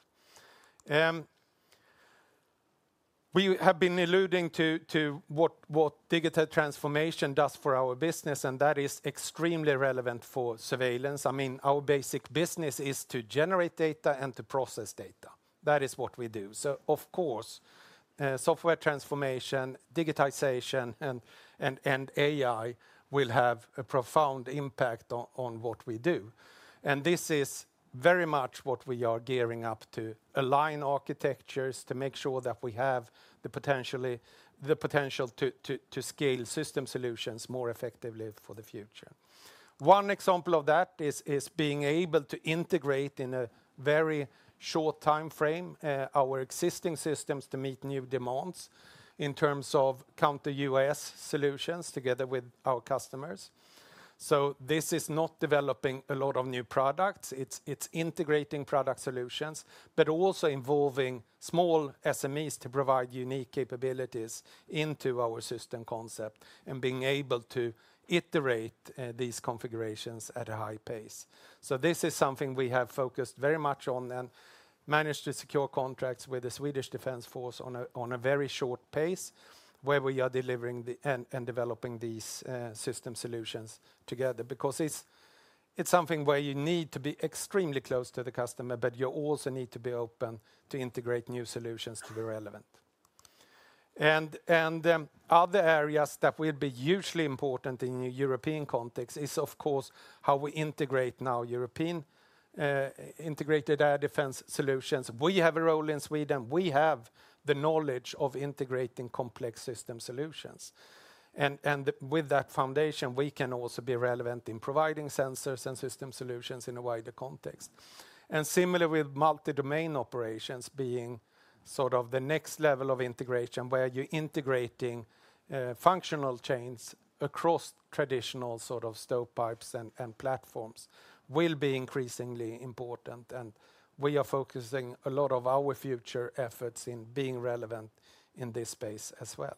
We have been alluding to what digital transformation does for our business, and that is extremely relevant for surveillance. I mean, our basic business is to generate data and to process data. That is what we do. Of course, software transformation, digitization, and AI will have a profound impact on what we do. This is very much what we are gearing up to align architectures to make sure that we have the potential to scale system solutions more effectively for the future. One example of that is being able to integrate in a very short timeframe our existing systems to meet new demands in terms of Counter-UAS solutions together with our customers. This is not developing a lot of new products. It's integrating product solutions, but also involving small SMEs to provide unique capabilities into our system concept and being able to iterate these configurations at a high pace. This is something we have focused very much on and managed to secure contracts with the Swedish Defense Force on a very short pace where we are delivering and developing these system solutions together because it's something where you need to be extremely close to the customer, but you also need to be open to integrate new solutions to be relevant. Other areas that will be hugely important in the European context is, of course, how we integrate now European integrated air defense solutions. We have a role in Sweden. We have the knowledge of integrating complex system solutions. With that foundation, we can also be relevant in providing sensors and system solutions in a wider context. Similarly, with multi-domain operations being sort of the next level of integration where you're integrating functional chains across traditional sort of stovepipes and platforms will be increasingly important. We are focusing a lot of our future efforts in being relevant in this space as well.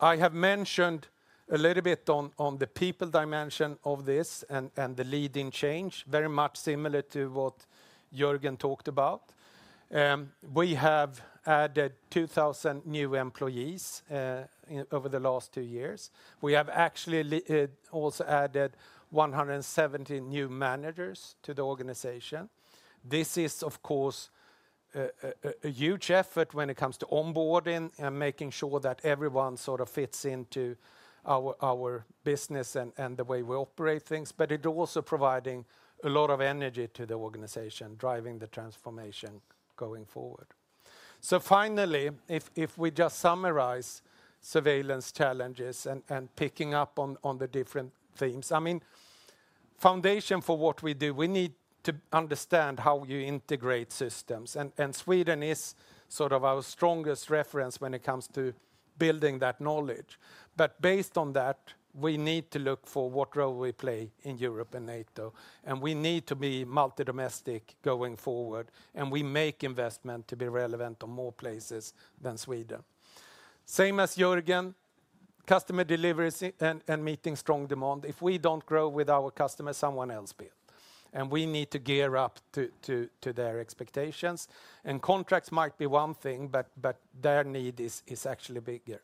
I have mentioned a little bit on the people dimension of this and the leading change, very much similar to what Görgen talked about. We have added 2,000 new employees over the last two years. We have actually also added 170 new managers to the organization. This is, of course, a huge effort when it comes to onboarding and making sure that everyone sort of fits into our business and the way we operate things. It is also providing a lot of energy to the organization, driving the transformation going forward. Finally, if we just summarize surveillance challenges and picking up on the different themes, I mean, foundation for what we do, we need to understand how you integrate systems. Sweden is sort of our strongest reference when it comes to building that knowledge. Based on that, we need to look for what role we play in Europe and NATO. We need to be multi-domestic going forward. We make investment to be relevant in more places than Sweden. Same as Görgen, customer delivery and meeting strong demand. If we do not grow with our customers, someone else will. We need to gear up to their expectations. Contracts might be one thing, but their need is actually bigger.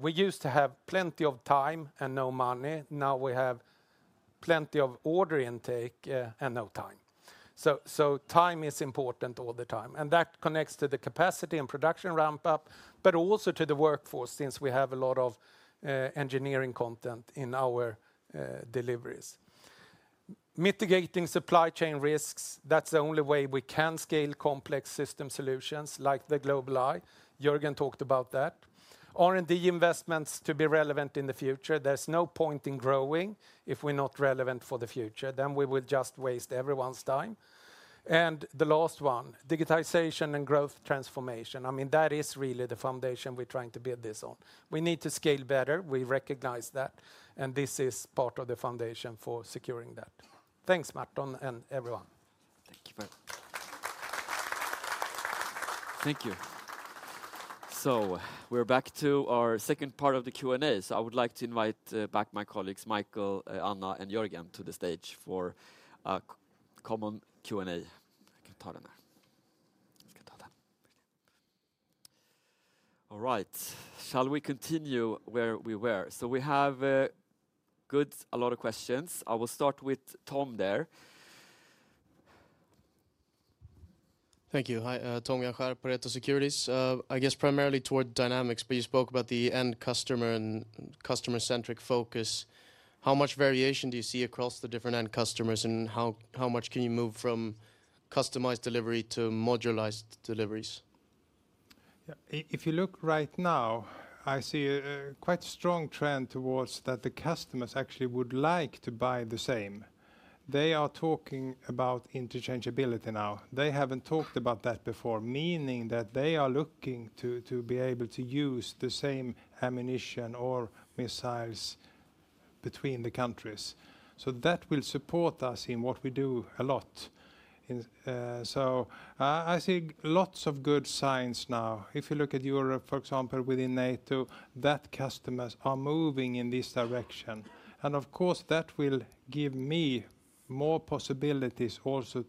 We used to have plenty of time and no money. Now we have plenty of order intake and no time. Time is important all the time. That connects to the capacity and production ramp-up, but also to the workforce since we have a lot of engineering content in our deliveries. Mitigating supply chain risks, that's the only way we can scale complex system solutions like the GlobalEye. Görgen talked about that. R&D investments to be relevant in the future. There's no point in growing if we're not relevant for the future. We will just waste everyone's time. The last one, digitization and growth transformation. I mean, that is really the foundation we're trying to build this on. We need to scale better. We recognize that. This is part of the foundation for securing that. Thanks, Merton and everyone. Thank you very much. Thank you. We're back to our second part of the Q&A. I would like to invite back my colleagues, Micael, Anna, and Görgen to the stage for a common Q&A. All right. Shall we continue where we were? We have a lot of questions. I will start with Tom there. Thank you. Hi, Tom Guinchard at Pareto Securities. I guess primarily toward Dynamics, but you spoke about the end customer and customer-centric focus. How much variation do you see across the different end customers and how much can you move from customized delivery to modularized deliveries? If you look right now, I see a quite strong trend towards that the customers actually would like to buy the same. They are talking about interchangeability now. They have not talked about that before, meaning that they are looking to be able to use the same ammunition or missiles between the countries. That will support us in what we do a lot. I see lots of good signs now. If you look at Europe, for example, within NATO, customers are moving in this direction. Of course, that will give me more possibilities also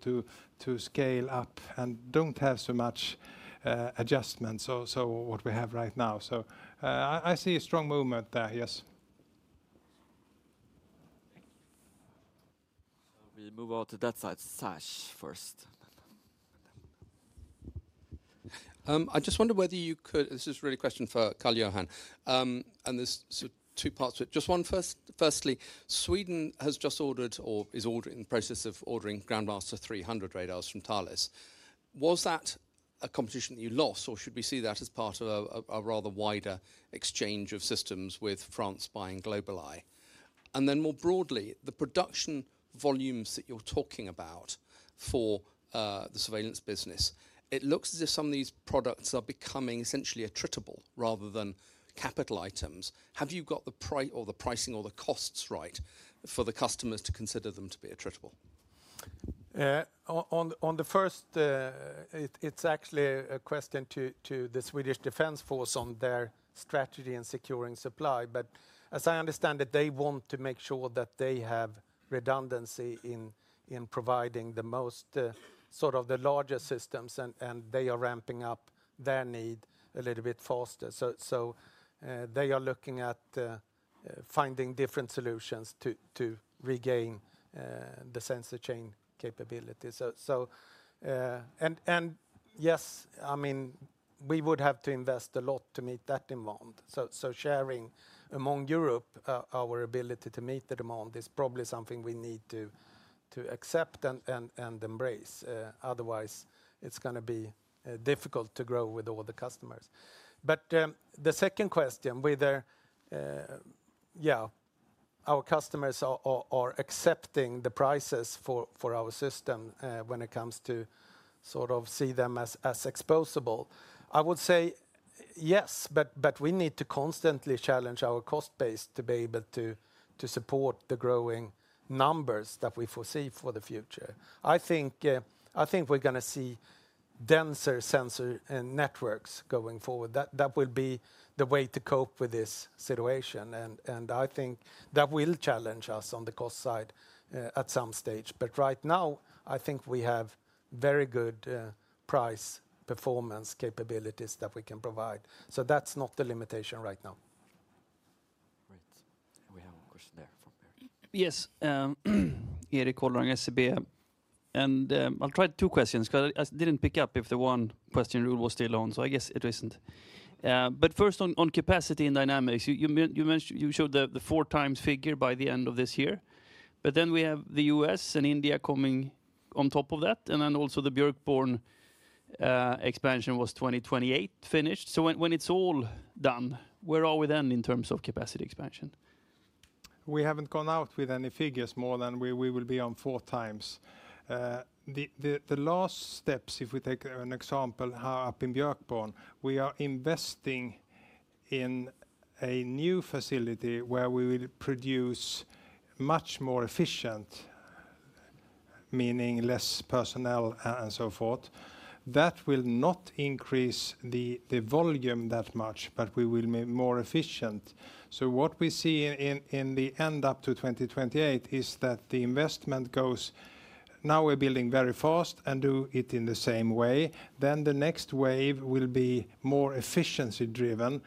to scale up and not have so much adjustments to what we have right now. I see a strong movement there, yes. We move over to that side, Sash first. I just wondered whether you could, this is really a question for Carl-Johan. There are two parts to it. Just one first. Firstly, Sweden has just ordered or is in the process of ordering Ground Master 300 radars from Thales. Was that a competition that you lost, or should we see that as part of a rather wider exchange of systems with France buying GlobalEye? More broadly, the production volumes that you're talking about for the surveillance business, it looks as if some of these products are becoming essentially attritable rather than capital items. Have you got the price or the pricing or the costs right for the customers to consider them to be attritable? On the first, it's actually a question to the Swedish Defense Force on their strategy in securing supply. As I understand it, they want to make sure that they have redundancy in providing the most sort of the larger systems, and they are ramping up their need a little bit faster. They are looking at finding different solutions to regain the sensor chain capability. Yes, I mean, we would have to invest a lot to meet that demand. Sharing among Europe our ability to meet the demand is probably something we need to accept and embrace. Otherwise, it's going to be difficult to grow with all the customers. The second question, whether, yeah, our customers are accepting the prices for our system when it comes to sort of see them as exposable, I would say yes, but we need to constantly challenge our cost base to be able to support the growing numbers that we foresee for the future. I think we're going to see denser sensor networks going forward. That will be the way to cope with this situation. I think that will challenge us on the cost side at some stage. Right now, I think we have very good price performance capabilities that we can provide. That's not the limitation right now. Great. We have a question there from Erik. Yes, Erik Golrang, SEB. I'll try two questions because I didn't pick up if the one question rule was still on, so I guess it isn't. First, on capacity and dynamics, you showed the 4x figure by the end of this year. We have the U.S. and India coming on top of that. Also, the Björkborn expansion was 2028 finished. When it is all done, where are we then in terms of capacity expansion? We have not gone out with any figures more than we will be on 4x. The last steps, if we take an example, up in Björkborn, we are investing in a new facility where we will produce much more efficiently, meaning less personnel and so forth. That will not increase the volume that much, but we will be more efficient. What we see in the end up to 2028 is that the investment goes, now we are building very fast and do it in the same way. The next wave will be more efficiency-driven.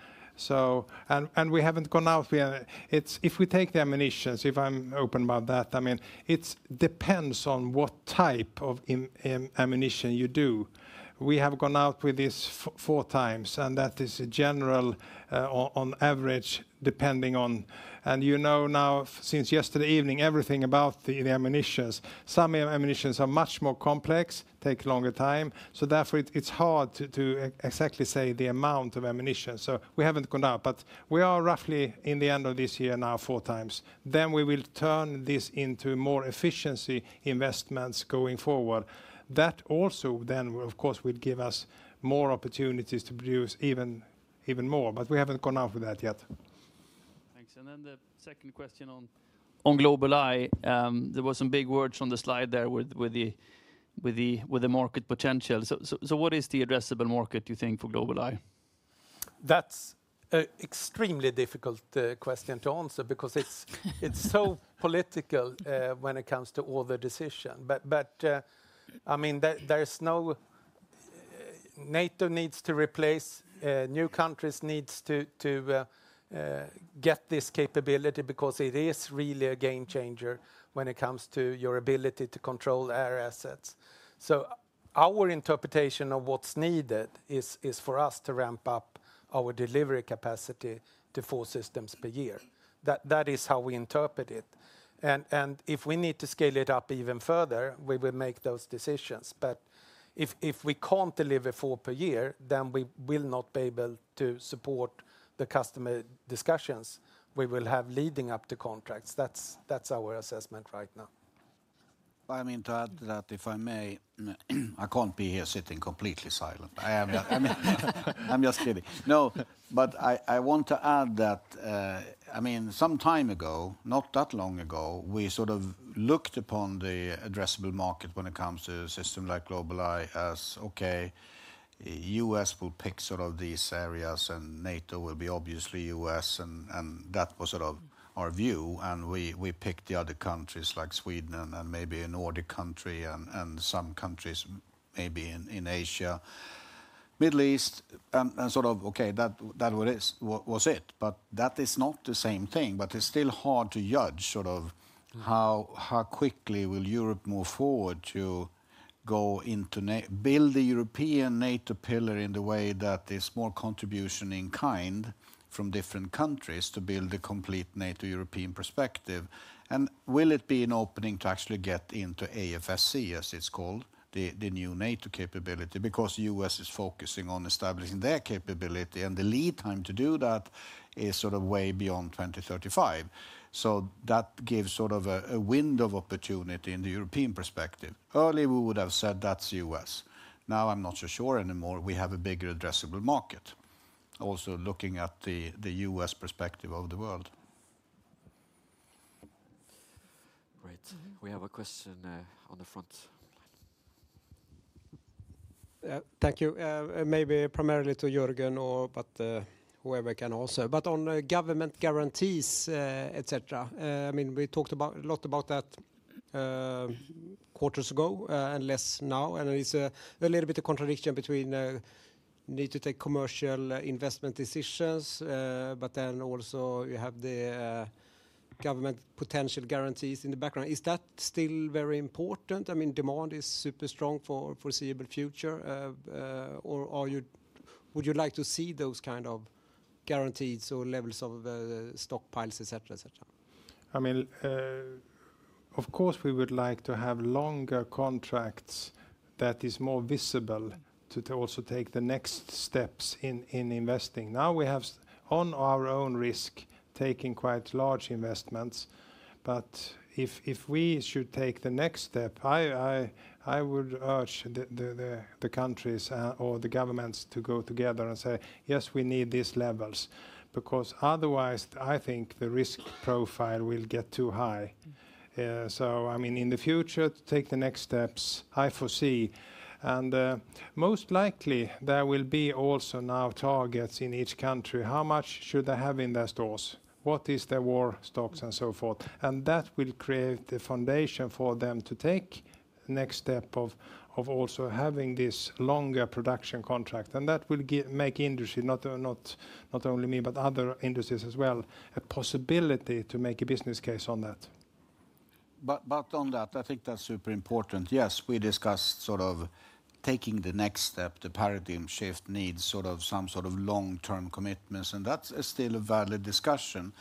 We have not gone out. If we take the ammunitions, if I am open about that, I mean, it depends on what type of ammunition you do. We have gone out with this 4x, and that is a general on average, depending on. You know now, since yesterday evening, everything about the ammunitions, some ammunitions are much more complex, take longer time. Therefore, it is hard to exactly say the amount of ammunition. We have not gone out, but we are roughly in the end of this year now, 4x. We will turn this into more efficiency investments going forward. That also then, of course, would give us more opportunities to produce even more. We have not gone out with that yet. Thanks. The second question on GlobalEye, there were some big words on the slide there with the market potential. What is the addressable market, do you think, for GlobalEye? That's an extremely difficult question to answer because it's so political when it comes to all the decisions. I mean, there's no NATO needs to replace, new countries need to get this capability because it is really a game changer when it comes to your ability to control air assets. Our interpretation of what's needed is for us to ramp up our delivery capacity to four systems per year. That is how we interpret it. If we need to scale it up even further, we will make those decisions. If we can't deliver four per year, then we will not be able to support the customer discussions we will have leading up to contracts. That's our assessment right now. I mean, to add that if I may, I can't be here sitting completely silent. I'm just kidding. No, but I want to add that, I mean, some time ago, not that long ago, we sort of looked upon the addressable market when it comes to a system like GlobalEye as, okay, U.S. will pick sort of these areas and NATO will be obviously U.S. That was sort of our view. We picked the other countries like Sweden and maybe a Nordic country and some countries maybe in Asia, Middle East, and sort of, okay, that was it. That is not the same thing. It is still hard to judge sort of how quickly will Europe move forward to go into build the European NATO pillar in the way that there is more contribution in kind from different countries to build a complete NATO European perspective. Will it be an opening to actually get into AFSC, as it's called, the new NATO capability? Because the U.S. is focusing on establishing their capability and the lead time to do that is sort of way beyond 2035. That gives sort of a window of opportunity in the European perspective. Early, we would have said that's U.S. Now I'm not so sure anymore. We have a bigger addressable market. Also looking at the U.S. perspective of the world. Great. We have a question on the front. Thank you. Maybe primarily to Görgen or whoever can answer. On government guarantees, etc., I mean, we talked a lot about that quarters ago and less now. It's a little bit of contradiction between need to take commercial investment decisions, but then also you have the government potential guarantees in the background. Is that still very important? I mean, demand is super strong for the foreseeable future. Would you like to see those kind of guarantees or levels of stockpiles, etc., etc.? I mean, of course, we would like to have longer contracts that are more visible to also take the next steps in investing. Now we have, on our own risk, taken quite large investments. If we should take the next step, I would urge the countries or the governments to go together and say, yes, we need these levels. Because otherwise, I think the risk profile will get too high. I mean, in the future, to take the next steps, I foresee. Most likely, there will be also now targets in each country. How much should I have in their stores? What is their war stocks and so forth? That will create the foundation for them to take the next step of also having this longer production contract. That will make industry, not only me, but other industries as well, a possibility to make a business case on that. On that, I think that's super important. Yes, we discussed sort of taking the next step, the paradigm shift needs sort of some sort of long-term commitments. That's still a valid discussion.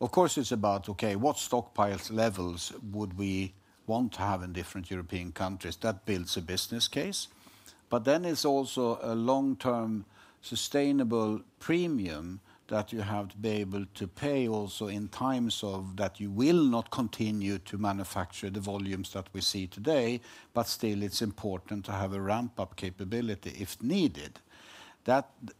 Of course, it's about, okay, what stockpile levels would we want to have in different European countries? That builds a business case. Then it's also a long-term sustainable premium that you have to be able to pay also in times that you will not continue to manufacture the volumes that we see today. Still, it's important to have a ramp-up capability if needed.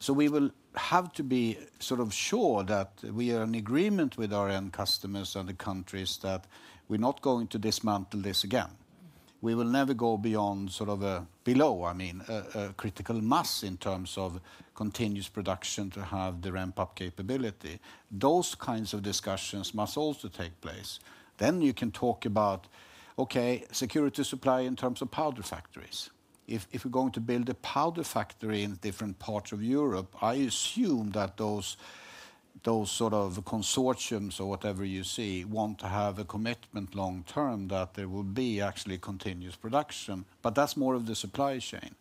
We will have to be sort of sure that we are in agreement with our end customers and the countries that we're not going to dismantle this again. We will never go beyond sort of a below, I mean, a critical mass in terms of continuous production to have the ramp-up capability. Those kinds of discussions must also take place. You can talk about, okay, security supply in terms of powder factories. If we're going to build a powder factory in different parts of Europe, I assume that those sort of consortiums or whatever you see want to have a commitment long-term that there will be actually continuous production. That's more of the supply chain.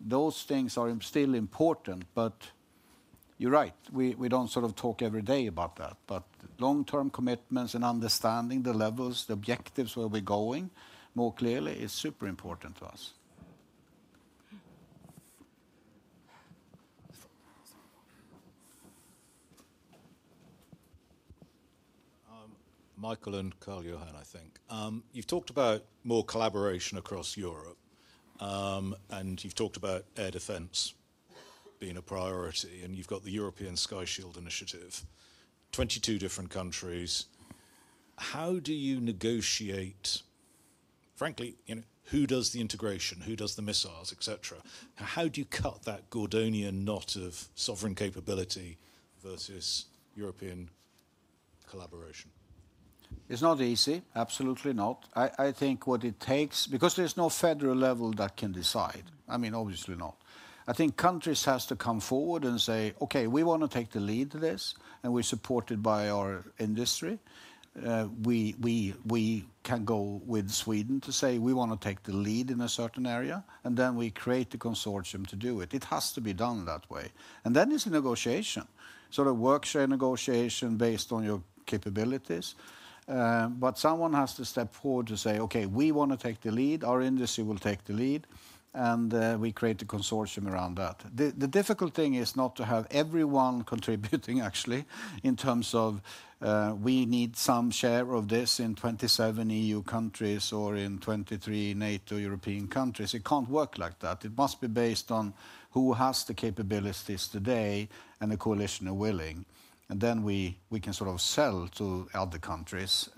Those things are still important. You're right. We don't sort of talk every day about that. Long-term commitments and understanding the levels, the objectives where we're going more clearly is super important to us. Micael and Carl-Johan, I think. You've talked about more collaboration across Europe. You've talked about air defense being a priority. You've got the European Sky Shield Initiative. 22 different countries. How do you negotiate, frankly, who does the integration, who does the missiles, etc.? How do you cut that Gordian knot of sovereign capability versus European collaboration? It's not easy. Absolutely not. I think what it takes, because there's no federal level that can decide, I mean, obviously not. I think countries have to come forward and say, okay, we want to take the lead to this, and we're supported by our industry. We can go with Sweden to say, we want to take the lead in a certain area, and then we create the consortium to do it. It has to be done that way. Then it's a negotiation, sort of work share negotiation based on your capabilities. Someone has to step forward to say, okay, we want to take the lead, our industry will take the lead, and we create a consortium around that. The difficult thing is not to have everyone contributing actually in terms of we need some share of this in 27 EU countries or in 23 NATO European countries. It can't work like that. It must be based on who has the capabilities today and the coalition are willing. Then we can sort of sell to other countries.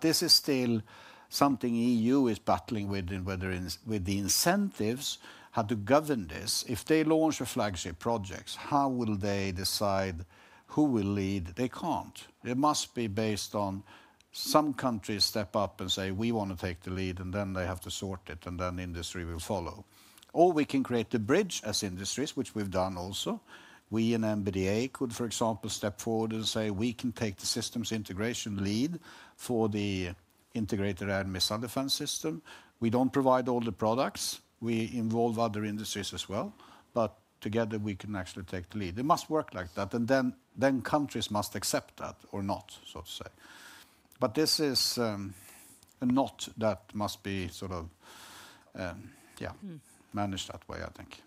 This is still something the EU is battling with, whether with the incentives how to govern this. If they launch a flagship project, how will they decide who will lead? They can't. It must be based on some countries step up and say, we want to take the lead, and then they have to sort it, and then industry will follow. Or we can create the bridge as industries, which we've done also. We in MBDA could, for example, step forward and say, we can take the systems integration lead for the integrated air and missile defense system. We do not provide all the products. We involve other industries as well. Together, we can actually take the lead. It must work like that. Countries must accept that or not, so to say. This is a knot that must be sort of, yeah, managed that way, I think.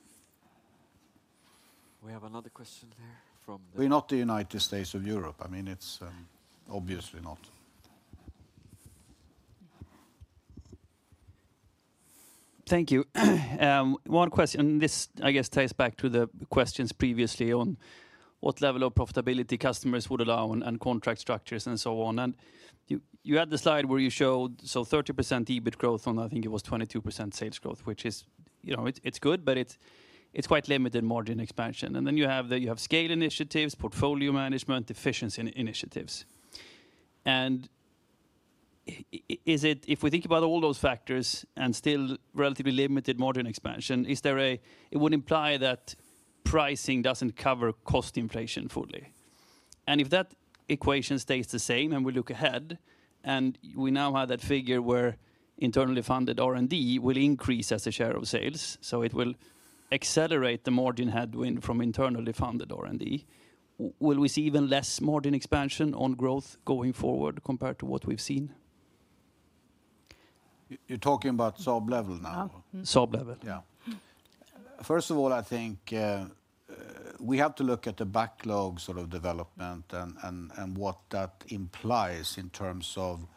We have another question there from. We are not the United States of Europe. I mean, it is obviously not. Thank you. One question. This, I guess, ties back to the questions previously on what level of profitability customers would allow and contract structures and so on. You had the slide where you showed 30% EBIT growth on, I think it was 22% sales growth, which is, you know, it's good, but it's quite limited margin expansion. You have scale initiatives, portfolio management, efficiency initiatives. If we think about all those factors and still relatively limited margin expansion, it would imply that pricing does not cover cost inflation fully. If that equation stays the same and we look ahead and we now have that figure where internally funded R&D will increase as a share of sales, so it will accelerate the margin headwind from internally funded R&D, will we see even less margin expansion on growth going forward compared to what we've seen? You're talking about Saab level now. Saab level. Yeah. First of all, I think we have to look at the backlog sort of development and what that implies in terms of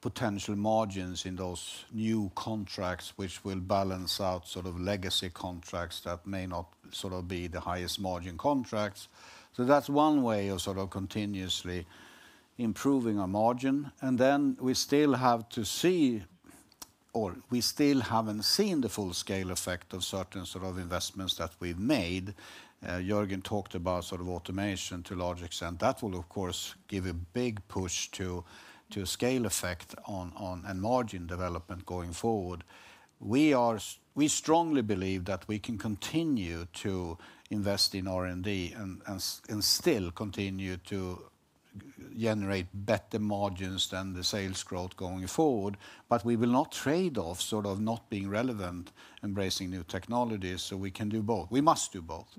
potential margins in those new contracts, which will balance out sort of legacy contracts that may not sort of be the highest margin contracts. That is one way of sort of continuously improving our margin. We still have to see, or we still have not seen the full scale effect of certain sort of investments that we have made. Görgen talked about sort of automation to a large extent. That will, of course, give a big push to scale effect on margin development going forward. We strongly believe that we can continue to invest in R&D and still continue to generate better margins than the sales growth going forward. We will not trade off sort of not being relevant, embracing new technologies. We can do both. We must do both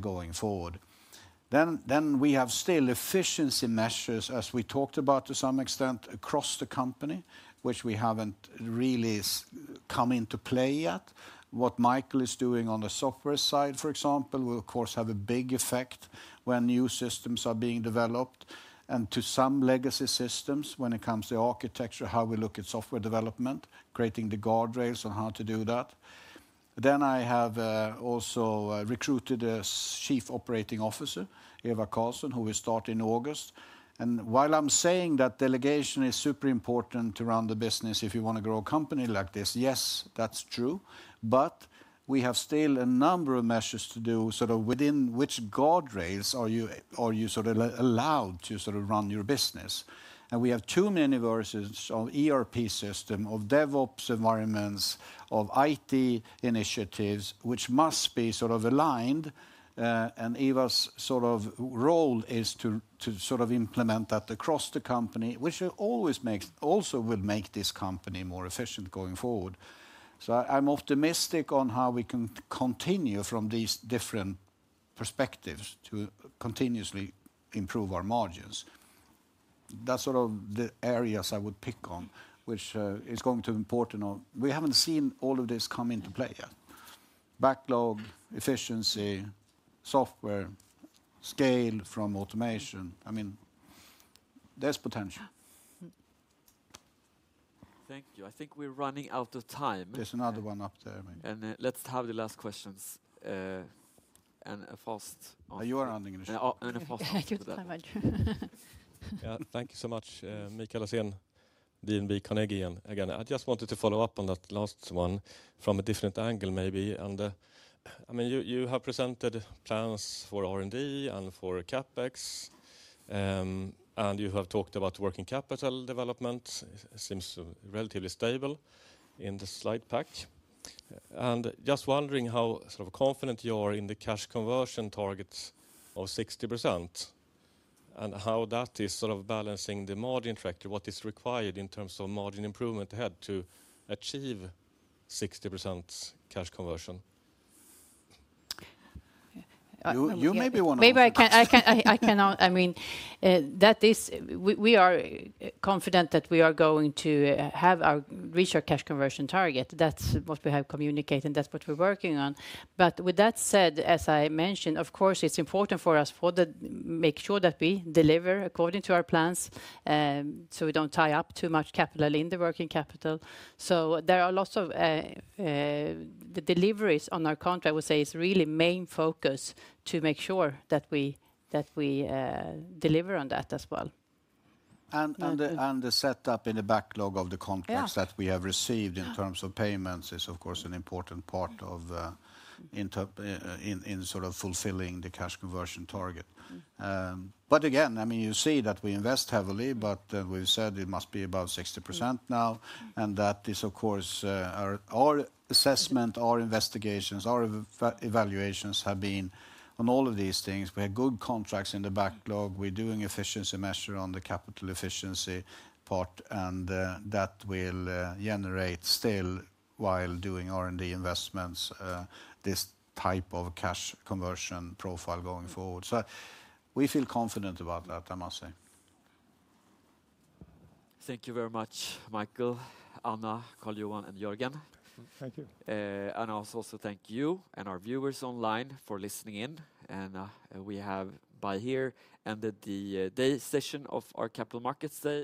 going forward. We have still efficiency measures, as we talked about to some extent, across the company, which we have not really come into play yet. What Mikael is doing on the software side, for example, will, of course, have a big effect when new systems are being developed. And to some legacy systems, when it comes to architecture, how we look at software development, creating the guardrails on how to do that. I have also recruited a Chief Operating Officer, Eva Karlsson, who will start in August. While I am saying that delegation is super important to run the business if you want to grow a company like this, yes, that is true. We have still a number of measures to do, sort of within which guardrails are you sort of allowed to sort of run your business. We have too many versions of ERP system, of DevOps environments, of IT initiatives, which must be sort of aligned. Eva's sort of role is to sort of implement that across the company, which always also will make this company more efficient going forward. I'm optimistic on how we can continue from these different perspectives to continuously improve our margins. That's sort of the areas I would pick on, which is going to be important on. We haven't seen all of this come into play yet. Backlog, efficiency, software, scale from automation. I mean, there's potential. Thank you. I think we're running out of time. There's another one up there. Let's have the last questions. And a fast. You are running the show. Thank you so much, Mikael Laséen DNB Carnegie again. I just wanted to follow up on that last one from a different angle, maybe. I mean, you have presented plans for R&D and for CapEx. You have talked about working capital development. It seems relatively stable in the slide pack. I am just wondering how sort of confident you are in the cash conversion target of 60% and how that is sort of balancing the margin tracker, what is required in terms of margin improvement ahead to achieve 60% cash conversion. You may be one of them. Maybe I cannot. I mean, that is, we are confident that we are going to have our research cash conversion target. That is what we have communicated, and that is what we are working on. With that said, as I mentioned, of course, it's important for us to make sure that we deliver according to our plans so we do not tie up too much capital in the working capital. There are lots of deliveries on our contract. I would say it's really main focus to make sure that we deliver on that as well. The setup in the backlog of the contracts that we have received in terms of payments is, of course, an important part in sort of fulfilling the cash conversion target. Again, I mean, you see that we invest heavily, but we've said it must be about 60% now. That is, of course, our assessment, our investigations, our evaluations have been on all of these things. We have good contracts in the backlog. We're doing efficiency measure on the capital efficiency part. That will generate still, while doing R&D investments, this type of cash conversion profile going forward. We feel confident about that, I must say. Thank you very much, Micael, Anna, Carl-Johan, and Görgen. Thank you. I also thank you and our viewers online for listening in. We have by here ended the day session of our Capital Markets Day.